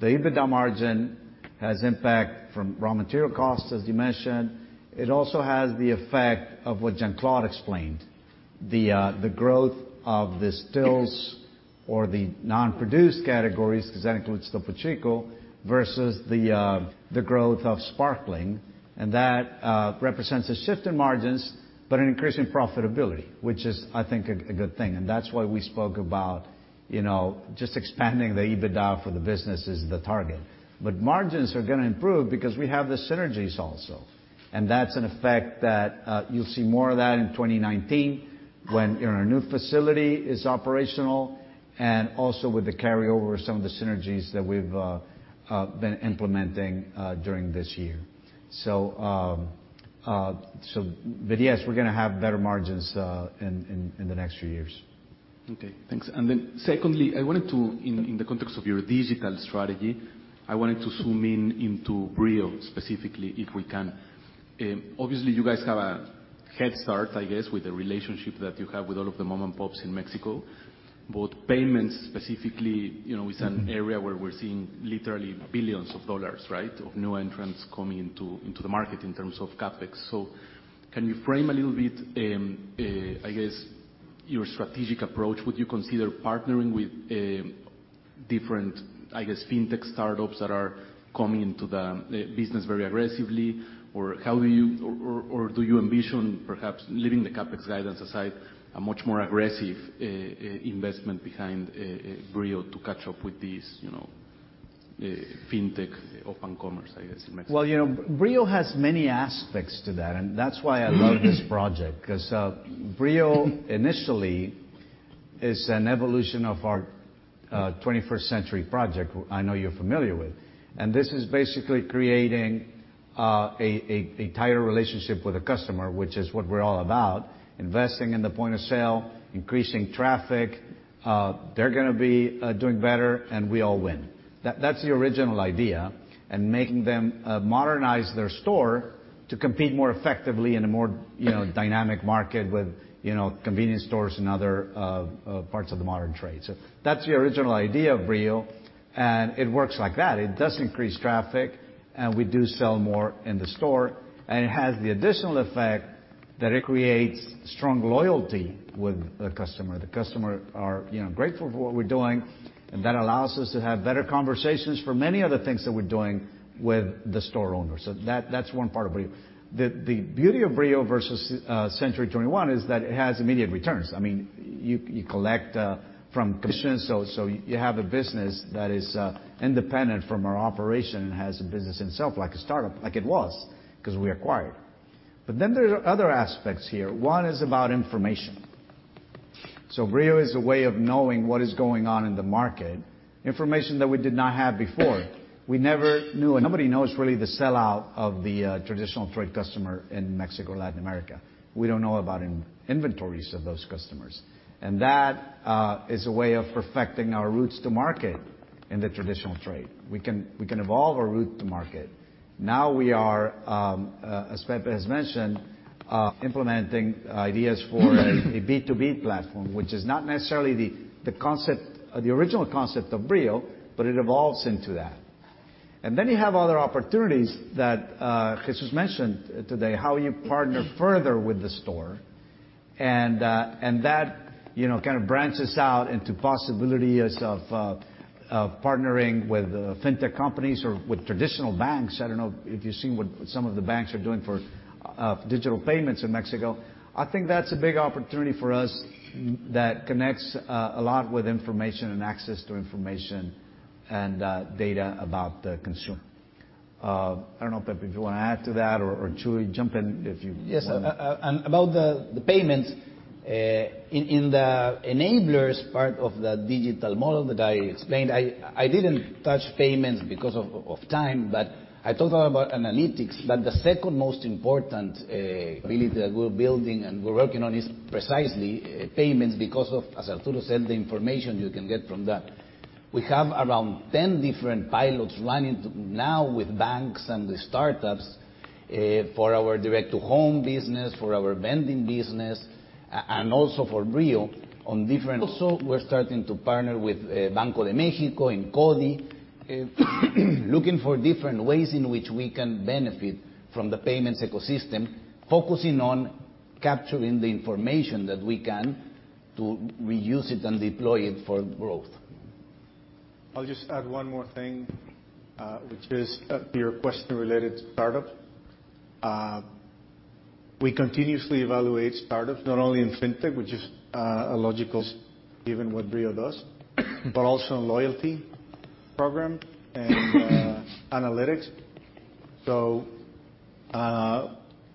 Speaker 3: The EBITDA margin has impact from raw material costs, as you mentioned. It also has the effect of what Jean Claude explained, the growth of the stills or the non-produced categories, because that includes Topo Chico versus the growth of sparkling. That represents a shift in margins, but an increase in profitability, which is, I think, a good thing. That's why we spoke about just expanding the EBITDA for the business is the target. Margins are going to improve because we have the synergies also. That's an effect that you'll see more of that in 2019 when our new facility is operational and also with the carryover of some of the synergies that we've been implementing during this year. Yes, we're going to have better margins in the next few years.
Speaker 13: Okay, thanks. Secondly, in the context of your digital strategy, I wanted to zoom in into Brío specifically, if we can. Obviously, you guys have a head start, I guess, with the relationship that you have with all of the mom and pops in Mexico. Payments specifically, is an area where we're seeing literally MXN billions of new entrants coming into the market in terms of CapEx. Can you frame a little bit, I guess, your strategic approach? Would you consider partnering with different, I guess, fintech startups that are coming into the business very aggressively? Do you envision perhaps leaving the CapEx guidance aside, a much more aggressive investment behind Brío to catch up with these fintech open commerce, I guess, in Mexico?
Speaker 3: Well, Brío has many aspects to that, and that's why I love this project. Brío initially is an evolution of our 21st Century Project, I know you're familiar with. This is basically creating a tighter relationship with the customer, which is what we're all about, investing in the point of sale, increasing traffic. They're going to be doing better, and we all win. That's the original idea. Making them modernize their store to compete more effectively in a more dynamic market with convenience stores and other parts of the modern trade. That's the original idea of Brío, and it works like that. It does increase traffic, and we do sell more in the store, and it has the additional effect that it creates strong loyalty with the customer. The customer are grateful for what we're doing, and that allows us to have better conversations for many other things that we're doing with the store owners. That's one part of Brío. The beauty of Brío versus Siglo 21 is that it has immediate returns. You collect from commissions, so you have a business that is independent from our operation and has a business itself, like a startup, like it was, because we acquired. There's other aspects here. One is about information. Brío is a way of knowing what is going on in the market, information that we did not have before. We never knew, and nobody knows really the sell-out of the traditional trade customer in Mexico or Latin America. We don't know about inventories of those customers. That is a way of perfecting our routes to market in the traditional trade. We can evolve our route to market. We are, as Pepe has mentioned, implementing ideas for a B2B platform, which is not necessarily the original concept of Brío, but it evolves into that. You have other opportunities that Jesús mentioned today, how you partner further with the store, and that kind of branches out into possibilities of partnering with fintech companies or with traditional banks. I don't know if you've seen what some of the banks are doing for digital payments in Mexico. I think that's a big opportunity for us that connects a lot with information and access to information and data about the consumer. I don't know, Pepe, if you want to add to that, jump in if you want.
Speaker 4: Yes. About the payments, in the enablers part of the digital model that I explained, I didn't touch payments because of time, but I talked about analytics. The second most important ability that we're building and we're working on is precisely payments because of, as Arturo said, the information you can get from that. We have around 10 different pilots running now with banks and with startups for our direct-to-home business, for our vending business, and also for Brío. We're starting to partner with Banco de México and CoDi, looking for different ways in which we can benefit from the payments ecosystem, focusing on capturing the information that we can to reuse it and deploy it for growth.
Speaker 5: I'll just add one more thing, which is your question related to startups. We continuously evaluate startups, not only in fintech, which is a logical given what Brío does, but also in loyalty program and analytics.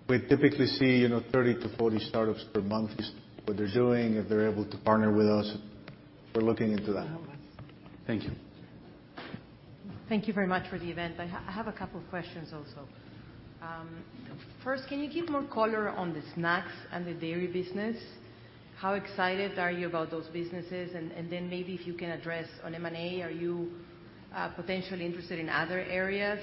Speaker 5: We typically see 30-40 startups per month, what they're doing, if they're able to partner with us. We're looking into that.
Speaker 14: Thank you.
Speaker 15: Thank you very much for the event. I have a couple of questions also. Can you give more color on the snacks and the dairy business? How excited are you about those businesses? Maybe if you can address on M&A, are you potentially interested in other areas,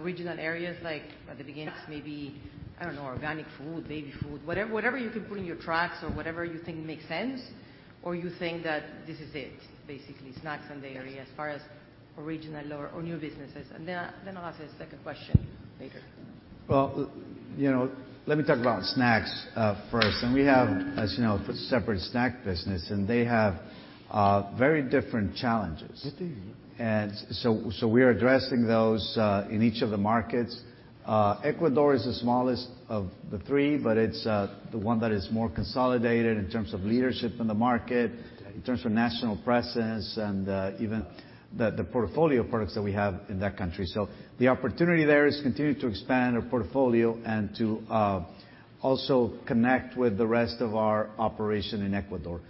Speaker 15: regional areas, like at the beginning, maybe, I don't know, organic food, baby food, whatever you can put in your tracks or whatever you think makes sense, or you think that this is it, basically, snacks and dairy as far as original or new businesses. I'll ask a second question later.
Speaker 3: Well, let me talk about snacks first. We have, as you know, separate snack business, and they have very different challenges. We are addressing those in each of the markets. Ecuador is the smallest of the three, but it's the one that is more consolidated in terms of leadership in the market, in terms of national presence, and even the portfolio of products that we have in that country. The opportunity there is to continue to expand our portfolio and to also connect with the rest of our operation in Ecuador.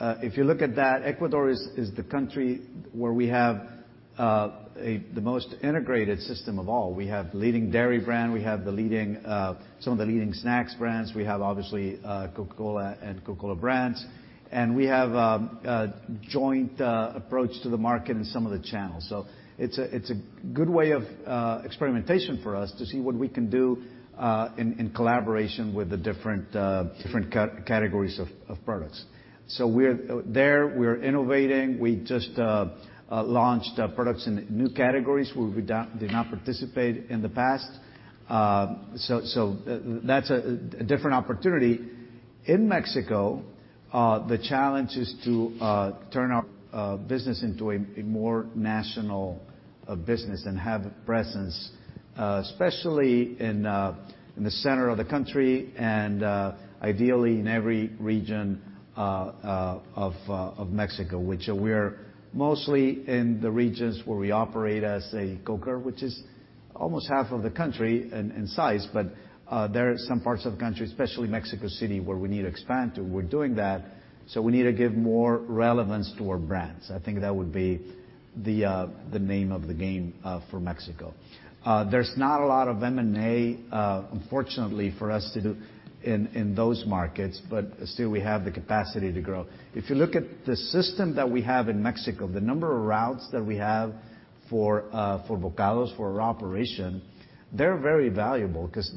Speaker 3: If you look at that, Ecuador is the country where we have the most integrated system of all. We have leading dairy brand. We have some of the leading snacks brands. We have, obviously, Coca-Cola and Coca-Cola brands, and we have a joint approach to the market in some of the channels. It's a good way of experimentation for us to see what we can do in collaboration with the different categories of products. There, we're innovating. We just launched products in new categories where we did not participate in the past. That's a different opportunity. In Mexico, the challenge is to turn our business into a more national business and have presence, especially in the center of the country and ideally in every region of Mexico, which we're mostly in the regions where we operate as a Coca, which is almost half of the country in size. There are some parts of the country, especially Mexico City, where we need to expand to. We're doing that. We need to give more relevance to our brands. I think that would be the name of the game for Mexico. There's not a lot of M&A, unfortunately for us to do in those markets. Still, we have the capacity to grow. If you look at the system that we have in Mexico, the number of routes that we have for Bokados, for our operation, they're very valuable because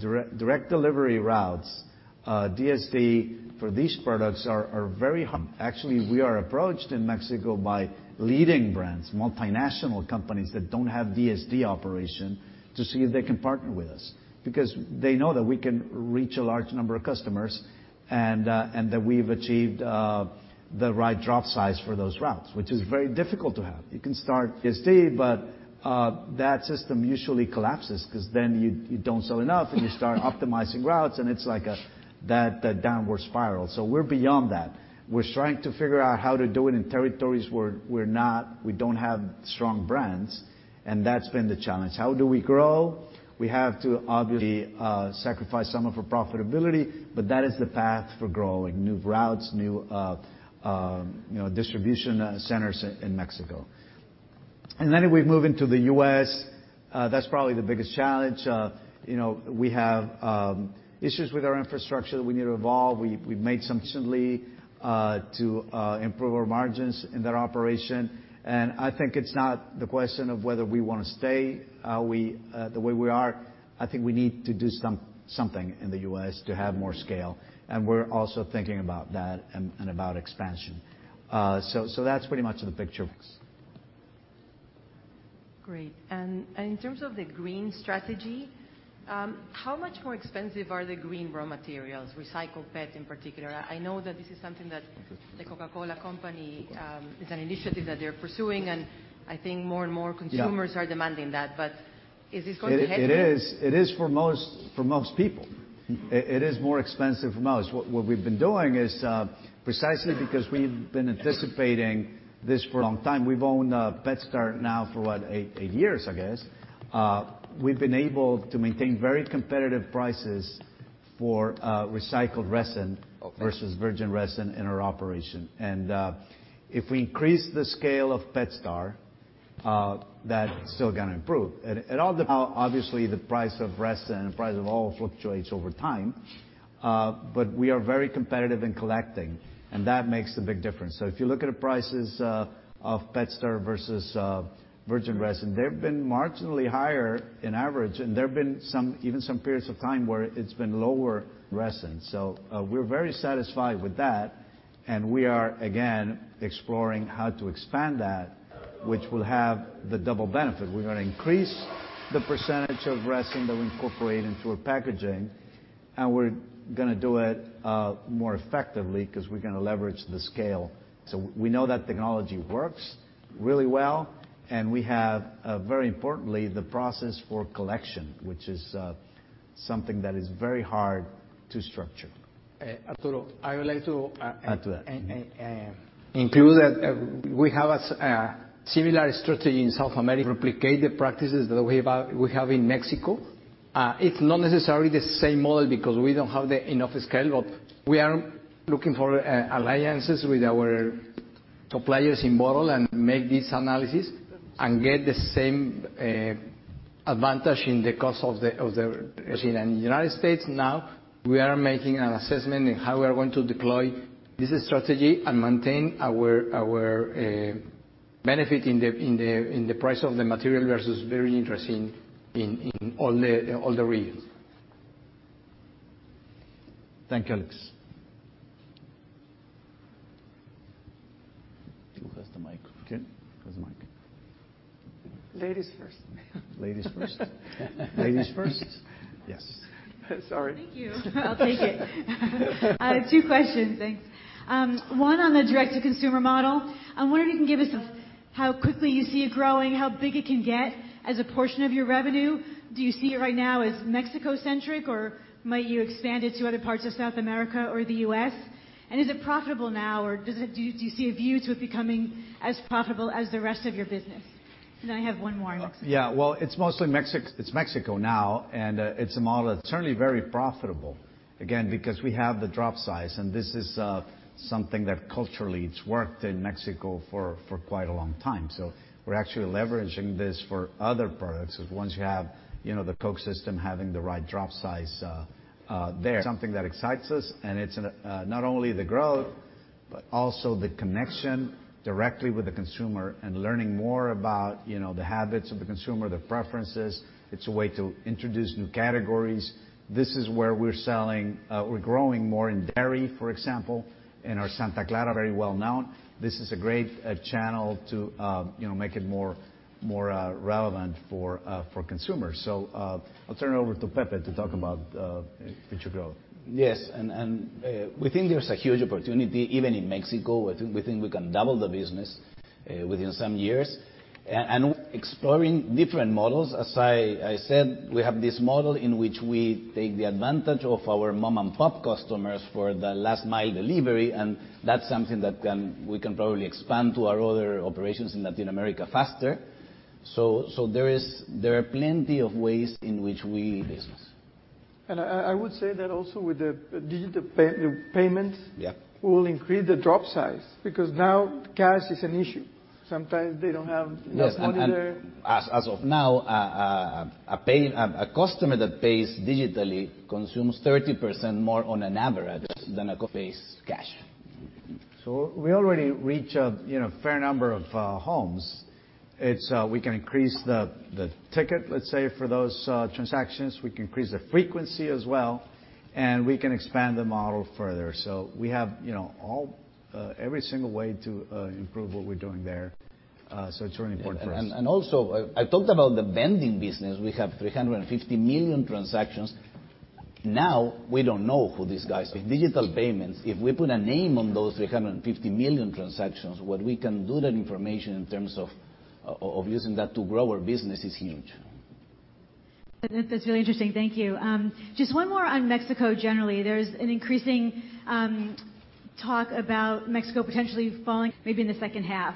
Speaker 3: direct delivery routes DSD for these products are very hard. Actually, we are approached in Mexico by leading brands, multinational companies that don't have DSD operation to see if they can partner with us, because they know that we can reach a large number of customers and that we've achieved the right drop size for those routes, which is very difficult to have. You can start DSD. That system usually collapses because then you don't sell enough and you start optimizing routes. It's like that downward spiral. We're beyond that. We're trying to figure out how to do it in territories where we don't have strong brands. That's been the challenge. How do we grow? We have to obviously sacrifice some of our profitability, but that is the path for growing new routes, new distribution centers in Mexico. Then if we move into the U.S., that's probably the biggest challenge. We have issues with our infrastructure that we need to evolve. We've made some recently to improve our margins in that operation. I think it's not the question of whether we want to stay the way we are. I think we need to do something in the U.S. to have more scale. We're also thinking about that and about expansion. That's pretty much the picture.
Speaker 15: Great. In terms of the green strategy, how much more expensive are the green raw materials, recycled PET in particular? I know that this is something that The Coca-Cola Company, it's an initiative that they're pursuing, and I think more and more consumers.
Speaker 3: Yeah
Speaker 15: are demanding that, but is this going to hit you?
Speaker 3: It is for most people. It is more expensive for most. What we've been doing is precisely because we've been anticipating this for a long time. We've owned PetStar now for what, eight years, I guess. We've been able to maintain very competitive prices for recycled resin versus virgin resin in our operation. If we increase the scale of PetStar, that's still going to improve. It all depends, obviously, the price of resin and the price of oil fluctuates over time. We are very competitive in collecting, and that makes a big difference. If you look at the prices of PetStar versus virgin resin, they've been marginally higher in average, and there have been even some periods of time where it's been lower resin. We're very satisfied with that, and we are again exploring how to expand that, which will have the double benefit. We're going to increase the percentage of resin that we incorporate into our packaging, and we're going to do it more effectively because we're going to leverage the scale. We know that technology works really well, and we have, very importantly, the process for collection, which is something that is very hard to structure.
Speaker 6: Arturo, I would like to-
Speaker 3: Add to that.
Speaker 6: include that we have a similar strategy in South America, replicate the practices that we have in Mexico. It's not necessarily the same model because we don't have enough scale, but we are looking for alliances with our suppliers in bottle and make this analysis and get the same advantage in the cost of the resin. In the U.S. now, we are making an assessment in how we are going to deploy this strategy and maintain our benefit in the price of the material versus very interesting in all the regions.
Speaker 3: Thank you, Alex. Who has the mic?
Speaker 6: Okay.
Speaker 3: Who has the mic?
Speaker 11: Ladies first.
Speaker 3: Ladies first. Ladies first. Yes.
Speaker 11: Sorry.
Speaker 15: Thank you. I'll take it. Two questions, thanks. One on the direct-to-consumer model. I wonder if you can give us how quickly you see it growing, how big it can get as a portion of your revenue. Do you see it right now as Mexico-centric, or might you expand it to other parts of South America or the U.S.? Is it profitable now, or do you see a view to it becoming as profitable as the rest of your business? I have one more on Mexico.
Speaker 3: Well, it's mostly Mexico now, and it's a model that's certainly very profitable, again, because we have the drop size, and this is something that culturally it's worked in Mexico for quite a long time. We're actually leveraging this for other products, because once you have the Coke system having the right drop size there. Something that excites us, and it's not only the growth, but also the connection directly with the consumer and learning more about the habits of the consumer, the preferences. It's a way to introduce new categories. This is where we're selling. We're growing more in dairy, for example, in our Santa Clara, very well known. This is a great channel to make it more relevant for consumers. I'll turn it over to Pepe to talk about future growth.
Speaker 4: Yes. We think there's a huge opportunity even in Mexico. We think we can double the business within some years. We're exploring different models. As I said, we have this model in which we take the advantage of our mom-and-pop customers for the last mile delivery, and that's something that we can probably expand to our other operations in Latin America faster. There are plenty of ways in which we business.
Speaker 11: I would say that also with the digital payments.
Speaker 3: Yeah
Speaker 11: will increase the drop size because now cash is an issue. Sometimes they don't have enough money there.
Speaker 3: Yes. As of now, a customer that pays digitally consumes 30% more on an average than a customer who pays cash. We already reach a fair number of homes. We can increase the ticket, let's say, for those transactions, we can increase the frequency as well, and we can expand the model further. We have every single way to improve what we're doing there. It's really important for us.
Speaker 4: Also, I talked about the vending business. We have 350 million transactions. Now, we don't know who these guys are. Digital payments, if we put a name on those 350 million transactions, what we can do with that information in terms of using that to grow our business is huge.
Speaker 15: That's really interesting. Thank you. Just one more on Mexico, generally. There's an increasing talk about Mexico potentially falling, maybe in the second half.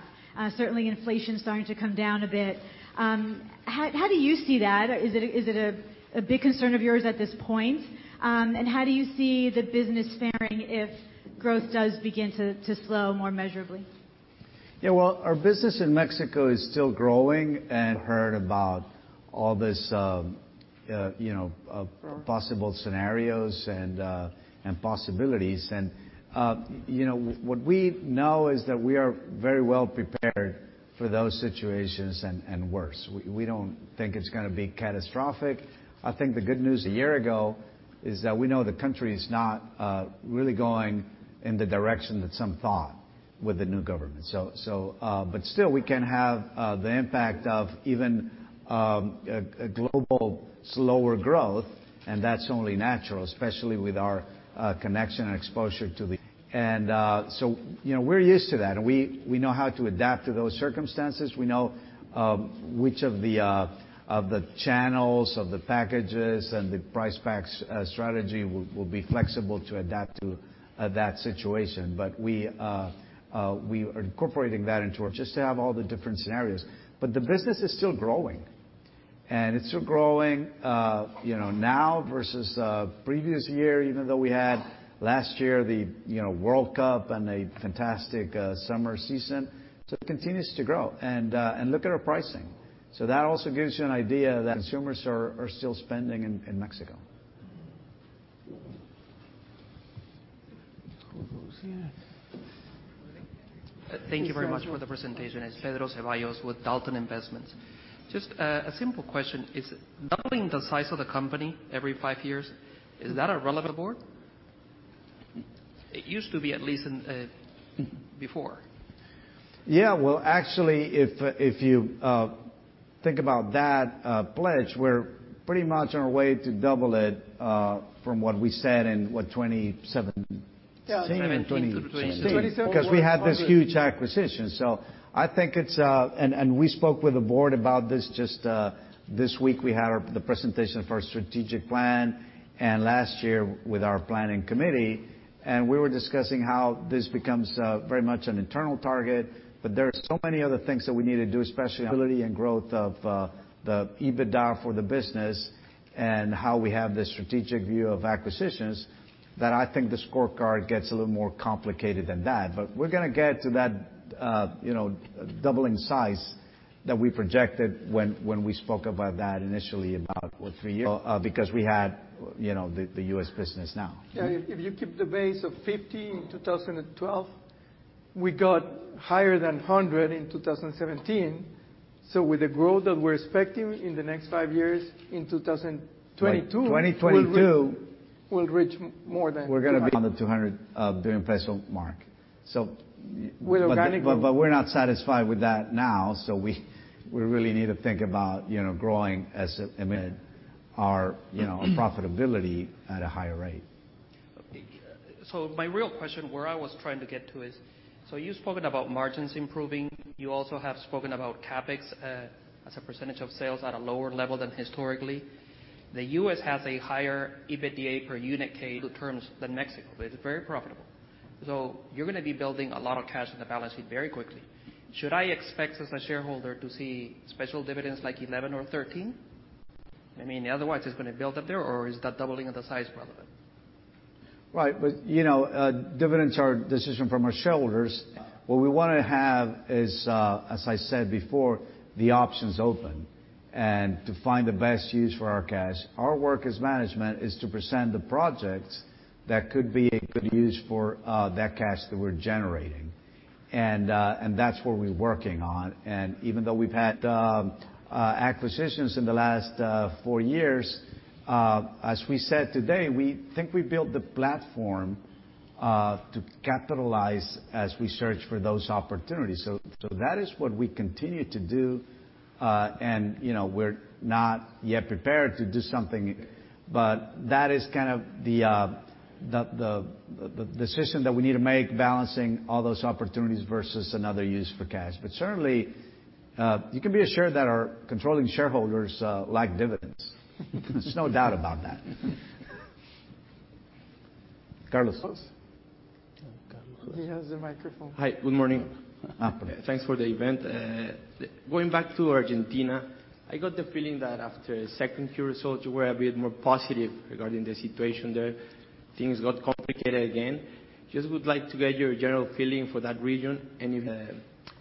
Speaker 15: Certainly, inflation is starting to come down a bit. How do you see that? Is it a big concern of yours at this point? How do you see the business faring if growth does begin to slow more measurably?
Speaker 3: Yeah. Well, our business in Mexico is still growing, heard about all these possible scenarios and possibilities. What we know is that we are very well prepared for those situations and worse. We don't think it's going to be catastrophic. I think the good news a year ago is that we know the country is not really going in the direction that some thought with the new government. Still, we can have the impact of even a global slower growth, and that's only natural, especially with our connection and exposure to the We're used to that, and we know how to adapt to those circumstances. We know which of the channels, of the packages, and the price pack strategy will be flexible to adapt to that situation. We are incorporating that into our Just to have all the different scenarios. The business is still growing. It's still growing now versus previous year, even though we had last year the World Cup and a fantastic summer season. It continues to grow. Look at our pricing. That also gives you an idea that consumers are still spending in Mexico.
Speaker 4: Who goes next?
Speaker 16: Thank you very much for the presentation. It's Pedro Zevallos with Dalton Investments. Just a simple question. Is doubling the size of the company every five years, is that a relevant board? It used to be at least before.
Speaker 3: Yeah. Well, actually, if you think about that pledge, we're pretty much on our way to double it, from what we said in what 2017.
Speaker 11: Yeah, 2017 to 2022.
Speaker 3: 2022, because we had this huge acquisition. We spoke with the board about this just this week. We had the presentation for our strategic plan, and last year with our planning committee. We were discussing how this becomes very much an internal target, but there are so many other things that we need to do, especially ability and growth of the EBITDA for the business and how we have the strategic view of acquisitions, that I think the scorecard gets a little more complicated than that. We're going to get to that doubling size that we projected when we spoke about that initially about, what, three years ago, because we had the U.S. business now.
Speaker 11: Yeah, if you keep the base of 50 in 2012, we got higher than 100 in 2017. With the growth that we're expecting in the next five years, in 2022-
Speaker 3: By 2022.
Speaker 11: we'll reach more than.
Speaker 3: We're going to be on the 200 billion peso mark.
Speaker 11: With organic-
Speaker 3: We're not satisfied with that now, so we really need to think about growing our profitability at a higher rate.
Speaker 16: My real question, where I was trying to get to is, you've spoken about margins improving. You also have spoken about CapEx as a percentage of sales at a lower level than historically. The U.S. has a higher EBITDA per unit K to terms than Mexico, but it's very profitable. You're going to be building a lot of cash in the balance sheet very quickly. Should I expect as a shareholder to see special dividends like 11 or 13? Otherwise it's going to build up there, or is that doubling of the size relevant?
Speaker 3: Right. Dividends are a decision from our shareholders. What we want to have is, as I said before, the options open and to find the best use for our cash. Our work as management is to present the projects that could be a good use for that cash that we're generating. That's what we're working on. Even though we've had acquisitions in the last four years, as we said today, we think we built the platform to capitalize as we search for those opportunities. That is what we continue to do, and we're not yet prepared to do something. That is kind of the decision that we need to make, balancing all those opportunities versus another use for cash. Certainly, you can be assured that our controlling shareholders like dividends. There's no doubt about that. Carlos.
Speaker 4: He has the microphone.
Speaker 17: Hi, good morning.
Speaker 3: Good morning.
Speaker 15: Thanks for the event. Going back to Argentina, I got the feeling that after second quarter results, you were a bit more positive regarding the situation there. Things got complicated again. I just would like to get your general feeling for that region, and if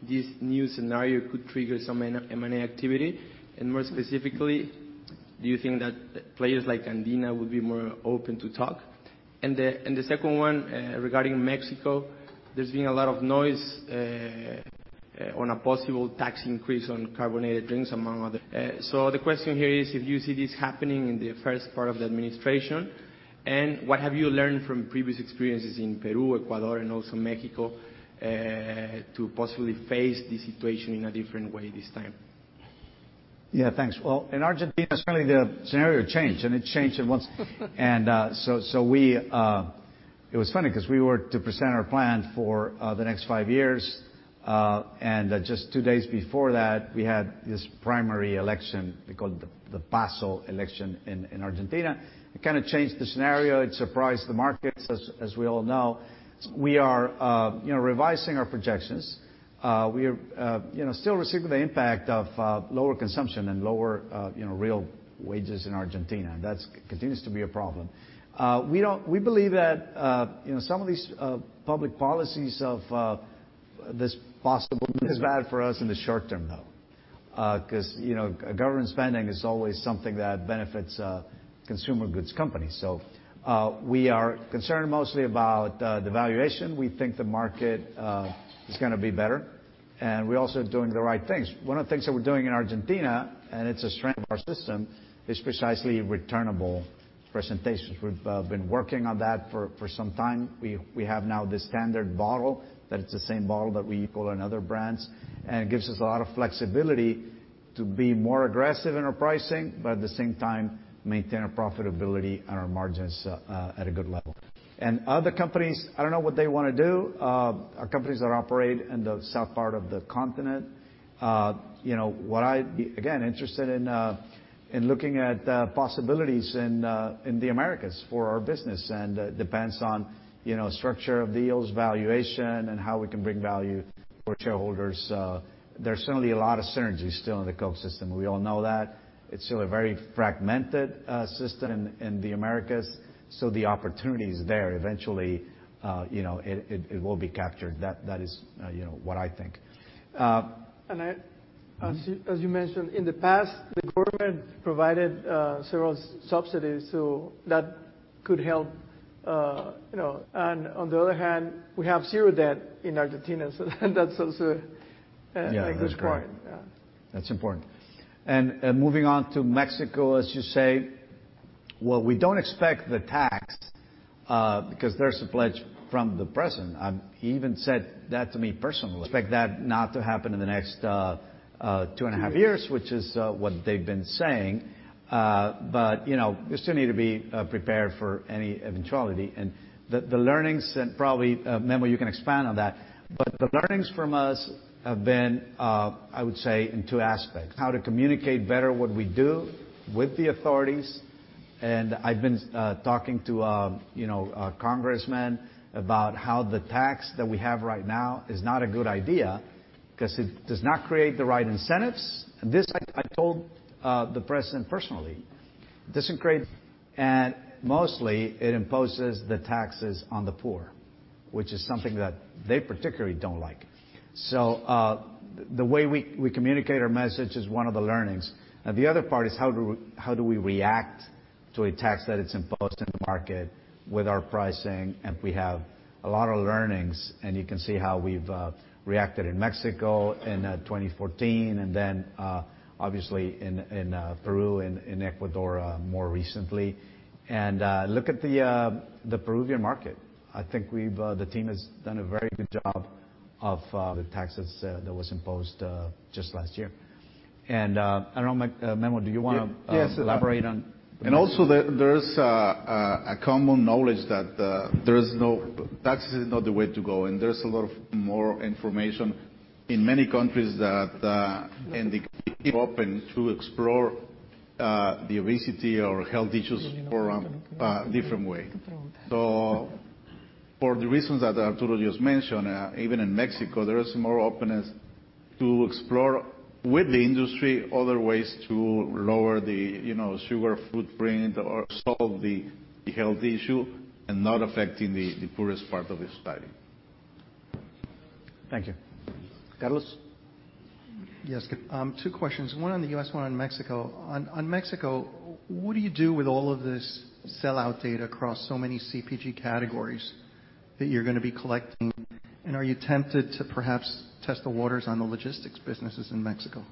Speaker 15: this new scenario could trigger some M&A activity. Do you think that players like Andina would be more open to talk? The second one, regarding Mexico, there's been a lot of noise on a possible tax increase on carbonated drinks, among others. The question here is if you see this happening in the first part of the administration, and what have you learned from previous experiences in Peru, Ecuador, and also Mexico, to possibly face the situation in a different way this time?
Speaker 3: Yeah, thanks. Well, in Argentina, certainly the scenario changed. It changed at once. It was funny because we were to present our plan for the next five years. Just two days before that, we had this primary election, we call it the PASO election in Argentina. It kind of changed the scenario. It surprised the markets as we all know. We are revising our projections. We are still receiving the impact of lower consumption and lower real wages in Argentina. That continues to be a problem. We believe that some of these public policies of this possible is bad for us in the short term, though. Government spending is always something that benefits a consumer goods company. We are concerned mostly about the valuation. We think the market is going to be better. We're also doing the right things. One of the things that we're doing in Argentina, and it's a strength of our system, is precisely returnable presentations. We've been working on that for some time. We have now the standard bottle, that it's the same bottle that we equal in other brands, and it gives us a lot of flexibility to be more aggressive in our pricing, but at the same time, maintain our profitability and our margins at a good level. Other companies, I don't know what they want to do. Companies that operate in the south part of the continent. What I'd be, again, interested in looking at possibilities in the Americas for our business. Depends on structure of deals, valuation, and how we can bring value for shareholders. There's certainly a lot of synergies still in the Coke system. We all know that. It's still a very fragmented system in the Americas. The opportunity's there. Eventually, it will be captured. That is what I think.
Speaker 11: As you mentioned, in the past, the government provided several subsidies, so that could help. On the other hand, we have zero debt in Argentina, so that's also a good point. Yeah.
Speaker 3: Yeah, that's great. That's important. Moving on to Mexico, as you say, well, we don't expect the tax because there's a pledge from the President. He even said that to me personally. Expect that not to happen in the next two and a half years, which is what they've been saying. You still need to be prepared for any eventuality. The learnings, and probably, Memo, you can expand on that. The learnings from us have been, I would say, in two aspects: how to communicate better what we do with the authorities. I've been talking to congressmen about how the tax that we have right now is not a good idea because it does not create the right incentives. This, I told the President personally. It doesn't create. Mostly, it imposes the taxes on the poor, which is something that they particularly don't like. The way we communicate our message is one of the learnings. The other part is how do we react to a tax that is imposed in the market with our pricing? We have a lot of learnings, and you can see how we've reacted in Mexico in 2014 and then, obviously, in Peru and in Ecuador more recently. Look at the Peruvian market. I think the team has done a very good job of the taxes that was imposed just last year. I don't know, Memo, do you want to-
Speaker 11: Yes
Speaker 3: elaborate on?
Speaker 7: Also, there's a common knowledge that taxes is not the way to go, and there's a lot of more information in many countries that indicate to explore the obesity or health issues for a different way. For the reasons that Arturo just mentioned, even in Mexico, there is more openness to explore with the industry other ways to lower the sugar footprint or solve the health issue and not affecting the poorest part of the society.
Speaker 3: Thank you. Carlos?
Speaker 17: Yes. Two questions, one on the U.S., one on Mexico. On Mexico, what do you do with all of this sellout data across so many CPG categories that you're going to be collecting? Are you tempted to perhaps test the waters on the logistics businesses in Mexico?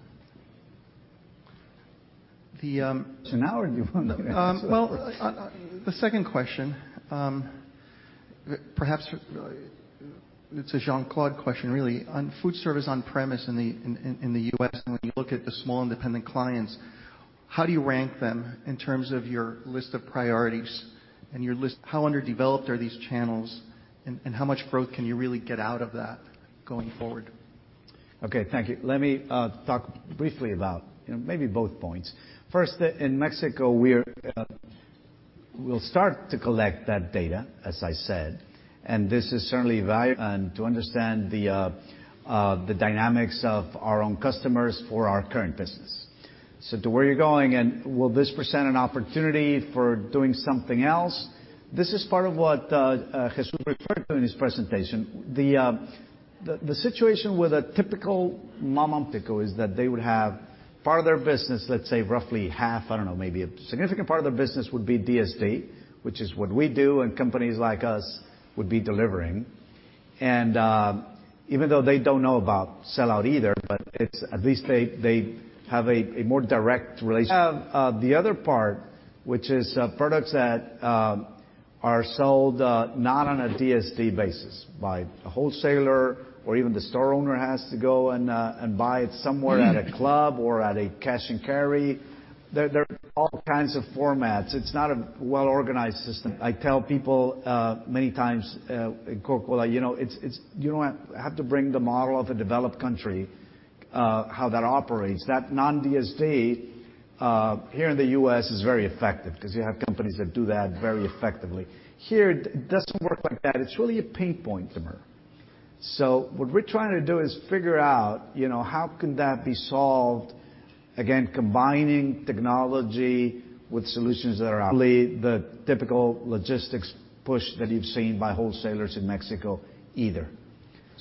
Speaker 3: Now or you want me to answer first?
Speaker 17: Well, the second question, perhaps it's a Jean Claude question, really. On food service on premise in the U.S., and when you look at the small independent clients, how do you rank them in terms of your list of priorities? How underdeveloped are these channels, and how much growth can you really get out of that going forward?
Speaker 3: Okay. Thank you. Let me talk briefly about maybe both points. First, in Mexico, we'll start to collect that data, as I said. This is certainly value and to understand the dynamics of our own customers for our current business. To where you're going and will this present an opportunity for doing something else? This is part of what Jesús referred to in his presentation. The situation with a typical mom-and-pop store is that they would have part of their business, let's say roughly half, I don't know, maybe a significant part of their business would be DSD, which is what we do, and companies like us would be delivering. Even though they don't know about sellout either, but at least they have a more direct relation. The other part, which is products that are sold not on a DSD basis by a wholesaler or even the store owner has to go and buy it somewhere at a club or at a cash and carry. There are all kinds of formats. It's not a well-organized system. I tell people many times in Coca-Cola, you don't have to bring the model of a developed country, how that operates. That non-DSD here in the U.S. is very effective because you have companies that do that very effectively. Here, it doesn't work like that. It's really a pain point to her. What we're trying to do is figure out how can that be solved, again, combining technology with solutions that are out there. The typical logistics push that you've seen by wholesalers in Mexico either.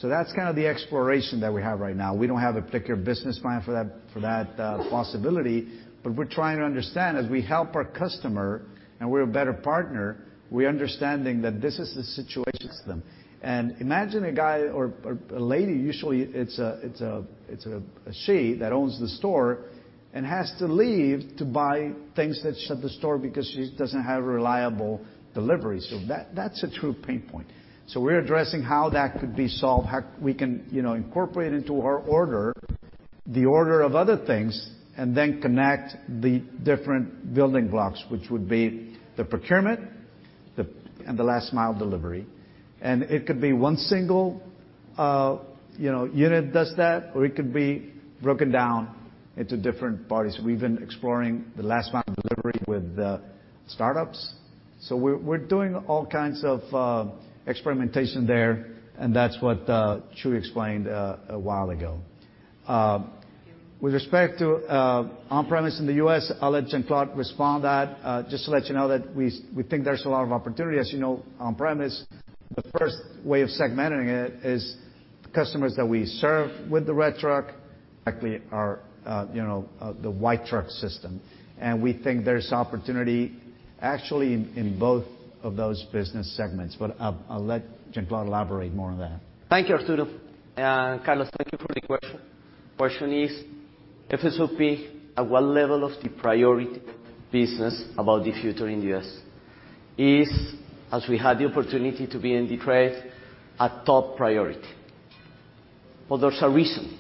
Speaker 3: That's kind of the exploration that we have right now. We don't have a particular business plan for that possibility, but we're trying to understand as we help our customer and we're a better partner, we're understanding that this is the situation to them. Imagine a guy or a lady, usually it's a she that owns the store and has to leave to buy things that shut the store because she doesn't have reliable delivery. That's a true pain point. We're addressing how that could be solved, how we can incorporate into her order, the order of other things, and then connect the different building blocks, which would be the procurement and the last mile delivery. It could be one single unit does that, or it could be broken down into different parties. We've been exploring the last mile delivery with startups. We're doing all kinds of experimentation there, and that's what Chuy explained a while ago. With respect to on-premise in the U.S., I'll let Jean Claude respond that. Just to let you know that we think there's a lot of opportunity, as you know, on-premise. The first way of segmenting it is customers that we serve with the red truck exactly are the white truck system, and we think there's opportunity actually in both of those business segments, but I'll let Jean Claude elaborate more on that.
Speaker 10: Thank you, Arturo. Carlos, thank you for the question. Question is, FSOP, at what level of the priority business about the future in the U.S.? As we had the opportunity to be in the trade, a top priority. There's a reason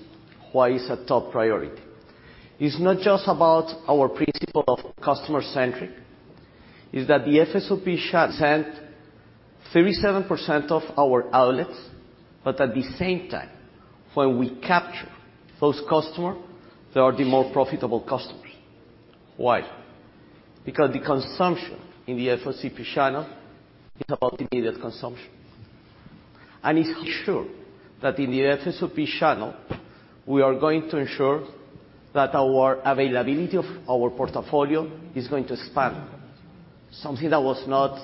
Speaker 10: why it's a top priority. It's not just about our principle of customer-centric. It's that the FSOP represents 37% of our outlets, but at the same time, when we capture those customers, they are the more profitable customers. Why? Because the consumption in the FSOP channel is about immediate consumption. It's sure that in the FSOP channel, we are going to ensure that our availability of our portfolio is going to expand, something that was not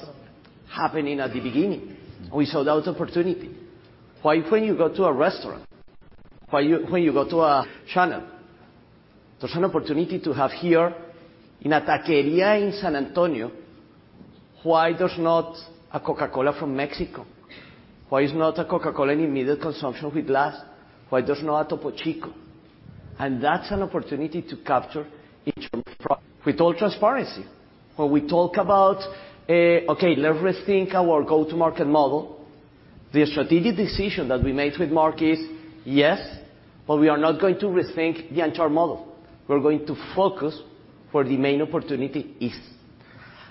Speaker 10: happening at the beginning. We saw that opportunity. Why, when you go to a restaurant, when you go to a channel, there's an opportunity to have here in a taqueria in San Antonio, why there's not a Coca-Cola from Mexico? Why is not a Coca-Cola in immediate consumption with glass? Why there's no Topo Chico? That's an opportunity to capture in terms of profit. With all transparency, when we talk about, okay, let's rethink our go-to-market model, the strategic decision that we made with Mark is, yes, but we are not going to rethink the entire model. We're going to focus where the main opportunity is.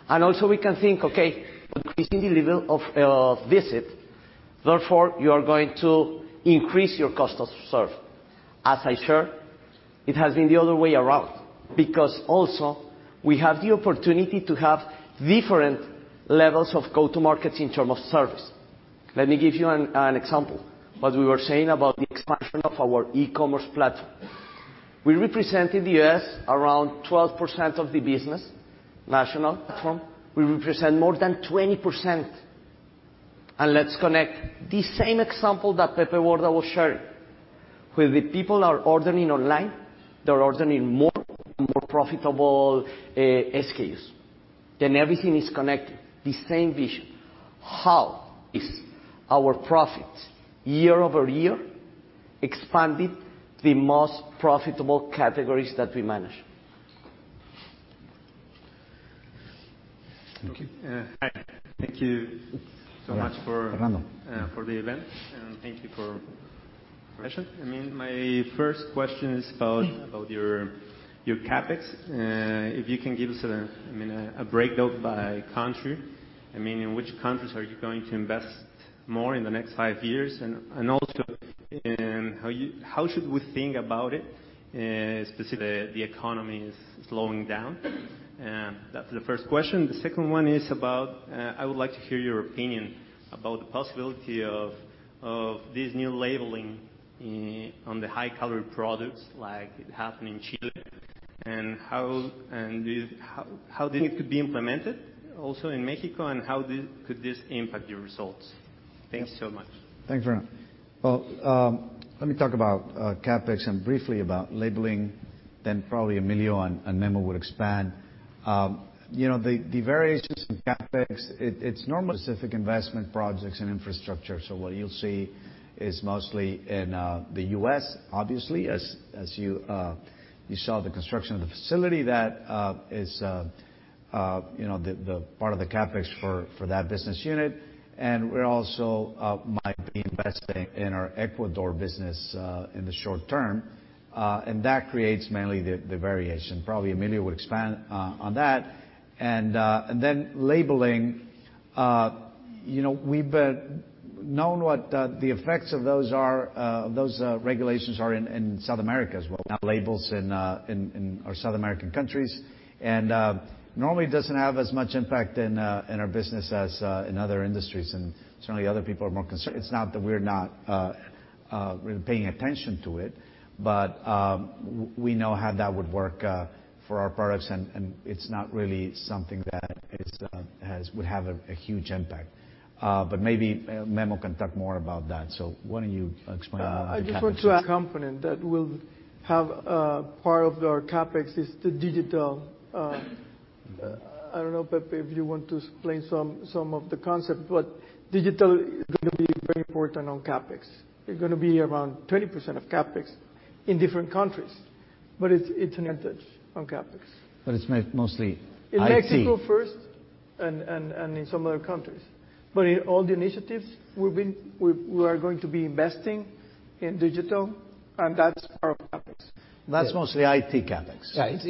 Speaker 10: Also we can think, okay, increasing the level of visit, therefore, you are going to increase your cost of serve. As I share, it has been the other way around because also we have the opportunity to have different levels of go-to-markets in term of service. Let me give you an example. As we were saying about the expansion of our e-commerce platform. We represent in the U.S. around 12% of the business, national platform. We represent more than 20%. Let's connect the same example that Pepe Borda was sharing. Where the people are ordering online, they're ordering more and more profitable SKUs. Everything is connected. The same vision. How is our profits year-over-year expanded the most profitable categories that we manage?
Speaker 3: Thank you.
Speaker 15: Hi. Thank you so much.
Speaker 3: Fernando for the event. Thank you for the question. My first question is about your CapEx. If you can give us a breakdown by country. In which countries are you going to invest more in the next five years? How should we think about it, specifically the economy is slowing down? That's the first question. The second one is about, I would like to hear your opinion about the possibility of this new labeling on the high-calorie products like it happened in Chile, and how this could be implemented also in Mexico, and how could this impact your results? Thanks so much. Thanks, Renato. Let me talk about CapEx and briefly about labeling, then probably Emilio and Memo will expand. The variations in CapEx, it's normal, specific investment projects and infrastructure. What you'll see is mostly in the U.S., obviously, as you saw the construction of the facility that is the part of the CapEx for that business unit. We also might be investing in our Ecuador business, in the short term. That creates mainly the variation. Probably Emilio would expand on that. Labeling. We've known what the effects of those regulations are in South America as well, now labels in our South American countries. Normally doesn't have as much impact in our business as in other industries. Certainly other people are more concerned. It's not that we're not really paying attention to it, but we know how that would work for our products, and it's not really something that would have a huge impact. Maybe Memo can talk more about that. Why don't you explain more about the CapEx.
Speaker 11: I just want to add component that will have part of our CapEx is the digital. I don't know, Pepe, if you want to explain some of the concept, but digital is going to be very important on CapEx. It's going to be around 20% of CapEx in different countries, but it's an advantage on CapEx.
Speaker 3: It's mostly IT.
Speaker 11: In Mexico first and in some other countries. In all the initiatives, we are going to be investing in digital, and that's part of CapEx.
Speaker 3: That's mostly IT CapEx.
Speaker 4: Yeah. It's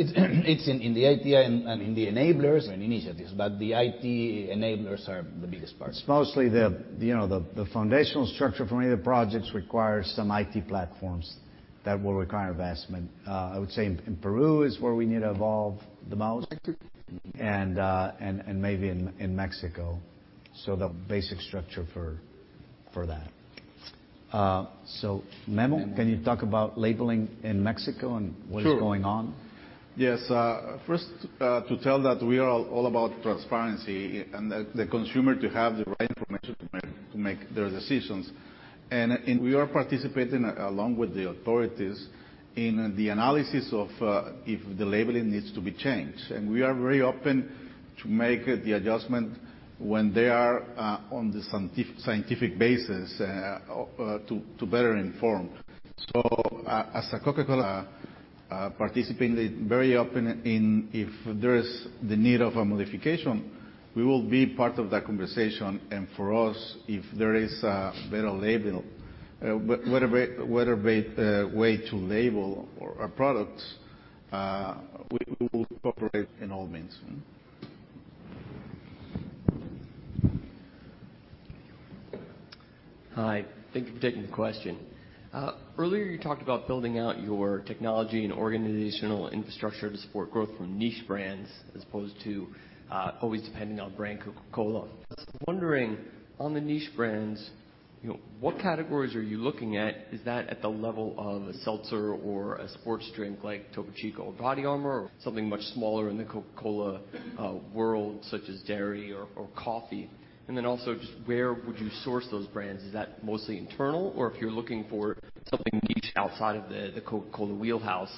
Speaker 4: in the IT and in the enablers and initiatives, but the IT enablers are the biggest part.
Speaker 3: It's mostly the foundational structure from any of the projects requires some IT platforms that will require investment. I would say in Peru is where we need to evolve the most.
Speaker 11: Mexico.
Speaker 3: Maybe in Mexico. The basic structure for that. Memo, can you talk about labeling in Mexico and what is going on?
Speaker 7: Sure. Yes. First, to tell that we are all about transparency and the consumer to have the right information to make their decisions. We are participating along with the authorities in the analysis of if the labeling needs to be changed. We are very open to make the adjustment when they are on the scientific basis to better inform. As a Coca-Cola participant, very open if there is the need of a modification, we will be part of that conversation. For us, if there is a better label, better way to label our products, we will cooperate in all means.
Speaker 15: Hi. Thank you for taking the question. Earlier you talked about building out your technology and organizational infrastructure to support growth from niche brands as opposed to always depending on brand Coca-Cola. I was wondering on the niche brands, what categories are you looking at? Is that at the level of a seltzer or a sports drink like Topo Chico or BODYARMOR or something much smaller in the Coca-Cola world, such as dairy or coffee? Then also just where would you source those brands? Is that mostly internal or if you're looking for something niche outside of the Coca-Cola wheelhouse,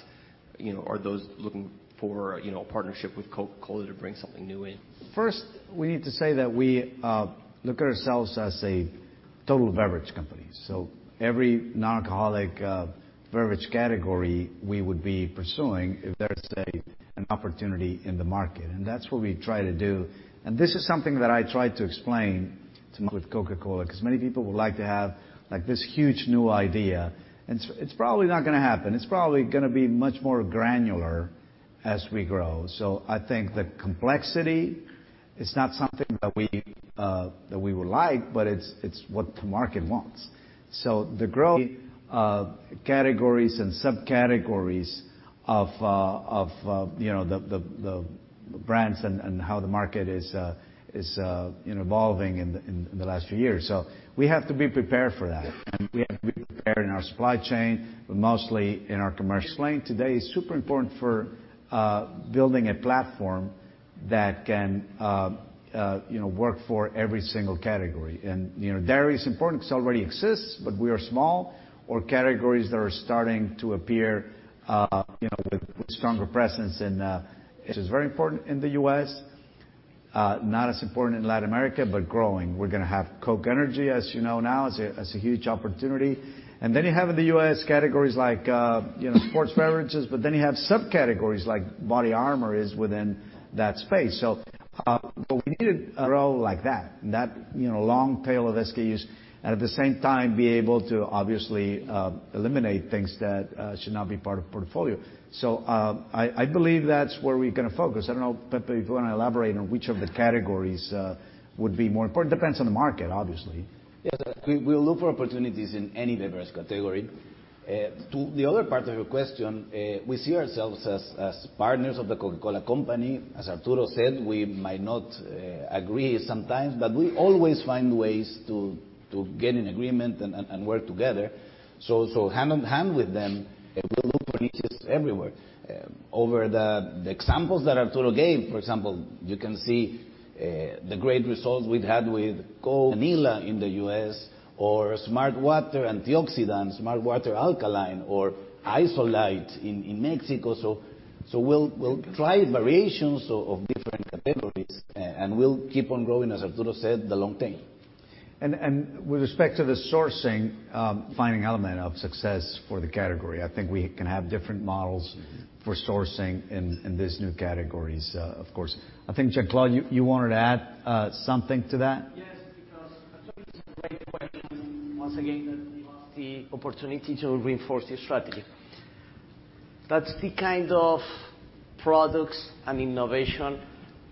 Speaker 15: are those looking for a partnership with Coca-Cola to bring something new in?
Speaker 3: First, we need to say that we look at ourselves as a total beverage company. Every non-alcoholic beverage category we would be pursuing if there's an opportunity in the market. That's what we try to do. This is something that I try to explain to with Coca-Cola, because many people would like to have this huge new idea, and it's probably not going to happen. It's probably going to be much more granular as we grow. I think the complexity is not something that we would like, but it's what the market wants. The growth of categories and subcategories of the brands and how the market is evolving in the last few years. We have to be prepared for that. We have to be prepared in our supply chain. Mostly in our commercial lane today is super important for building a platform that can work for every single category. Dairy is important because it already exists. We are small or categories that are starting to appear with stronger presence, which is very important in the U.S., not as important in Latin America, growing. We're going to have Coca-Cola Energy, as you know now, as a huge opportunity. You have in the U.S. categories like sports beverages. You have subcategories like BODYARMOR is within that space. We need to grow like that long tail of SKUs. At the same time, be able to obviously eliminate things that should not be part of portfolio. I believe that's where we're going to focus. I don't know, Pepe, if you want to elaborate on which of the categories would be more important. Depends on the market, obviously.
Speaker 4: Yes. We'll look for opportunities in any diverse category. To the other part of your question, we see ourselves as partners of The Coca-Cola Company. As Arturo said, we might not agree sometimes, but we always find ways to get an agreement and work together. Hand in hand with them, we look for niches everywhere. Over the examples that Arturo gave, for example, you can see the great results we've had with Coca-Cola Vanilla in the U.S. or smartwater antioxidant, smartwater alkaline or ISOLITE in Mexico. We'll try variations of different categories, and we'll keep on growing, as Arturo said, the long term.
Speaker 3: With respect to the sourcing, finding element of success for the category, I think we can have different models for sourcing in these new categories, of course. I think, Jean Claude, you wanted to add something to that?
Speaker 10: Yes, because Arturo raised a great question. Once again, that gives us the opportunity to reinforce the strategy. That's the kind of products and innovation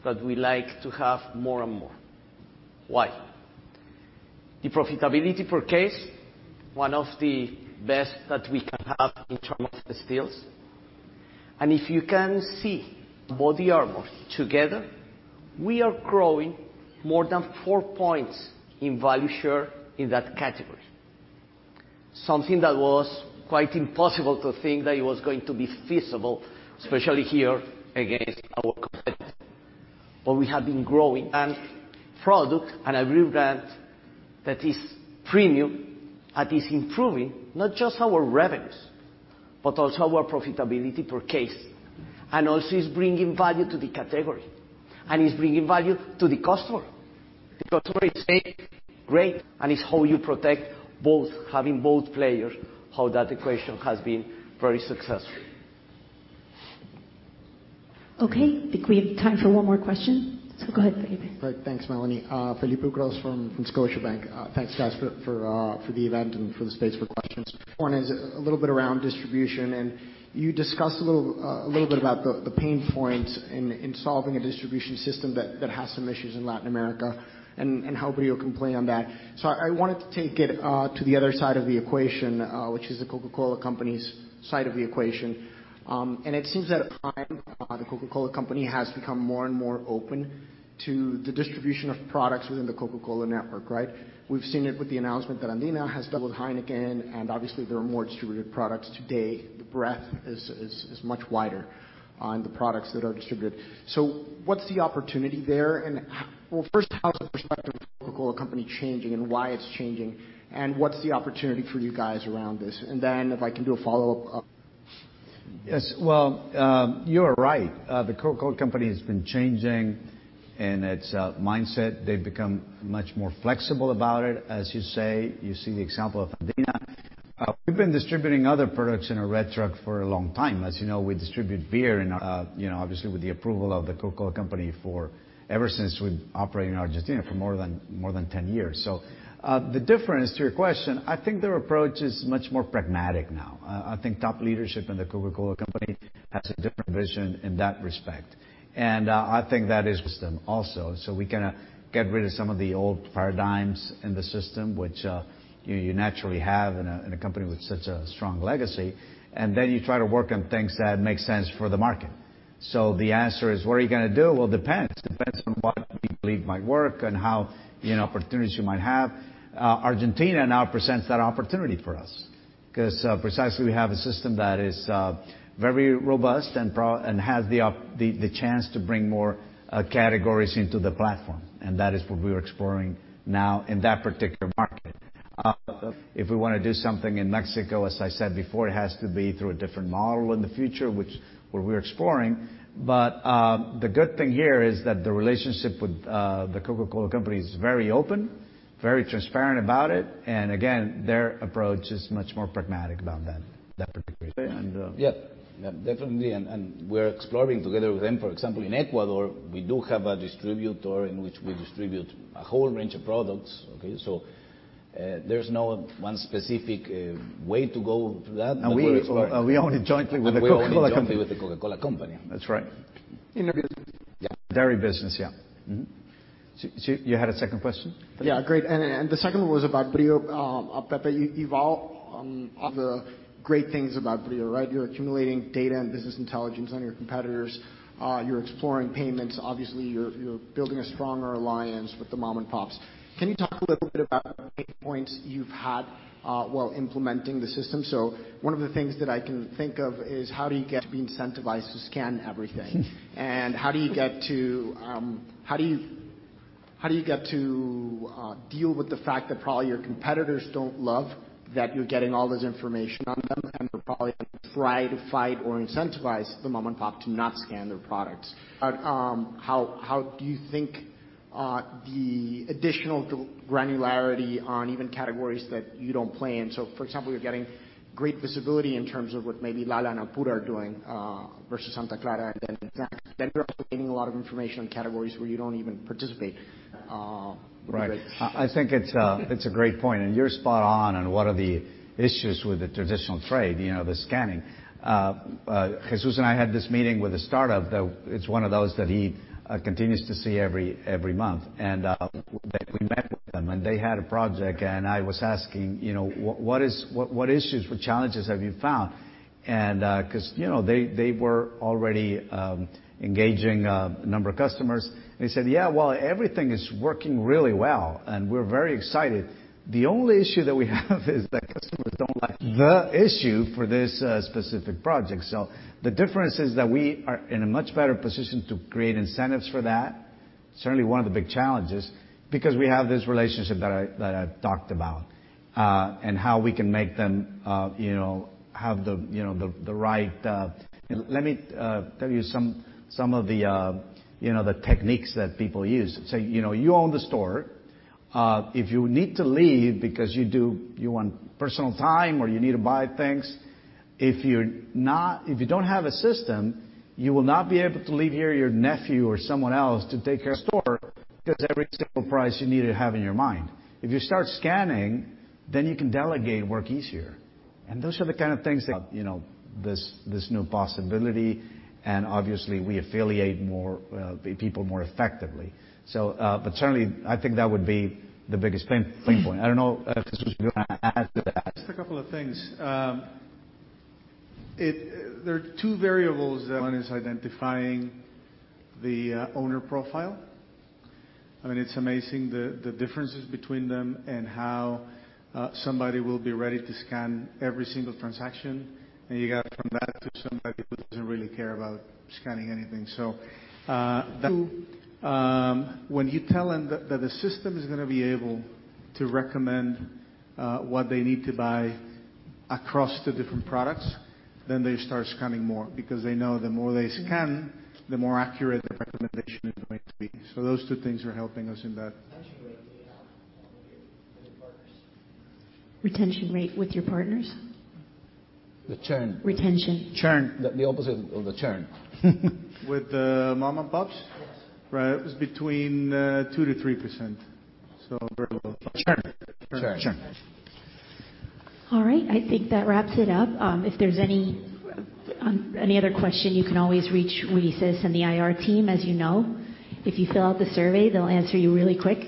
Speaker 10: that we like to have more and more. Why? The profitability per case, one of the best that we can have in terms of sales. If you can see BODYARMOR together, we are growing more than four points in value share in that category. Something that was quite impossible to think that it was going to be feasible, especially here against our competitors. We have been growing and product and a brand that is premium and is improving not just our revenues, but also our profitability per case, and also is bringing value to the category and is bringing value to the customer.
Speaker 4: The customer is saying, "Great," and it's how you protect both, having both players, how that equation has been very successful.
Speaker 1: Okay, I think we have time for one more question. Go ahead.
Speaker 18: Great. Thanks, Melanie. Filippo Gross from Scotiabank. Thanks, guys, for the event and for the space for questions. One is a little bit around distribution. You discussed a little bit about the pain points in solving a distribution system that has some issues in Latin America and how Brío can play on that. I wanted to take it to the other side of the equation, which is The Coca-Cola Company's side of the equation. It seems that of late, The Coca-Cola Company has become more and more open to the distribution of products within the Coca-Cola network, right? We've seen it with the announcement that Embotelladora Andina has done with Heineken. Obviously, there are more distributed products today. The breadth is much wider on the products that are distributed. What's the opportunity there? Well, first, how is the perspective of The Coca-Cola Company changing and why it's changing, and what's the opportunity for you guys around this? Then if I can do a follow-up.
Speaker 3: Yes. Well, you are right. The Coca-Cola Company has been changing in its mindset. They've become much more flexible about it, as you say. You see the example of Andina. We've been distributing other products in a red truck for a long time. As you know, we distribute beer obviously with the approval of The Coca-Cola Company ever since we operate in Argentina for more than 10 years. The difference to your question, I think their approach is much more pragmatic now. I think top leadership in The Coca-Cola Company has a different vision in that respect, and I think that is with them also. We can get rid of some of the old paradigms in the system, which you naturally have in a company with such a strong legacy, and then you try to work on things that make sense for the market. The answer is, what are you going to do? Well, depends. Depends on what you believe might work and how opportunities you might have. Argentina now presents that opportunity for us because precisely we have a system that is very robust and has the chance to bring more categories into the platform. That is what we're exploring now in that particular market. If we want to do something in Mexico, as I said before, it has to be through a different model in the future, which we're exploring. The good thing here is that the relationship with The Coca-Cola Company is very open, very transparent about it. Again, their approach is much more pragmatic about that particular issue.
Speaker 4: Yeah. Definitely. We're exploring together with them. For example, in Ecuador, we do have a distributor in which we distribute a whole range of products, okay? There's no one specific way to go through that.
Speaker 3: We own it jointly with The Coca-Cola Company.
Speaker 4: We own it jointly with The Coca-Cola Company.
Speaker 3: That's right.
Speaker 4: In the business.
Speaker 3: Dairy business. Yeah. Mm-hmm. You had a second question?
Speaker 18: Yeah. Great. The second one was about Brío. Pepe, you've all the great things about Brío, right? You're accumulating data and business intelligence on your competitors. You're exploring payments. Obviously, you're building a stronger alliance with the mom-and-pops. Can you talk a little bit about pain points you've had while implementing the system? One of the things that I can think of is how do you get to be incentivized to scan everything? How do you get to deal with the fact that probably your competitors don't love that you're getting all this information on them and they're probably going to try to fight or incentivize the mom-and-pop to not scan their products. How do you think the additional granularity on even categories that you don't play in? For example, you're getting great visibility in terms of what maybe Lala and Alpura are doing versus Santa Clara and then you're also getting a lot of information on categories where you don't even participate.
Speaker 3: Right. I think it's a great point, and you're spot on what are the issues with the traditional trade, the scanning. Jesús and I had this meeting with a startup that it's one of those that he continues to see every month. We met with them, and they had a project, and I was asking, "What issues, what challenges have you found?" Because they were already engaging a number of customers, and they said, "Yeah. Well, everything is working really well, and we're very excited. The only issue that we have is that customers don't like." The issue for this specific project. The difference is that we are in a much better position to create incentives for that. Certainly, one of the big challenges, because we have this relationship that I've talked about, and how we can make them have the right. Let me tell you some of the techniques that people use. Say, you own the store. If you need to leave because you want personal time, or you need to buy things. If you don't have a system, you will not be able to leave your nephew or someone else to take care of store, because every single price you need to have in your mind. If you start scanning, then you can delegate and work easier. Those are the kind of things that this new possibility, and obviously we affiliate people more effectively. Certainly, I think that would be the biggest pain point. I don't know, Jesús, if you want to add to that?
Speaker 5: Just a couple of things. There are two variables. One is identifying the owner profile. It's amazing the differences between them and how somebody will be ready to scan every single transaction, and you go from that to somebody who doesn't really care about scanning anything. Two, when you tell them that the system is going to be able to recommend what they need to buy across the different products, then they start scanning more, because they know the more they scan, the more accurate their recommendation is going to be. Those two things are helping us in that.
Speaker 1: Retention rate with your partners. Retention rate with your partners?
Speaker 3: The churn.
Speaker 1: Retention.
Speaker 3: Churn. The opposite, the churn.
Speaker 5: With the mom and pops?
Speaker 1: Yes.
Speaker 3: Right, it was between 2%-3%. Very low. Churn.
Speaker 5: Churn.
Speaker 3: Churn.
Speaker 1: All right. I think that wraps it up. If there's any other question, you can always reach Ulises and the IR team, as you know. If you fill out the survey, they'll answer you really quick.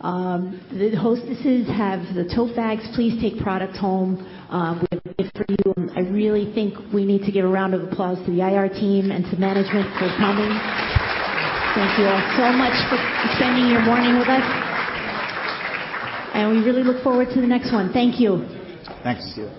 Speaker 1: The hostesses have the tote bags. Please take product home. We have gifts for you. I really think we need to give a round of applause to the IR team and to management for coming. Thank you all so much for spending your morning with us. We really look forward to the next one. Thank you.
Speaker 3: Thanks.